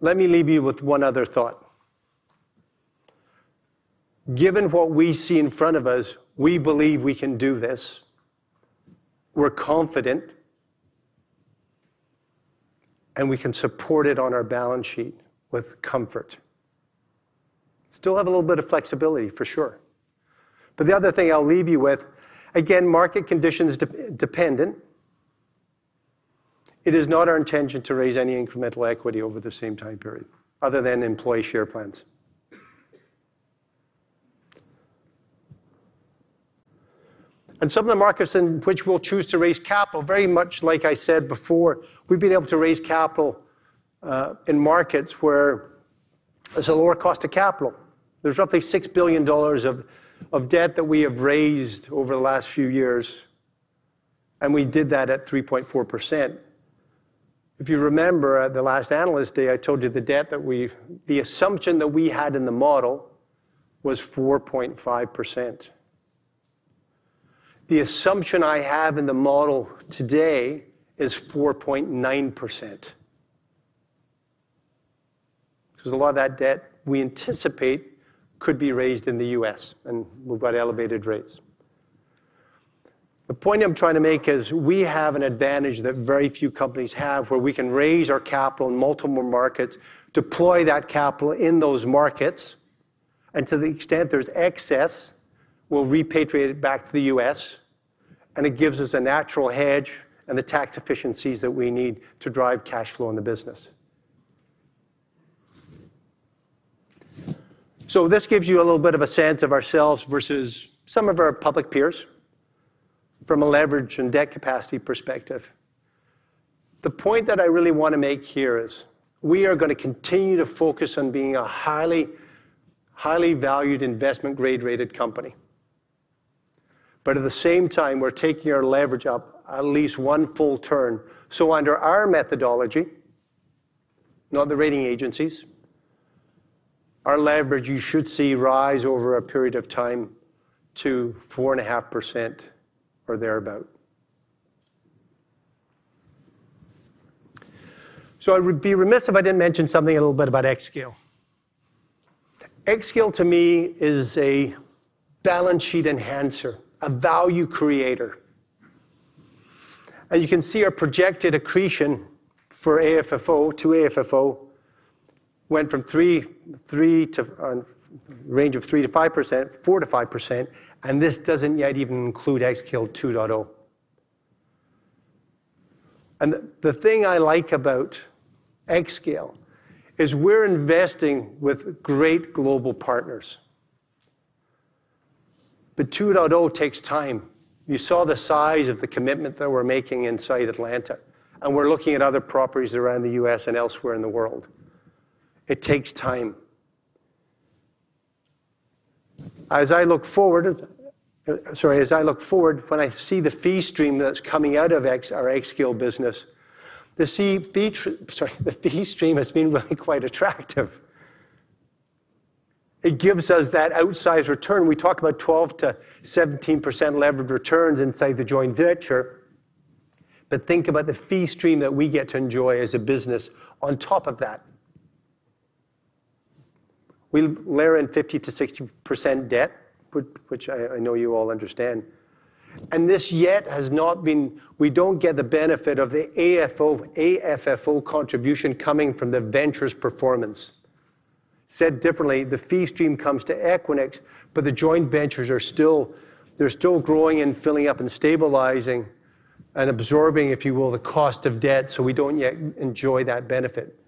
Let me leave you with one other thought. Given what we see in front of us, we believe we can do this. We're confident, and we can support it on our balance sheet with comfort. Still have a little bit of flexibility, for sure. The other thing I'll leave you with, again, market conditions dependent. It is not our intention to raise any incremental equity over the same time period, other than employee share plans. Some of the markets in which we'll choose to raise capital, very much like I said before, we've been able to raise capital in markets where there's a lower cost of capital. There's roughly $6 billion of debt that we have raised over the last few years. We did that at 3.4%. If you remember, at the last analyst day, I told you the debt that we, the assumption that we had in the model was 4.5%. The assumption I have in the model today is 4.9% because a lot of that debt we anticipate could be raised in the U.S. and we've got elevated rates. The point I'm trying to make is we have an advantage that very few companies have where we can raise our capital in multiple markets, deploy that capital in those markets, and to the extent there's excess, we'll repatriate it back to the U.S. It gives us a natural hedge and the tax efficiencies that we need to drive cash flow in the business. This gives you a little bit of a sense of ourselves versus some of our public peers from a leverage and debt capacity perspective. The point that I really want to make here is we are going to continue to focus on being a highly valued investment-grade rated company. At the same time, we're taking our leverage up at least one full turn. Under our methodology, not the rating agencies, our leverage you should see rise over a period of time to 4.5% or thereabout. I would be remiss if I did not mention something a little bit about xScale. xScale, to me, is a balance sheet enhancer, a value creator. You can see our projected accretion for AFFO to AFFO went from a range of 3-5%, 4-5%. This does not yet even include xScale 2.0. The thing I like about xScale is we are investing with great global partners. 2.0 takes time. You saw the size of the commitment that we are making inside Atlanta. We are looking at other properties around the U.S. and elsewhere in the world. It takes time. As I look forward, sorry, as I look forward, when I see the fee stream that's coming out of our xScale business, the fee stream has been really quite attractive. It gives us that outsized return. We talk about 12-17% leverage returns inside the joint venture. But think about the fee stream that we get to enjoy as a business on top of that. We layer in 50-60% debt, which I know you all understand. And this yet has not been we do not get the benefit of the AFFO contribution coming from the ventures performance. Said differently, the fee stream comes to Equinix, but the joint ventures are still they're still growing and filling up and stabilizing and absorbing, if you will, the cost of debt. So we do not yet enjoy that benefit.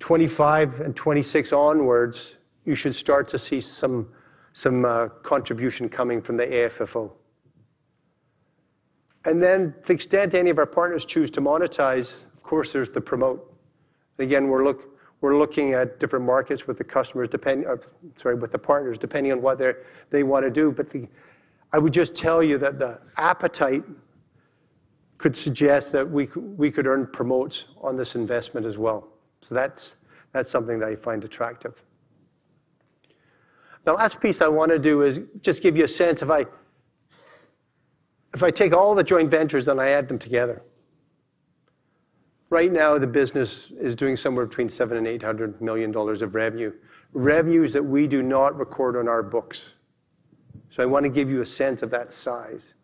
2025 and 2026 onwards, you should start to see some contribution coming from the AFFO. To the extent any of our partners choose to monetize, of course, there's the promote. Again, we're looking at different markets with the customers, sorry, with the partners, depending on what they want to do. I would just tell you that the appetite could suggest that we could earn promotes on this investment as well. That's something that I find attractive. The last piece I want to do is just give you a sense of if I take all the joint ventures and I add them together. Right now, the business is doing somewhere between $700 million and $800 million of revenue, revenues that we do not record on our books. I want to give you a sense of that size.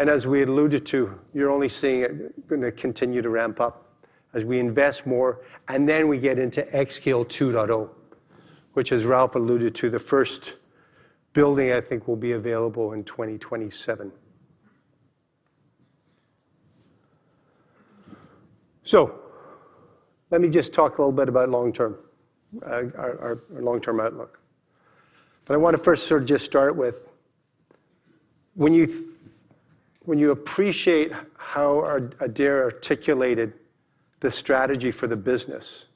As we alluded to, you're only seeing it going to continue to ramp up as we invest more. We get into xScale 2.0, which, as Raouf alluded to, the first building I think will be available in 2027. Let me just talk a little bit about long-term, our long-term outlook. I want to first sort of just start with when you appreciate how Adaire articulated the strategy for the business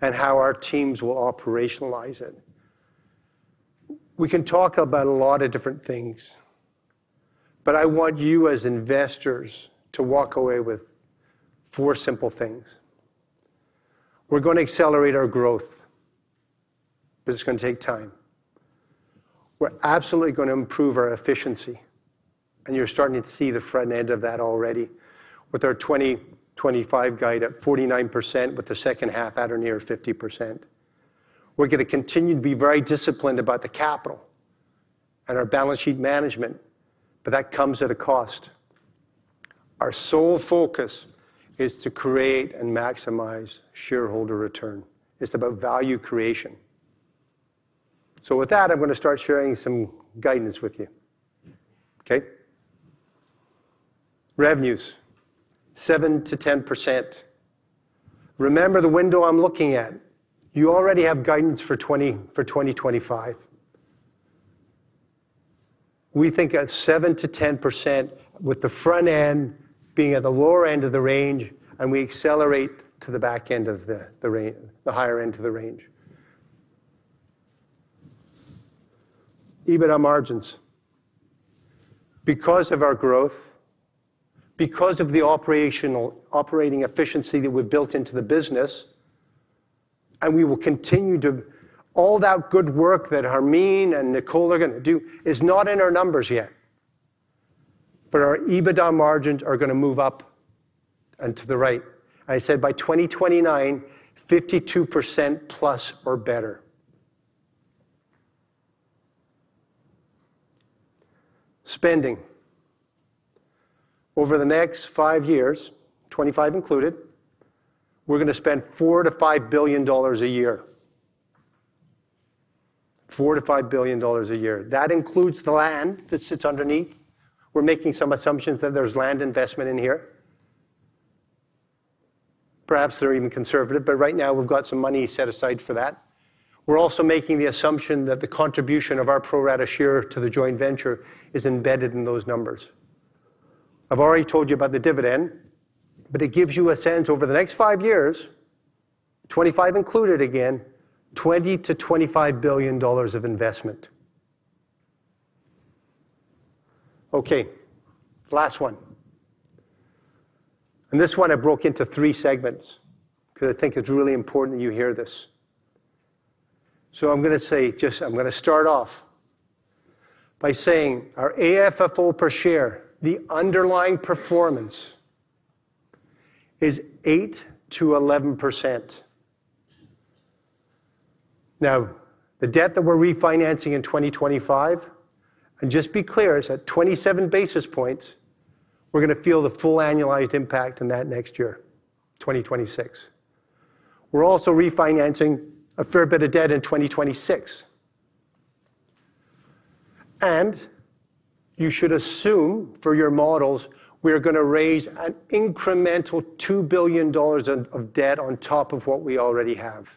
and how our teams will operationalize it. We can talk about a lot of different things. I want you as investors to walk away with four simple things. We're going to accelerate our growth, but it's going to take time. We're absolutely going to improve our efficiency. You're starting to see the front end of that already with our 2025 guide at 49%, with the second half at or near 50%. We're going to continue to be very disciplined about the capital and our balance sheet management, but that comes at a cost. Our sole focus is to create and maximize shareholder return. It's about value creation. With that, I'm going to start sharing some guidance with you. Okay? Revenues, 7-10%. Remember the window I'm looking at. You already have guidance for 2025. We think at 7-10%, with the front end being at the lower end of the range, and we accelerate to the back end of the higher end of the range. EBITDA margins. Because of our growth, because of the operating efficiency that we've built into the business, and we will continue to, all that good work that Harmeen and Nicole are going to do is not in our numbers yet. Our EBITDA margins are going to move up and to the right. I said by 2029, 52% plus or better. Spending. Over the next five years, 2025 included, we are going to spend $4 billion-$5 billion a year. $4 billion-$5 billion a year. That includes the land that sits underneath. We are making some assumptions that there is land investment in here. Perhaps they are even conservative, but right now we have got some money set aside for that. We are also making the assumption that the contribution of our pro rata share to the joint venture is embedded in those numbers. I have already told you about the dividend, but it gives you a sense over the next five years, 2025 included again, $20 billion-$25 billion of investment. Okay. Last one. And this one I broke into three segments because I think it is really important that you hear this. I'm going to start off by saying our AFFO per share, the underlying performance is 8-11%. Now, the debt that we're refinancing in 2025, and just be clear, it's at 27 basis points. We're going to feel the full annualized impact in that next year, 2026. We're also refinancing a fair bit of debt in 2026. You should assume for your models, we are going to raise an incremental $2 billion of debt on top of what we already have.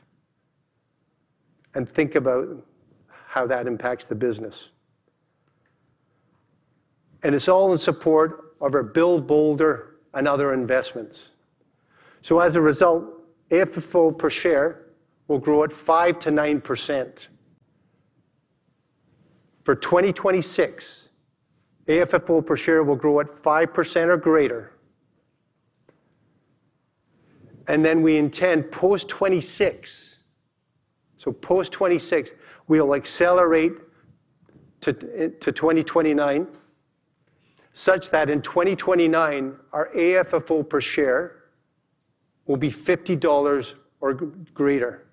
Think about how that impacts the business. It's all in support of our Build Boulder, and other investments. As a result, AFFO per share will grow at 5-9%. For 2026, AFFO per share will grow at 5% or greater. We intend post 2026, so post 2026, we'll accelerate to 2029 such that in 2029, our AFFO per share will be $50 or greater,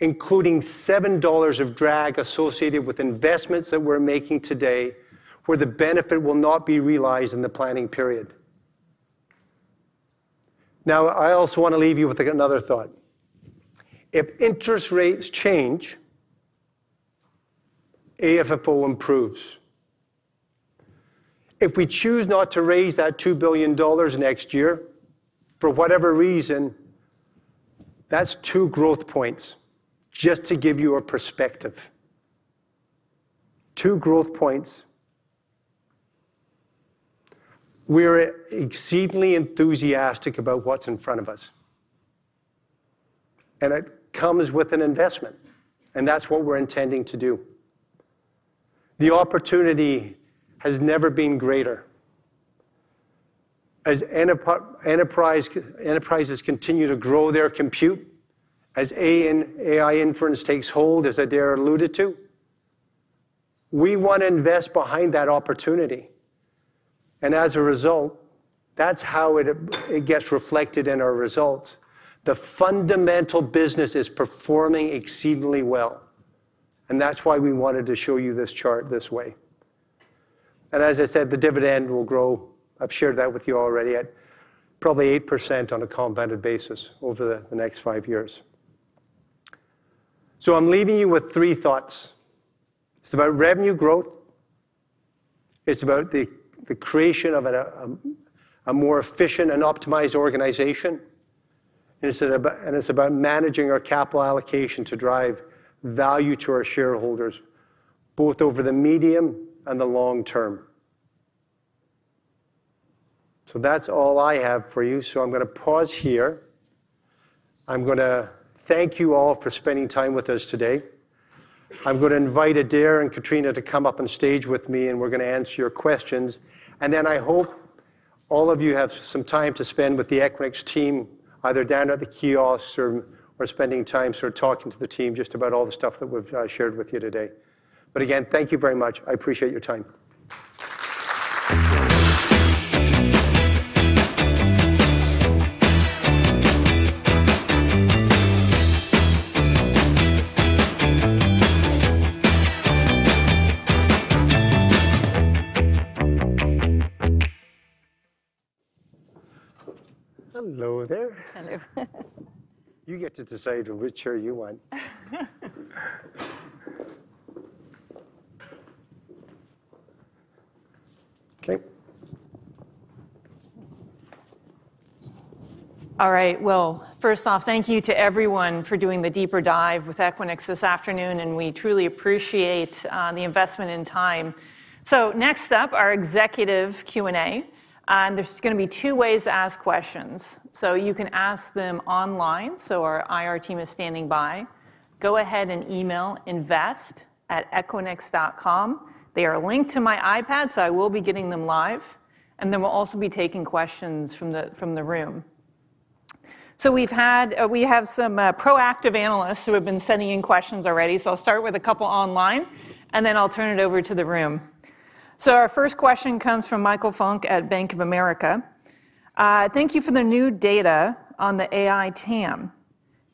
including $7 of drag associated with investments that we're making today where the benefit will not be realized in the planning period. I also want to leave you with another thought. If interest rates change, AFFO improves. If we choose not to raise that $2 billion next year for whatever reason, that's two growth points just to give you a perspective. Two growth points. We're exceedingly enthusiastic about what's in front of us. It comes with an investment. That's what we're intending to do. The opportunity has never been greater. As enterprises continue to grow their compute, as AI inference takes hold, as Adaire alluded to, we want to invest behind that opportunity. As a result, that's how it gets reflected in our results. The fundamental business is performing exceedingly well. That is why we wanted to show you this chart this way. As I said, the dividend will grow. I've shared that with you already at probably 8% on a compounded basis over the next five years. I'm leaving you with three thoughts. It's about revenue growth. It's about the creation of a more efficient and optimized organization. It's about managing our capital allocation to drive value to our shareholders, both over the medium and the long term. That's all I have for you. I'm going to pause here. I want to thank you all for spending time with us today. I'm going to invite Adaire and Katrina to come up on stage with me, and we're going to answer your questions. I hope all of you have some time to spend with the Equinix team, either down at the kiosks or spending time sort of talking to the team just about all the stuff that we have shared with you today. Again, thank you very much. I appreciate your time. You get to decide which chair you want. Okay. All right. First off, thank you to everyone for doing the deeper dive with Equinix this afternoon. We truly appreciate the investment in time. Next up, our executive Q&A. There are going to be two ways to ask questions. You can ask them online. Our IR team is standing by. Go ahead and email ir@equinix.com. They are linked to my iPad, so I will be getting them live. We will also be taking questions from the room. We have some proactive analysts who have been sending in questions already. I'll start with a couple online, and then I'll turn it over to the room. Our first question comes from Michael Funk at Bank of America. Thank you for the new data on the AI TAM.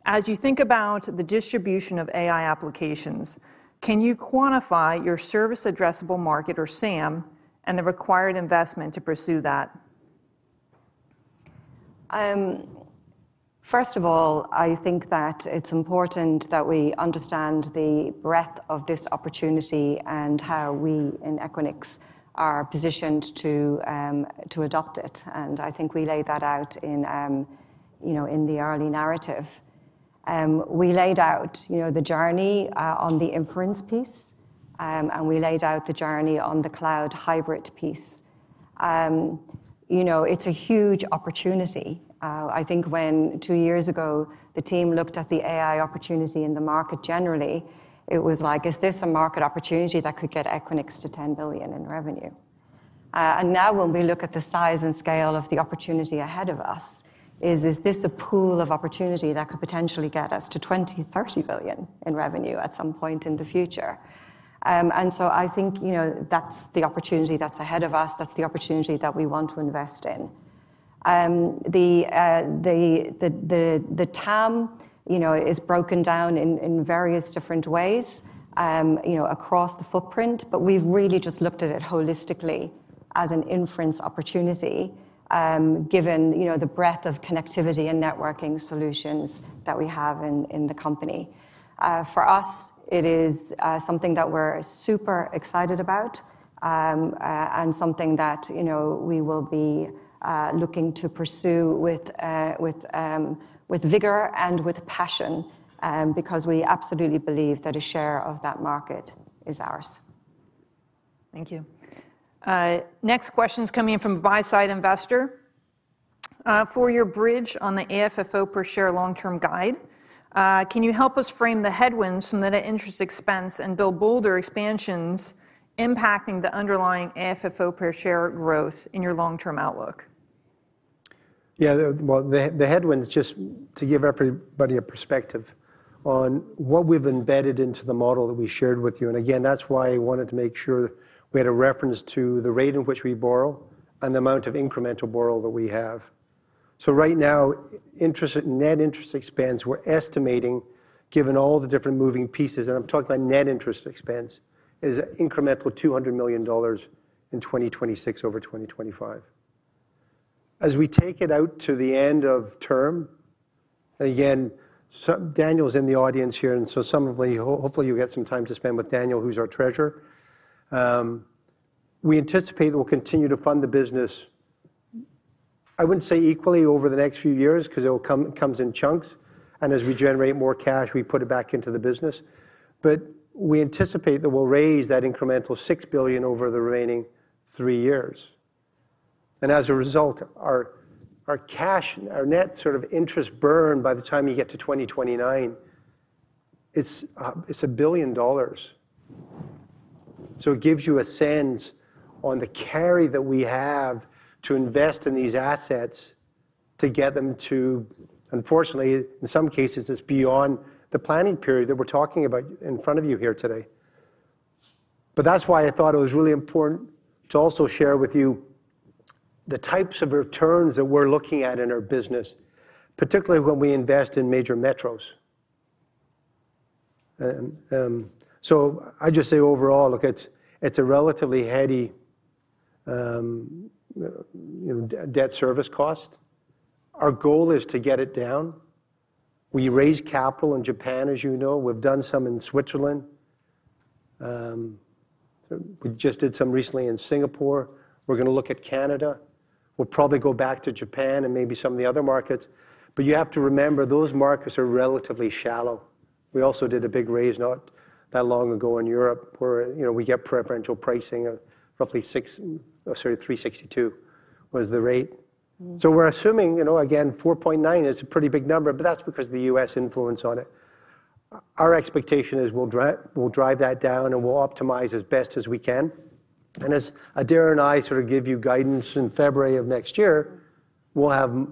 As you think about the distribution of AI applications, can you quantify your service addressable market, or SAM, and the required investment to pursue that? First of all, I think that it's important that we understand the breadth of this opportunity and how we in Equinix are positioned to adopt it. I think we laid that out in the early narrative. We laid out the journey on the inference piece, and we laid out the journey on the cloud hybrid piece. It's a huge opportunity. I think when two years ago, the team looked at the AI opportunity in the market generally, it was like, is this a market opportunity that could get Equinix to $10 billion in revenue? Now when we look at the size and scale of the opportunity ahead of us, is this a pool of opportunity that could potentially get us to $20 billion, $30 billion in revenue at some point in the future? I think that's the opportunity that's ahead of us. That's the opportunity that we want to invest in. The TAM is broken down in various different ways across the footprint, but we've really just looked at it holistically as an inference opportunity given the breadth of connectivity and networking solutions that we have in the company. For us, it is something that we're super excited about and something that we will be looking to pursue with vigor and with passion because we absolutely believe that a share of that market is ours. Thank you. Next question's coming in from a buy-side investor. For your bridge on the AFFO per share long-term guide, can you help us frame the headwinds from the interest expense and build, boulder, expansions impacting the underlying AFFO per share growth in your long-term outlook? Yeah. The headwinds just to give everybody a perspective on what we've embedded into the model that we shared with you. Again, that's why I wanted to make sure we had a reference to the rate in which we borrow and the amount of incremental borrow that we have. Right now, net interest expense, we're estimating, given all the different moving pieces, and I'm talking about net interest expense, is an incremental $200 million in 2026 over 2025. As we take it out to the end of term, and again, Daniel's in the audience here, and so some of you, hopefully, you'll get some time to spend with Daniel, who's our Treasurer. We anticipate that we'll continue to fund the business. I wouldn't say equally over the next few years because it comes in chunks. As we generate more cash, we put it back into the business. We anticipate that we'll raise that incremental $6 billion over the remaining three years. As a result, our cash, our net sort of interest burn by the time you get to 2029, it's $1 billion. It gives you a sense on the carry that we have to invest in these assets to get them to, unfortunately, in some cases, it's beyond the planning period that we're talking about in front of you here today. That is why I thought it was really important to also share with you the types of returns that we're looking at in our business, particularly when we invest in major metros. I'd just say overall, look, it's a relatively heady debt service cost. Our goal is to get it down. We raised capital in Japan, as you know. We've done some in Switzerland. We just did some recently in Singapore. We're going to look at Canada. We'll probably go back to Japan and maybe some of the other markets. You have to remember those markets are relatively shallow. We also did a big raise not that long ago in Europe where we get preferential pricing of roughly $362 was the rate. We are assuming, again, $4.9 billion is a pretty big number, but that is because of the U.S. influence on it. Our expectation is we will drive that down and we will optimize as best as we can. As Adaire and I sort of give you guidance in February of next year, we will have,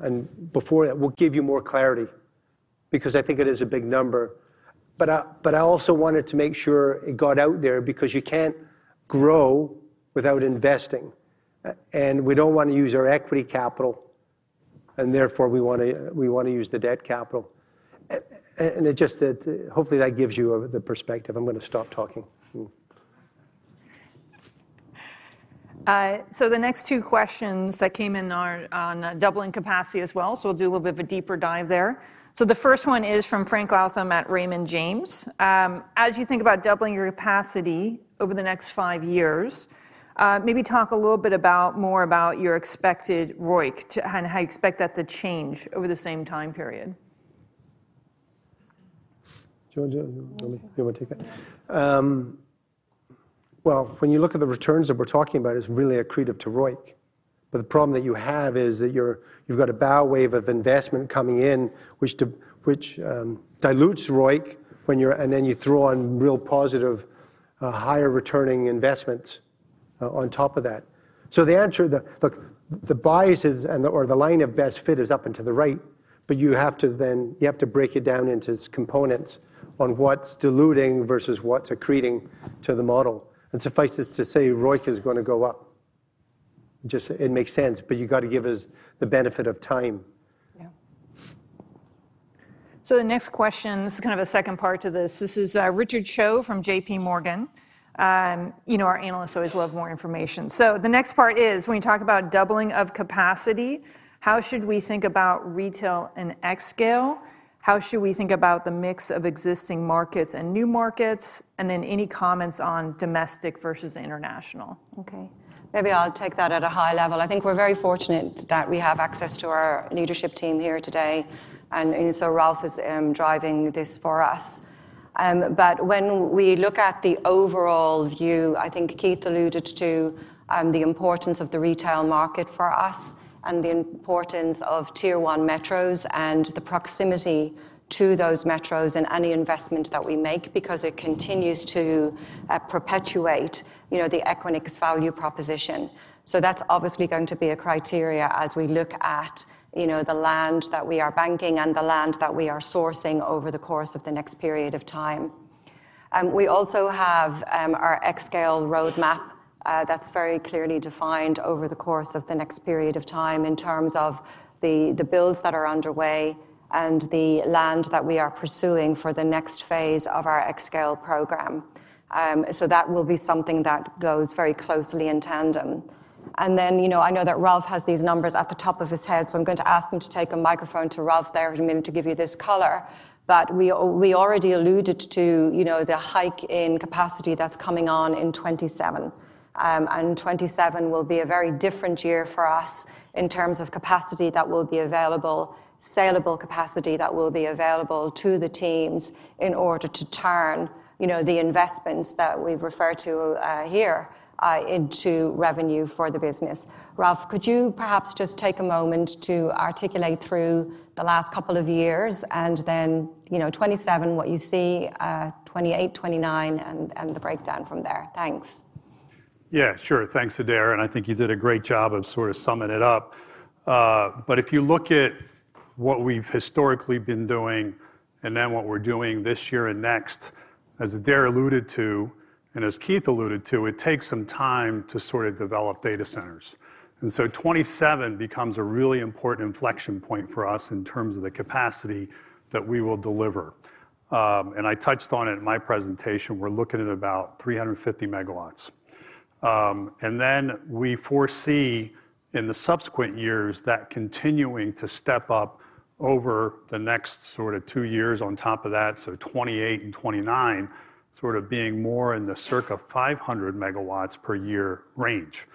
and before that, we will give you more clarity because I think it is a big number. I also wanted to make sure it got out there because you cannot grow without investing. We do not want to use our equity capital. Therefore, we want to use the debt capital. Hopefully, that gives you the perspective. I am going to stop talking. The next two questions that came in are on doubling capacity as well. We'll do a little bit of a deeper dive there. The first one is from Frank Latham at Raymond James. As you think about doubling your capacity over the next five years, maybe talk a little bit more about your expected ROIC and how you expect that to change over the same time period. Joe, you want to take that? When you look at the returns that we're talking about, it's really accretive to ROIC. The problem that you have is that you've got a bow wave of investment coming in, which dilutes ROIC, and then you throw on real positive, higher returning investments on top of that. The answer, look, the bias or the line of best fit is up and to the right, but you have to then break it down into components on what's diluting versus what's accreting to the model. Suffice it to say, ROIC is going to go up. It makes sense, but you've got to give us the benefit of time. Yeah. The next question, this is kind of a second part to this. This is Richard Schafer from JPMorgan. Our analysts always love more information. The next part is, when you talk about doubling of capacity, how should we think about retail and xScale? How should we think about the mix of existing markets and new markets? Any comments on domestic versus international? Okay. Maybe I'll take that at a high level. I think we're very fortunate that we have access to our leadership team here today. Ralph is driving this for us. When we look at the overall view, I think Keith alluded to the importance of the retail market for us and the importance of tier one metros and the proximity to those metros in any investment that we make because it continues to perpetuate the Equinix value proposition. That is obviously going to be a criteria as we look at the land that we are banking and the land that we are sourcing over the course of the next period of time. We also have our xScale roadmap that's very clearly defined over the course of the next period of time in terms of the builds that are underway and the land that we are pursuing for the next phase of our xScale program. That will be something that goes very closely in tandem. I know that Raouf has these numbers at the top of his head, so I'm going to ask him to take a microphone to Raouf there in a minute to give you this color. We already alluded to the hike in capacity that's coming on in 2027. 2027 will be a very different year for us in terms of capacity that will be available, saleable capacity that will be available to the teams in order to turn the investments that we've referred to here into revenue for the business. Raouf, could you perhaps just take a moment to articulate through the last couple of years and then 2027, what you see, 2028, 2029, and the breakdown from there? Thanks. Yeah, sure. Thanks, Adaire. I think you did a great job of sort of summing it up. If you look at what we've historically been doing and then what we're doing this year and next, as Adaire alluded to and as Keith alluded to, it takes some time to sort of develop data centers. '2027 becomes a really important inflection point for us in terms of the capacity that we will deliver. I touched on it in my presentation. We're looking at about 350 megawatts. We foresee in the subsequent years that continuing to step up over the next sort of two years on top of that, so 2028 and 2029, sort of being more in the circa 500 megawatts per year range.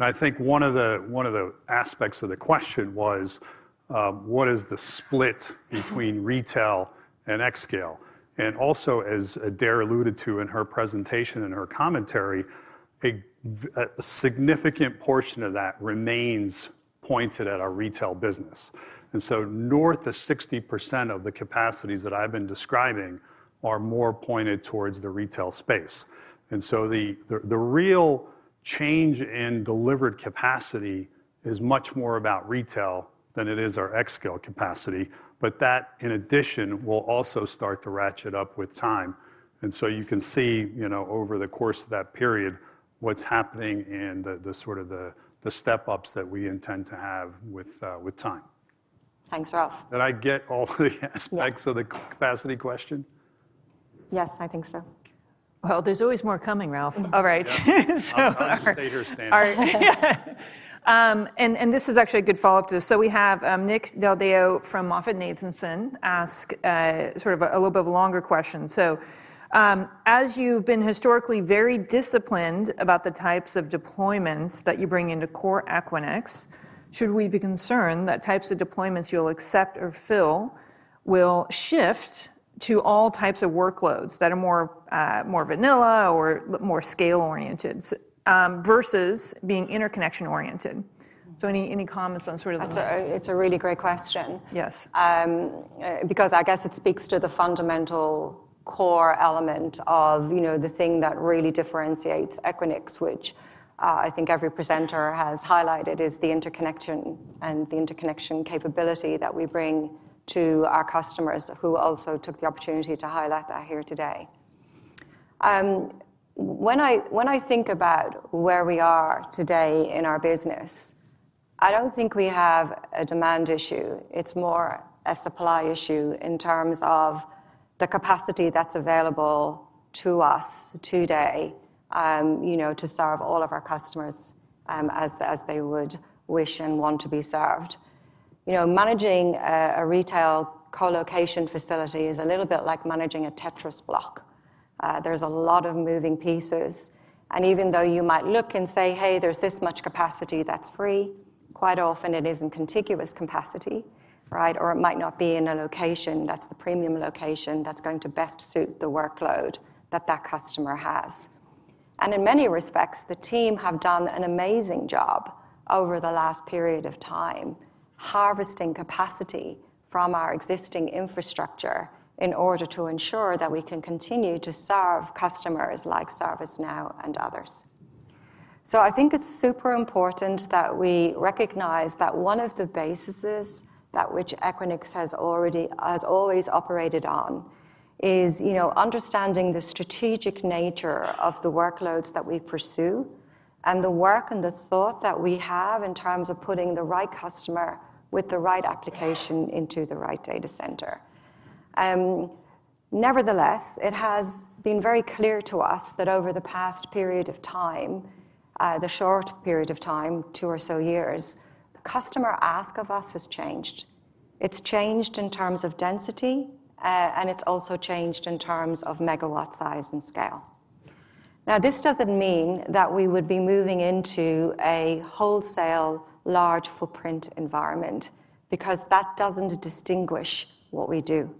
I think one of the aspects of the question was, what is the split between retail and xScale? Also, as Adaire alluded to in her presentation and her commentary, a significant portion of that remains pointed at our retail business. North of 60% of the capacities that I've been describing are more pointed towards the retail space. The real change in delivered capacity is much more about retail than it is our xScale capacity. That, in addition, will also start to ratchet up with time. You can see over the course of that period what's happening and sort of the step-ups that we intend to have with time. Thanks, Raouf. Did I get all the aspects of the capacity question? I think so. There's always more coming, Raouf. All right. I'll just say her standby. This is actually a good follow-up to this. We have Nick Del Deo from Moffett Nathanson ask sort of a little bit of a longer question. As you've been historically very disciplined about the types of deployments that you bring into core Equinix, should we be concerned that types of deployments you'll accept or fill will shift to all types of workloads that are more vanilla or more scale-oriented versus being interconnection-oriented? Any comments on sort of the—it's a really great question. Yes. I guess it speaks to the fundamental core element of the thing that really differentiates Equinix, which I think every presenter has highlighted, is the interconnection and the interconnection capability that we bring to our customers, who also took the opportunity to highlight that here today. When I think about where we are today in our business, I don't think we have a demand issue. It's more a supply issue in terms of the capacity that's available to us today to serve all of our customers as they would wish and want to be served. Managing a retail co-location facility is a little bit like managing a Tetris block. There's a lot of moving pieces. Even though you might look and say, "Hey, there's this much capacity that's free," quite often it isn't contiguous capacity, right? Or it might not be in a location that's the premium location that's going to best suit the workload that that customer has. In many respects, the team have done an amazing job over the last period of time harvesting capacity from our existing infrastructure in order to ensure that we can continue to serve customers like ServiceNow and others. I think it's super important that we recognize that one of the bases that Equinix has always operated on is understanding the strategic nature of the workloads that we pursue and the work and the thought that we have in terms of putting the right customer with the right application into the right data center. Nevertheless, it has been very clear to us that over the past period of time, the short period of time, two or so years, the customer ask of us has changed. It's changed in terms of density, and it's also changed in terms of megawatt size and scale. Now, this doesn't mean that we would be moving into a wholesale large footprint environment because that doesn't distinguish what we do.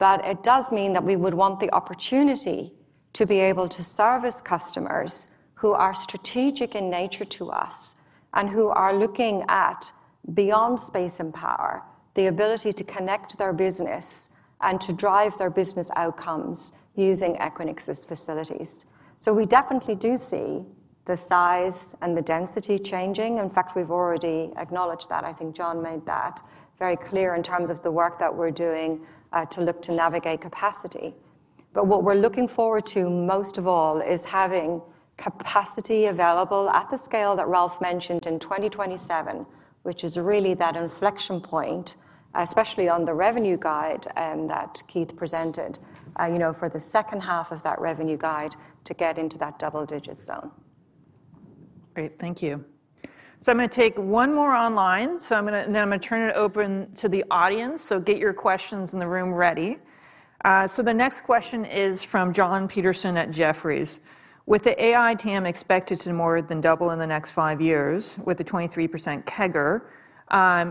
It does mean that we would want the opportunity to be able to service customers who are strategic in nature to us and who are looking at beyond space and power, the ability to connect their business and to drive their business outcomes using Equinix's facilities. We definitely do see the size and the density changing. In fact, we've already acknowledged that. I think John made that very clear in terms of the work that we're doing to look to navigate capacity. What we're looking forward to most of all is having capacity available at the scale that Ralph mentioned in 2027, which is really that inflection point, especially on the revenue guide that Keith presented for the second half of that revenue guide to get into that double-digit zone. Great. Thank you. I'm going to take one more online. I'm going to turn it open to the audience. Get your questions in the room ready. The next question is from John Petersen at Jefferies. With the AI TAM expected to more than double in the next five years with the 23% CAGR,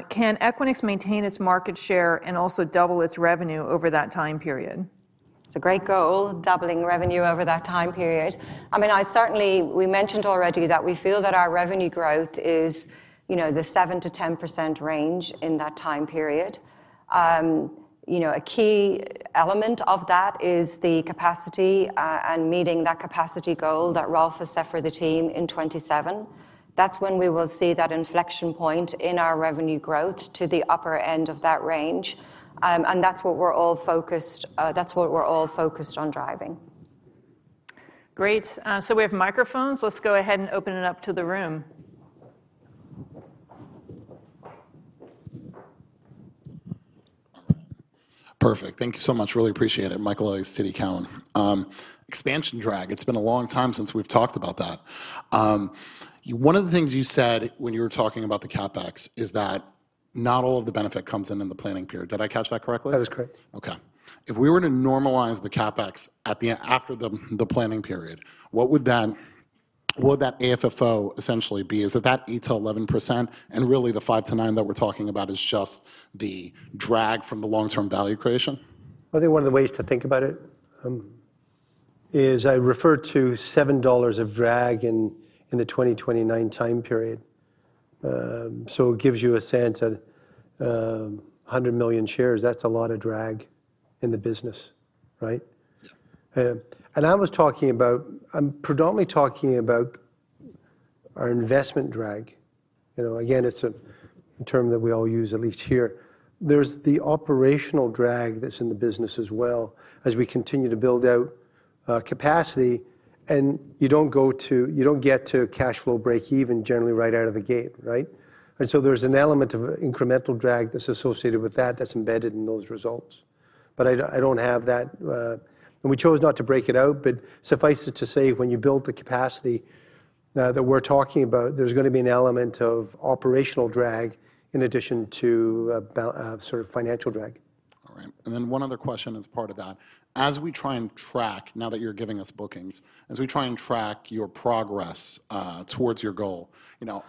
can Equinix maintain its market share and also double its revenue over that time period? It's a great goal, doubling revenue over that time period. I mean, we mentioned already that we feel that our revenue growth is the 7%-10% range in that time period. A key element of that is the capacity and meeting that capacity goal that Raouf has set for the team in 2027. That's when we will see that inflection point in our revenue growth to the upper end of that range. That's what we're all focused on driving. Great. We have microphones. Let's go ahead and open it up to the room. Perfect. Thank you so much. Really appreciate it, Michael Elias TD Cowen. Expansion drag. It's been a long time since we've talked about that. One of the things you said when you were talking about the CapEx is that not all of the benefit comes in in the planning period. Did I catch that correctly? That is correct. Okay. If we were to normalize the CapEx after the planning period, what would that AFFO essentially be? Is that that 8%-11%? And really, the 5%-9% that we're talking about is just the drag from the long-term value creation? I think one of the ways to think about it is I refer to $7 of drag in the 2029 time period. So it gives you a sense of 100 million shares. That's a lot of drag in the business, right? I was talking about, I'm predominantly talking about our investment drag. Again, it's a term that we all use, at least here. There's the operational drag that's in the business as well as we continue to build out capacity. You don't get to cash flow break-even generally right out of the gate, right? There's an element of incremental drag that's associated with that, that's embedded in those results. I don't have that, and we chose not to break it out. Suffice it to say, when you build the capacity that we're talking about, there's going to be an element of operational drag in addition to sort of financial drag. All right. One other question as part of that. As we try and track now that you're giving us bookings, as we try and track your progress towards your goal,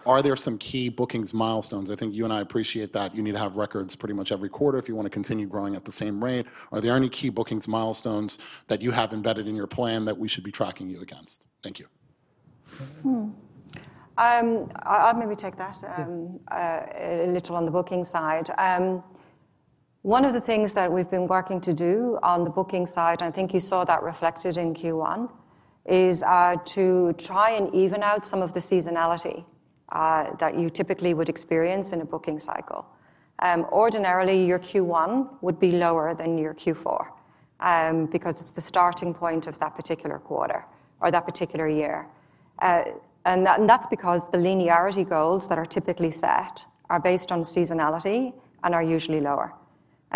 are there some key bookings milestones? I think you and I appreciate that you need to have records pretty much every quarter if you want to continue growing at the same rate. Are there any key bookings milestones that you have embedded in your plan that we should be tracking you against? Thank you. I'll maybe take that a little on the booking side. One of the things that we've been working to do on the booking side, and I think you saw that reflected in Q1, is to try and even out some of the seasonality that you typically would experience in a booking cycle. Ordinarily, your Q1 would be lower than your Q4 because it's the starting point of that particular quarter or that particular year. That is because the linearity goals that are typically set are based on seasonality and are usually lower.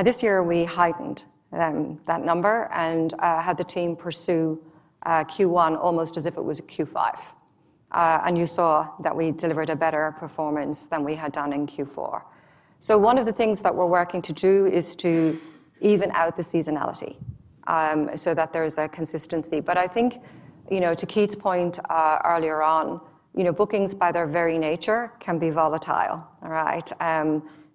This year, we heightened that number and had the team pursue Q1 almost as if it was a Q5. You saw that we delivered a better performance than we had done in Q4. One of the things that we are working to do is to even out the seasonality so that there is a consistency. I think to Keith's point earlier on, bookings by their very nature can be volatile, all right?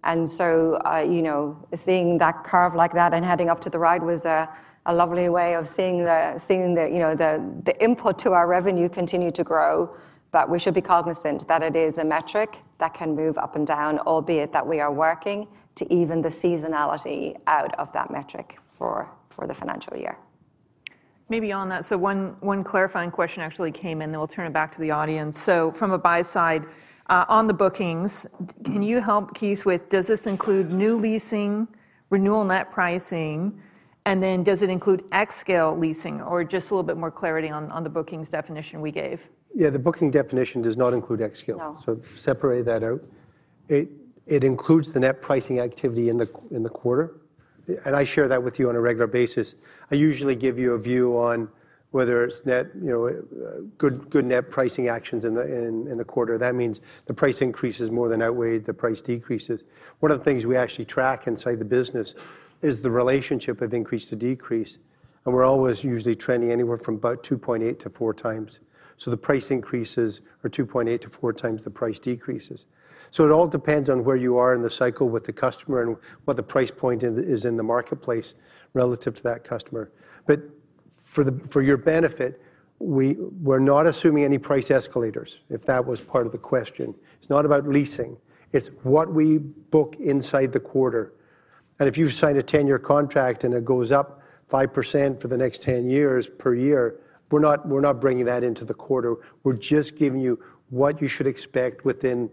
Seeing that curve like that and heading up to the right was a lovely way of seeing the input to our revenue continue to grow. We should be cognizant that it is a metric that can move up and down, albeit that we are working to even the seasonality out of that metric for the financial year. Maybe on that, so one clarifying question actually came in, then we'll turn it back to the audience. From a buy side, on the bookings, can you help Keith with, does this include new leasing, renewal net pricing, and then does it include xScale leasing? Or just a little bit more clarity on the bookings definition we gave? Yeah, the booking definition does not include xScale. Separate that out. It includes the net pricing activity in the quarter. I share that with you on a regular basis. I usually give you a view on whether it's good net pricing actions in the quarter. That means the price increases more than outweigh the price decreases. One of the things we actually track inside the business is the relationship of increase to decrease. We're always usually trending anywhere from about 2.8-4 times. The price increases are 2.8-4 times the price decreases. It all depends on where you are in the cycle with the customer and what the price point is in the marketplace relative to that customer. For your benefit, we're not assuming any price escalators, if that was part of the question. It's not about leasing. It's what we book inside the quarter. If you sign a 10-year contract and it goes up 5% for the next 10 years per year, we're not bringing that into the quarter. We're just giving you what you should expect within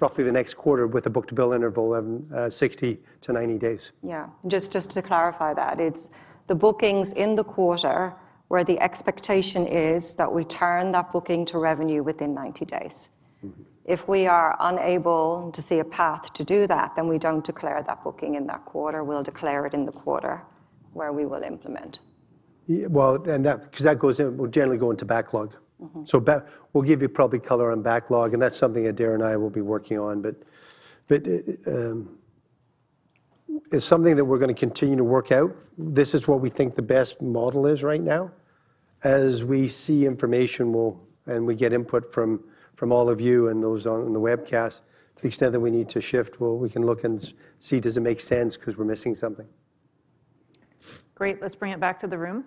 roughly the next quarter with a book-to-bill interval of 60-90 days. Yeah. Just to clarify that, it's the bookings in the quarter where the expectation is that we turn that booking to revenue within 90 days. If we are unable to see a path to do that, then we do not declare that booking in that quarter. We will declare it in the quarter where we will implement. That will generally go into backlog. We will give you probably color on backlog. That is something that Darren and I will be working on. It is something that we are going to continue to work out. This is what we think the best model is right now. As we see information and we get input from all of you and those on the webcast, to the extent that we need to shift, we can look and see, does it make sense because we're missing something? Great. Let's bring it back to the room.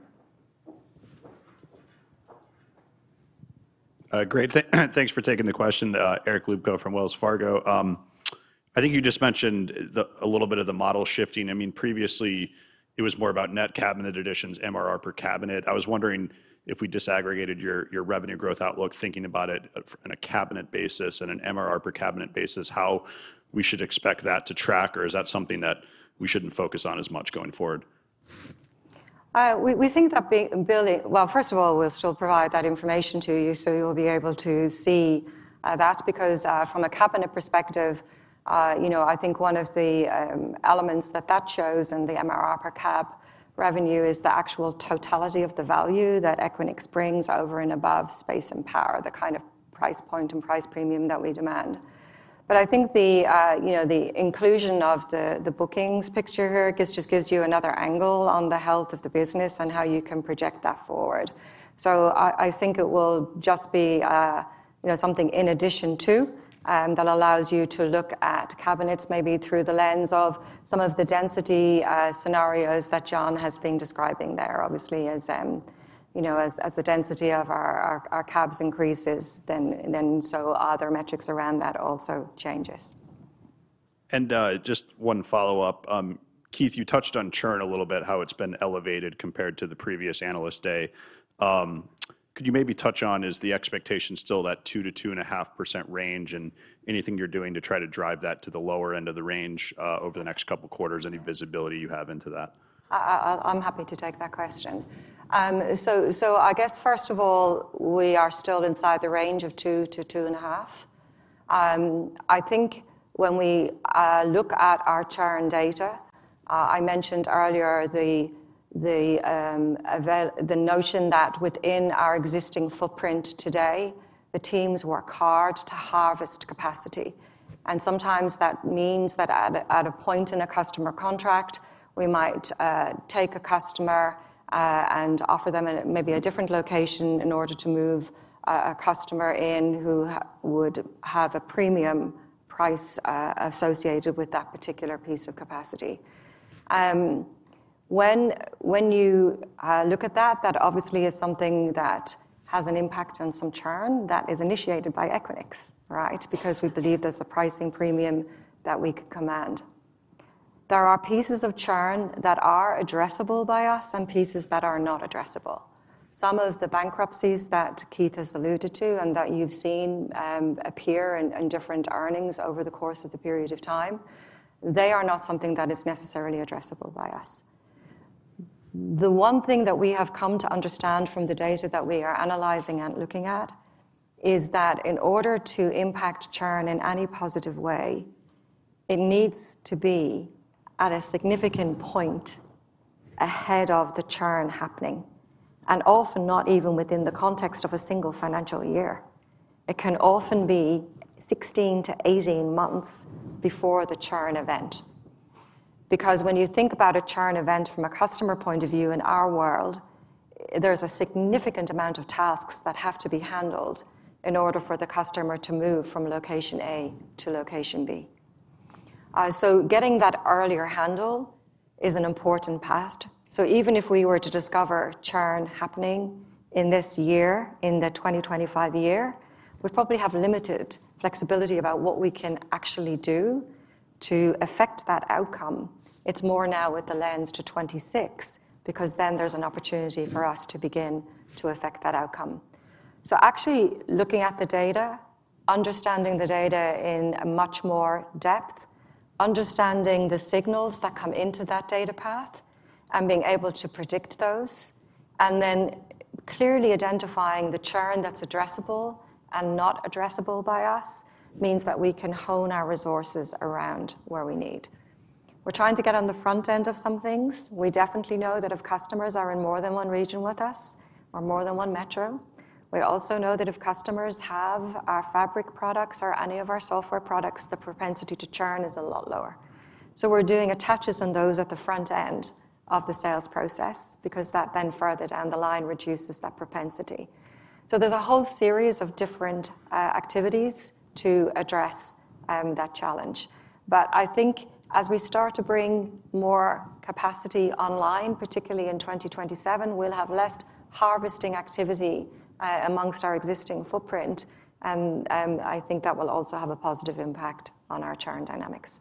Great. Thanks for taking the question, Eric Luebchow from Wells Fargo. I think you just mentioned a little bit of the model shifting. I mean, previously, it was more about net cabinet additions, MRR per cabinet. I was wondering if we disaggregated your revenue growth outlook, thinking about it on a cabinet basis and an MRR per cabinet basis, how we should expect that to track, or is that something that we shouldn't focus on as much going forward? We think that building, well, first of all, we'll still provide that information to you, so you'll be able to see that. Because from a cabinet perspective, I think one of the elements that shows in the MRR per cab revenue is the actual totality of the value that Equinix brings over and above space and power, the kind of price point and price premium that we demand. I think the inclusion of the bookings picture here just gives you another angle on the health of the business and how you can project that forward. I think it will just be something in addition that allows you to look at cabinets maybe through the lens of some of the density scenarios that John has been describing there, obviously, as the density of our cabs increases, then other metrics around that also change. Just one follow-up. Keith, you touched on churn a little bit, how it's been elevated compared to the previous analyst day. Could you maybe touch on, is the expectation still that 2%-2.5% range and anything you're doing to try to drive that to the lower end of the range over the next couple of quarters, any visibility you have into that? I'm happy to take that question. I guess, first of all, we are still inside the range of 2%-2.5%. I think when we look at our churn data, I mentioned earlier the notion that within our existing footprint today, the teams work hard to harvest capacity. Sometimes that means that at a point in a customer contract, we might take a customer and offer them maybe a different location in order to move a customer in who would have a premium price associated with that particular piece of capacity. When you look at that, that obviously is something that has an impact on some churn that is initiated by Equinix, right? Because we believe there's a pricing premium that we could command. There are pieces of churn that are addressable by us and pieces that are not addressable. Some of the bankruptcies that Keith has alluded to and that you've seen appear in different earnings over the course of the period of time, they are not something that is necessarily addressable by us. The one thing that we have come to understand from the data that we are analyzing and looking at is that in order to impact churn in any positive way, it needs to be at a significant point ahead of the churn happening, and often not even within the context of a single financial year. It can often be 16-18 months before the churn event. Because when you think about a churn event from a customer point of view in our world, there's a significant amount of tasks that have to be handled in order for the customer to move from location A to location B. Getting that earlier handle is an important past. Even if we were to discover churn happening in this year, in the 2025 year, we probably have limited flexibility about what we can actually do to affect that outcome. It is more now with the lens to 2026 because then there's an opportunity for us to begin to affect that outcome. Actually looking at the data, understanding the data in much more depth, understanding the signals that come into that data path, and being able to predict those, and then clearly identifying the churn that's addressable and not addressable by us means that we can hone our resources around where we need. We're trying to get on the front end of some things. We definitely know that if customers are in more than one region with us or more than one metro, we also know that if customers have our Fabric products or any of our software products, the propensity to churn is a lot lower. We're doing attaches on those at the front end of the sales process because that then further down the line reduces that propensity. There's a whole series of different activities to address that challenge. I think as we start to bring more capacity online, particularly in 2027, we'll have less harvesting activity amongst our existing footprint. I think that will also have a positive impact on our churn dynamics.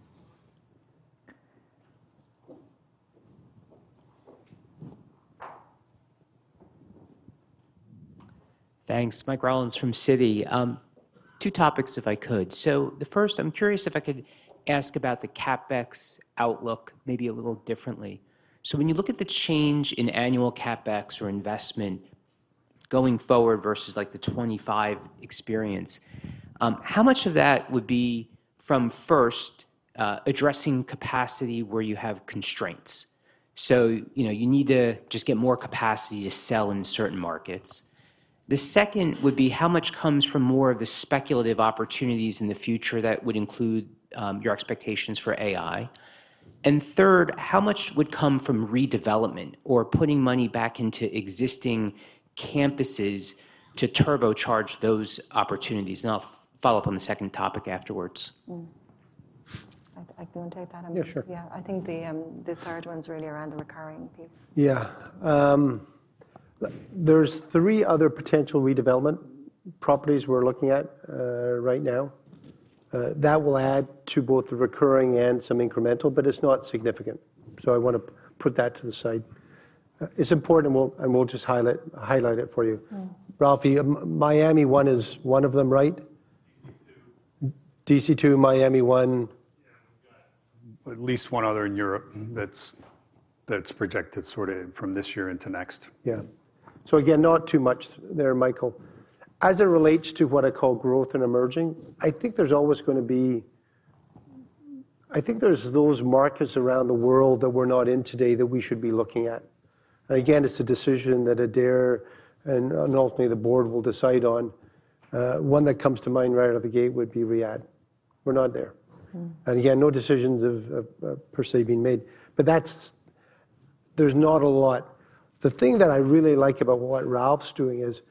Thanks. Mike Rollins from Citi. Two topics, if I could. The first, I'm curious if I could ask about the CapEx outlook maybe a little differently. When you look at the change in annual CapEx or investment going forward versus the 2025 experience, how much of that would be from first addressing capacity where you have constraints? You need to just get more capacity to sell in certain markets. The second would be how much comes from more of the speculative opportunities in the future that would include your expectations for AI. Third, how much would come from redevelopment or putting money back into existing campuses to turbocharge those opportunities? I'll follow up on the second topic afterwards. I can take that. Yeah. I think the third one's really around the recurring piece. Yeah. There are three other potential redevelopment properties we're looking at right now. That will add to both the recurring and some incremental, but it's not significant. I want to put that to the side. It's important, and we'll just highlight it for you. Ralphie, Miami One is one of them, right? DC2. DC2, Miami One. Yeah. We've got at least one other in Europe that's projected sort of from this year into next. Yeah. Again, not too much there, Michael. As it relates to what I call growth and emerging, I think there's always going to be, I think there's those markets around the world that we're not in today that we should be looking at. Again, it's a decision that Adaire and ultimately the board will decide on. One that comes to mind right out of the gate would be Riyadh. We're not there. Again, no decisions have per se been made. There's not a lot. The thing that I really like about what Raouf's doing is,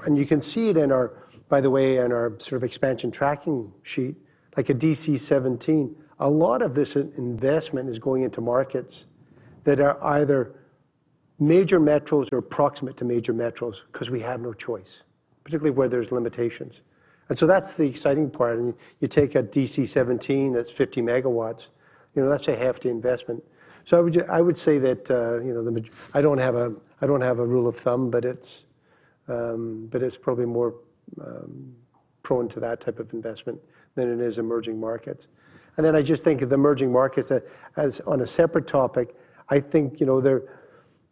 and you can see it, by the way, in our sort of expansion tracking sheet, like a DC17, a lot of this investment is going into markets that are either major metros or proximate to major metros because we have no choice, particularly where there's limitations. That's the exciting part. You take a DC17 that's 50 megawatts, that's a hefty investment. I would say that I don't have a rule of thumb, but it's probably more prone to that type of investment than it is emerging markets. I just think of the emerging markets as on a separate topic. I think over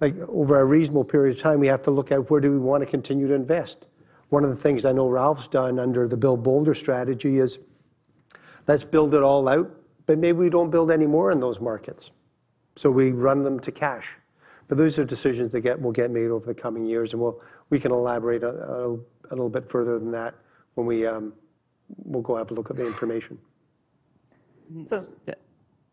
a reasonable period of time, we have to look at where do we want to continue to invest. One of the things I know Raouf's done under the Build Boulder strategy is let's build it all out, but maybe we don't build any more in those markets. We run them to cash. Those are decisions that will get made over the coming years. We can elaborate a little bit further than that when we'll go have a look at the information. Oh,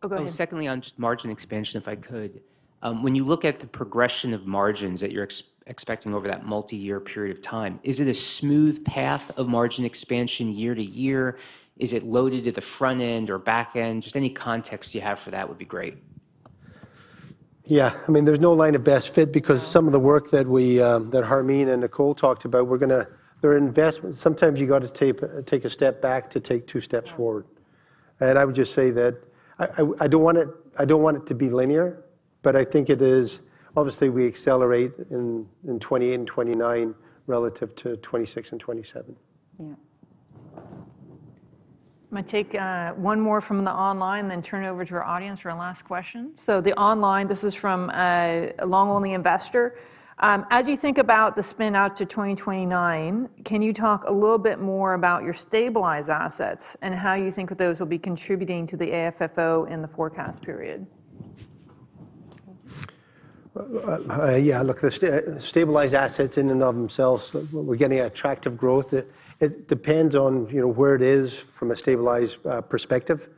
go ahead. Secondly, on just margin expansion, if I could. When you look at the progression of margins that you're expecting over that multi-year period of time, is it a smooth path of margin expansion year to year? Is it loaded to the front end or back end? Just any context you have for that would be great. Yeah. I mean, there's no line of best fit because some of the work that Harmeen and Nicole talked about, we're going to their investments, sometimes you've got to take a step back to take two steps forward. I would just say that I don't want it to be linear, but I think it is obviously we accelerate in 2028 and 2029 relative to 2026 and 2027. Yeah. I'm going to take one more from the online, then turn it over to our audience for our last question. The online, this is from a long-only investor. As you think about the spin-out to 2029, can you talk a little bit more about your stabilized assets and how you think those will be contributing to the AFFO in the forecast period? Yeah. Look, the stabilized assets in and of themselves, we're getting attractive growth. It depends on where it is from a stabilized perspective.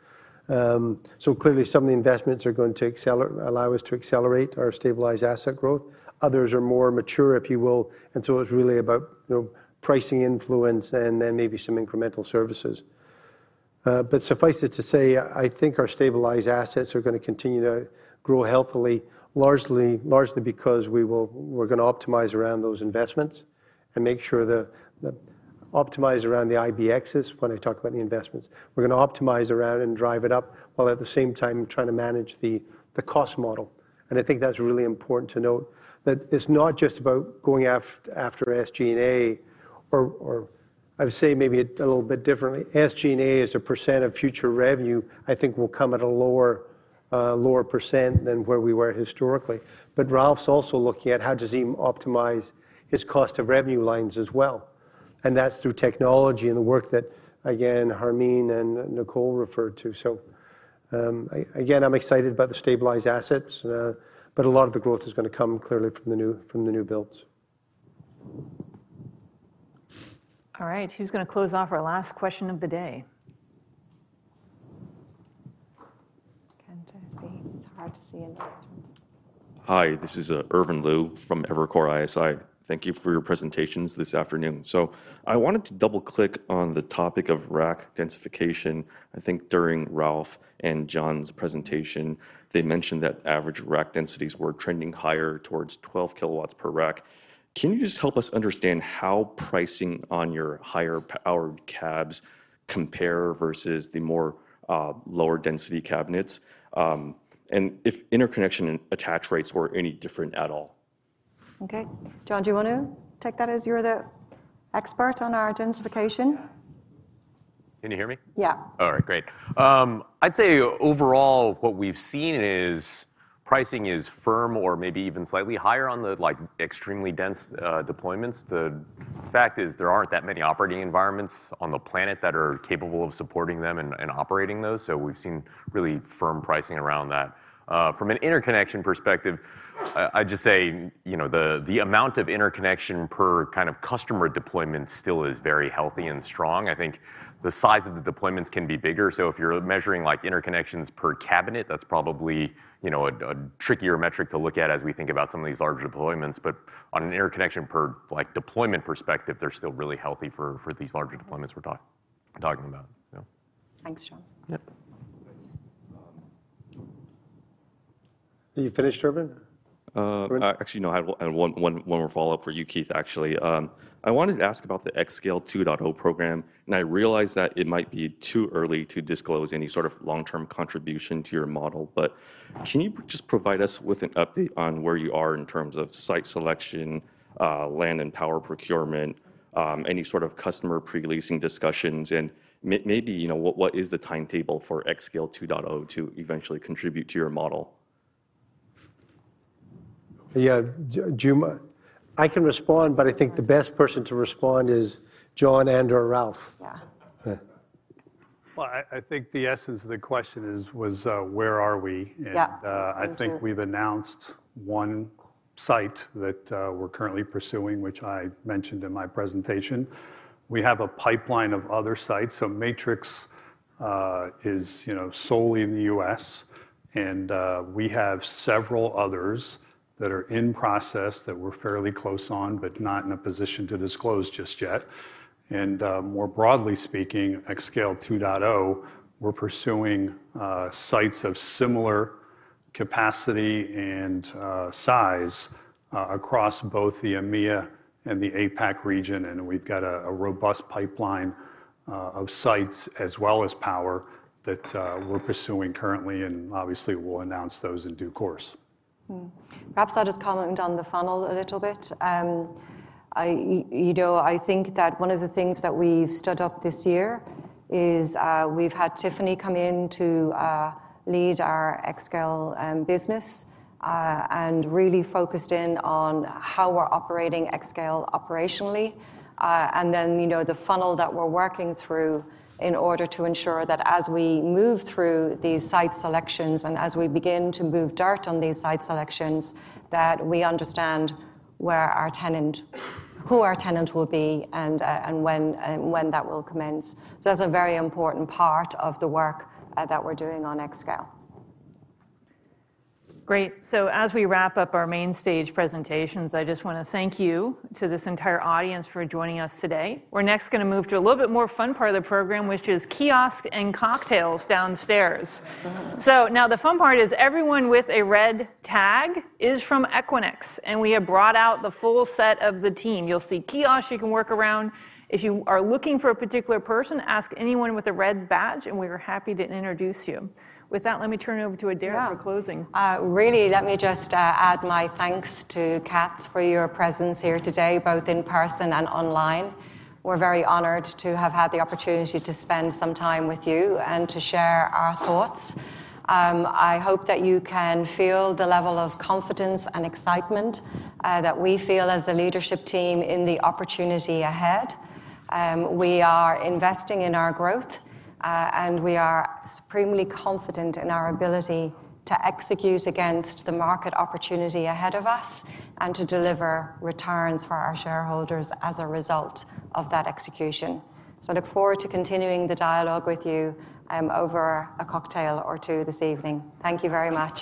Clearly, some of the investments are going to allow us to accelerate our stabilized asset growth. Others are more mature, if you will. It is really about pricing influence and then maybe some incremental services. Suffice it to say, I think our stabilized assets are going to continue to grow healthily, largely because we're going to optimize around those investments and make sure to optimize around the IBXs when I talk about the investments. We're going to optimize around and drive it up while at the same time trying to manage the cost model. I think that's really important to note that it's not just about going after SG&A or I would say maybe a little bit differently. SG&A as a percent of future revenue, I think, will come at a lower % than where we were historically. Ralph's also looking at how does he optimize his cost of revenue lines as well. That's through technology and the work that, again, Harmeen and Nicole referred to. I'm excited about the stabilized assets, but a lot of the growth is going to come clearly from the new builds. All right. Who's going to close off our last question of the day? It's hard to see in the picture. Hi. This is Irvin Lu from Evercore ISI.Thank you for your presentations this afternoon. I wanted to double-click on the topic of rack densification. I think during Raouf and John's presentation, they mentioned that average rack densities were trending higher towards 12 kilowatts per rack. Can you just help us understand how pricing on your higher-powered cabs compare versus the more lower-density cabinets and if interconnection attach rates were any different at all? Okay. Jonathan, do you want to take that as you're the expert on our densification? Can you hear me? Yeah. All right. Great. I'd say overall, what we've seen is pricing is firm or maybe even slightly higher on the extremely dense deployments. The fact is there aren't that many operating environments on the planet that are capable of supporting them and operating those. We've seen really firm pricing around that. From an interconnection perspective, I'd just say the amount of interconnection per kind of customer deployment still is very healthy and strong. I think the size of the deployments can be bigger. If you're measuring interconnections per cabinet, that's probably a trickier metric to look at as we think about some of these larger deployments. On an interconnection per deployment perspective, they're still really healthy for these larger deployments we're talking about. Thanks, John. Yeah. You finished, Irvin? Actually, no. I had one more follow-up for you, Keith, actually. I wanted to ask about the xScale 2.0 program. I realize that it might be too early to disclose any sort of long-term contribution to your model. Can you just provide us with an update on where you are in terms of site selection, land and power procurement, any sort of customer pre-leasing discussions, and maybe what is the timetable for xScale 2.0 to eventually contribute to your model? Yeah. I can respond, but I think the best person to respond is Jo n and/or Raouf Abdel. Yeah. I think the essence of the question was, where are we? I think we have announced one site that we are currently pursuing, which I mentioned in my presentation. We have a pipeline of other site metrics is solely in the U.S. We have several others that are in process that we are fairly close on, but not in a position to disclose just yet. More broadly speaking, xScale 2.0, we are pursuing sites of similar capacity and size across both the EMEA and the APAC region. We have a robust pipeline of sites as well as power that we are pursuing currently. Obviously, we will announce those in due course. Perhaps I will just comment on the funnel a little bit. I think that one of the things that we have stood up this year is we have had Tiffany Thoms Osias come in to lead our xScale business and really focused in on how we are operating xScale operationally. The funnel that we are working through is in order to ensure that as we move through these site selections and as we begin to move dirt on these site selections, we understand who our tenant will be and when that will commence. That is a very important part of the work that we are doing on xScale. Great. As we wrap up our main stage presentations, I just want to thank this entire audience for joining us today. We're next going to move to a little bit more fun part of the program, which is kiosks and cocktails downstairs. Now the fun part is everyone with a red tag is from Equinix. We have brought out the full set of the team. You'll see kiosks you can work around. If you are looking for a particular person, ask anyone with a red badge, and we are happy to introduce you. With that, let me turn it over to Adaire for closing. Really, let me just add my thanks to Katz for your presence here today, both in person and online. We're very honored to have had the opportunity to spend some time with you and to share our thoughts. I hope that you can feel the level of confidence and excitement that we feel as a leadership team in the opportunity ahead. We are investing in our growth, and we are supremely confident in our ability to execute against the market opportunity ahead of us and to deliver returns for our shareholders as a result of that execution. I look forward to continuing the dialogue with you over a cocktail or two this evening. Thank you very much.